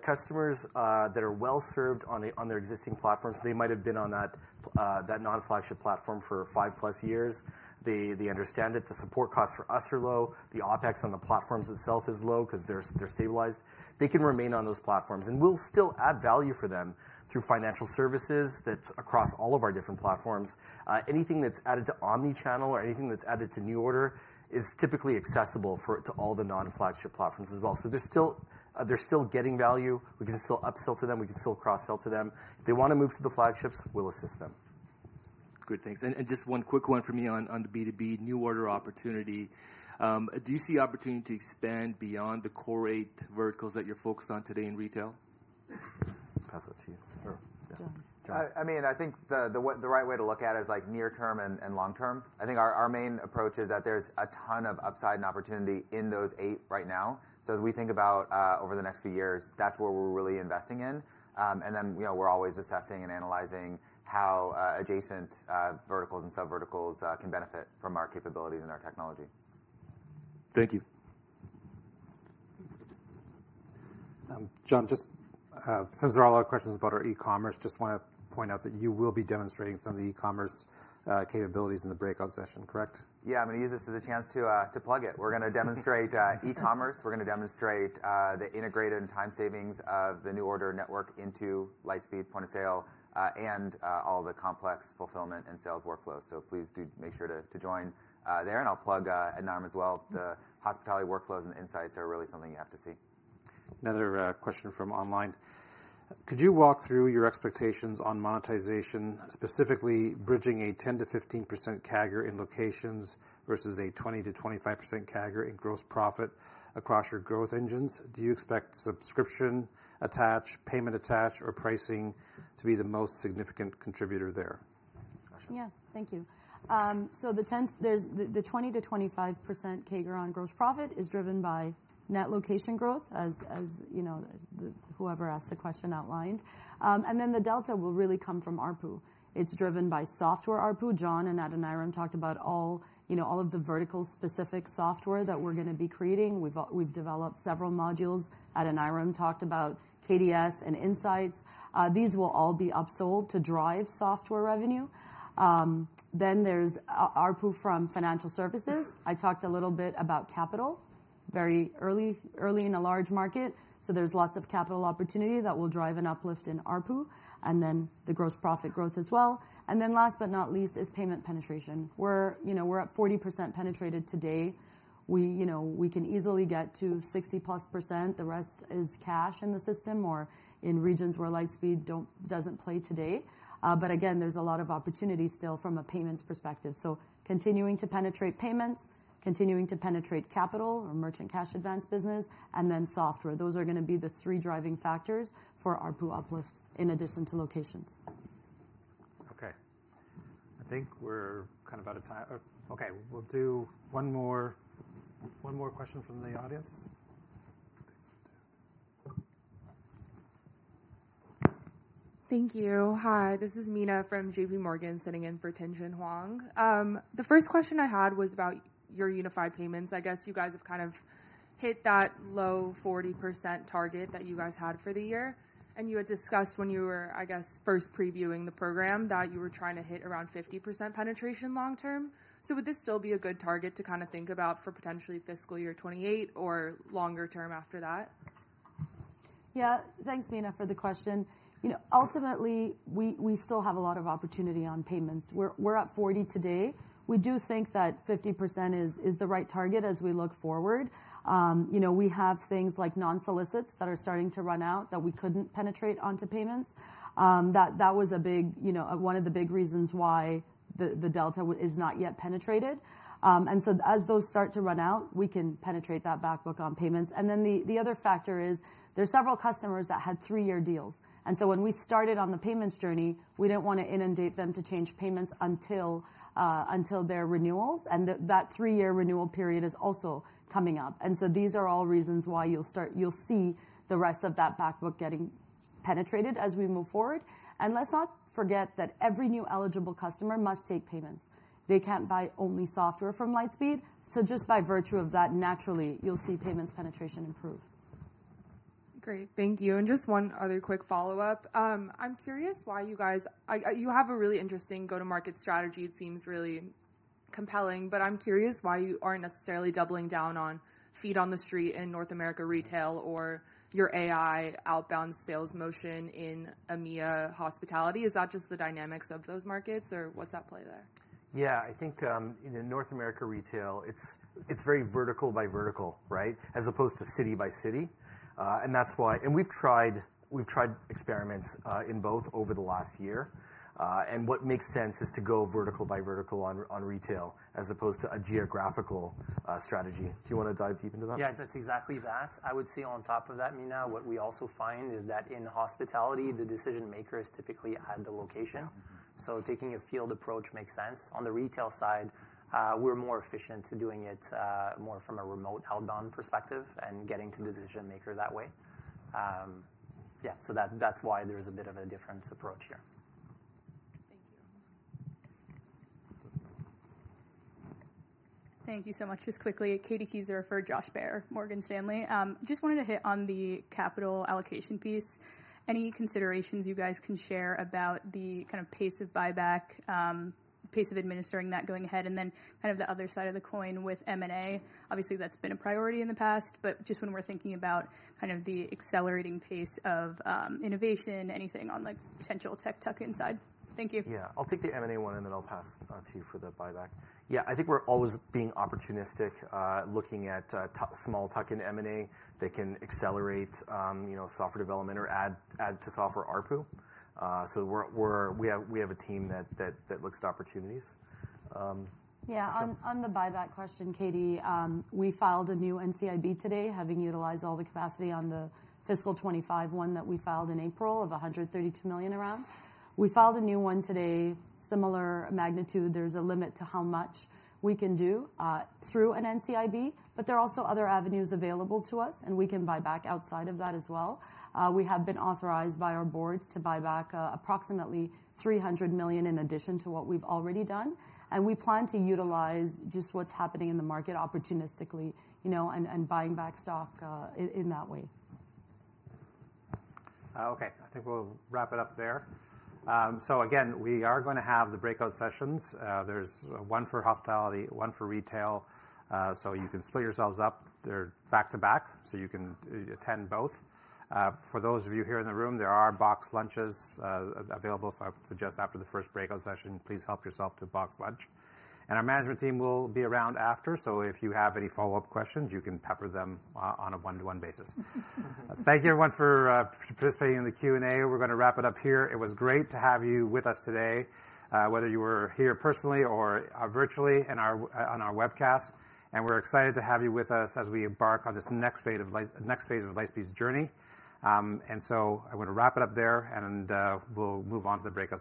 Customers that are well served on their existing platforms, they might have been on that non-flagship platform for five-plus years. They understand that the support costs for us are low. The OpEx on the platforms itself is low because they're stabilized. They can remain on those platforms. We will still add value for them through financial services that is across all of our different platforms. Anything that is added to Omnichannel or anything that is added to New Order is typically accessible to all the non-flagship platforms as well. They are still getting value. We can still upsell to them. We can still cross-sell to them. If they want to move to the flagships, we will assist them. Great. Thanks. Just one quick one for me on the B2B New Order opportunity. Do you see opportunity to expand beyond the core eight verticals that you are focused on today in retail? Pass that to you. I mean, I think the right way to look at it is near-term and long-term. I think our main approach is that there is a ton of upside and opportunity in those eight right now. As we think about over the next few years, that's where we're really investing in. We're always assessing and analyzing how adjacent verticals and sub-verticals can benefit from our capabilities and our technology. Thank you. John, just since there are a lot of questions about our e-commerce, just want to point out that you will be demonstrating some of the e-commerce capabilities in the breakout session, correct? Yeah. I'm going to use this as a chance to plug it. We're going to demonstrate e-commerce. We're going to demonstrate the integrated time savings of the New Order network into Lightspeed point of sale and all the complex fulfillment and sales workflows. Please do make sure to join there. I'll plug Noam as well. The hospitality workflows and insights are really something you have to see. Another question from online. Could you walk through your expectations on monetization, specifically bridging a 10%-15% CAGR in locations versus a 20%-25% CAGR in gross profit across your growth engines? Do you expect subscription attach, payment attach, or pricing to be the most significant contributor there? Yeah. Thank you. The 20%-25% CAGR on gross profit is driven by net location growth, as whoever asked the question outlined. The delta will really come from ARPU. It's driven by software ARPU. John and Adaniram talked about all of the vertical-specific software that we're going to be creating. We've developed several modules. Adaniram talked about KDS and Insights. These will all be upsold to drive software revenue. There is ARPU from financial services. I talked a little bit about capital very early in a large market. There is lots of capital opportunity that will drive an uplift in ARPU. The gross profit growth as well. Last but not least is payment penetration. We are at 40% penetrated today. We can easily get to 60% plus. The rest is cash in the system or in regions where Lightspeed does not play today. Again, there is a lot of opportunity still from a payments perspective. Continuing to penetrate payments, continuing to penetrate capital or merchant cash advance business, and then software. Those are going to be the three driving factors for ARPU uplift in addition to locations. Okay. I think we are kind of out of time. Okay. We will do one more question from the audience. Thank you. Hi. This is Mina from JPMorgan sitting in for Tianjin Huang. The first question I had was about your unified payments. I guess you guys have kind of hit that low 40% target that you guys had for the year. You had discussed when you were, I guess, first previewing the program that you were trying to hit around 50% penetration long-term. Would this still be a good target to kind of think about for potentially fiscal year 2028 or longer term after that? Yeah. Thanks, Mina, for the question. Ultimately, we still have a lot of opportunity on payments. We're at 40% today. We do think that 50% is the right target as we look forward. We have things like non-solicits that are starting to run out that we couldn't penetrate onto payments. That was one of the big reasons why the delta is not yet penetrated. As those start to run out, we can penetrate that backbook on payments. The other factor is there's several customers that had three-year deals. When we started on the payments journey, we did not want to inundate them to change payments until their renewals. That three-year renewal period is also coming up. These are all reasons why you will see the rest of that backbook getting penetrated as we move forward. Let's not forget that every new eligible customer must take payments. They cannot buy only software from Lightspeed. Just by virtue of that, naturally, you will see payments penetration improve. Great. Thank you. Just one other quick follow-up. I'm curious why you guys have a really interesting go-to-market strategy. It seems really compelling. I'm curious why you aren't necessarily doubling down on feet on the street in North America retail or your AI outbound sales motion in EMEA hospitality. Is that just the dynamics of those markets, or what's at play there? Yeah. I think in North America retail, it's very vertical by vertical, right, as opposed to city by city. We have tried experiments in both over the last year. What makes sense is to go vertical by vertical on retail as opposed to a geographical strategy. Do you want to dive deep into that? Yeah. That's exactly that. I would say on top of that, Mina, what we also find is that in hospitality, the decision makers typically add the location. Taking a field approach makes sense. On the retail side, we're more efficient to doing it more from a remote outbound perspective and getting to the decision maker that way. Yeah. That's why there's a bit of a different approach here. Thank you. Thank you so much. Just quickly, Katie Keeser for Josh Baer, Morgan Stanley. Just wanted to hit on the capital allocation piece. Any considerations you guys can share about the kind of pace of buyback, pace of administering that going ahead, and then kind of the other side of the coin with M&A? Obviously, that's been a priority in the past. When we're thinking about kind of the accelerating pace of innovation, anything on the potential tech tuck inside? Thank you. Yeah. I'll take the M&A one and then I'll pass to you for the buyback. Yeah. I think we're always being opportunistic looking at small tuck in M&A that can accelerate software development or add to software ARPU. We have a team that looks at opportunities. Yeah. On the buyback question, Katie, we filed a new NCIB today, having utilized all the capacity on the fiscal 2025 one that we filed in April of $132 million a round. We filed a new one today, similar magnitude. There is a limit to how much we can do through an NCIB. There are also other avenues available to us. We can buy back outside of that as well. We have been authorized by our boards to buy back approximately $300 million in addition to what we have already done. We plan to utilize just what is happening in the market opportunistically and buying back stockin that way. Okay. I think we will wrap it up there. Again, we are going to have the breakout sessions. There is one for hospitality, one for retail. You can split yourselves up. They are back to back. You can attend both. For those of you here in the room, there are box lunches available. I suggest after the first breakout session, please help yourself to a box lunch. Our management team will be around after. If you have any follow-up questions, you can pepper them on a one-to-one basis. Thank you, everyone, for participating in the Q&A. We're going to wrap it up here. It was great to have you with us today, whether you were here personally or virtually on our webcast. We're excited to have you with us as we embark on this next phase of Lightspeed's journey. I want to wrap it up there. We'll move on to the breakout.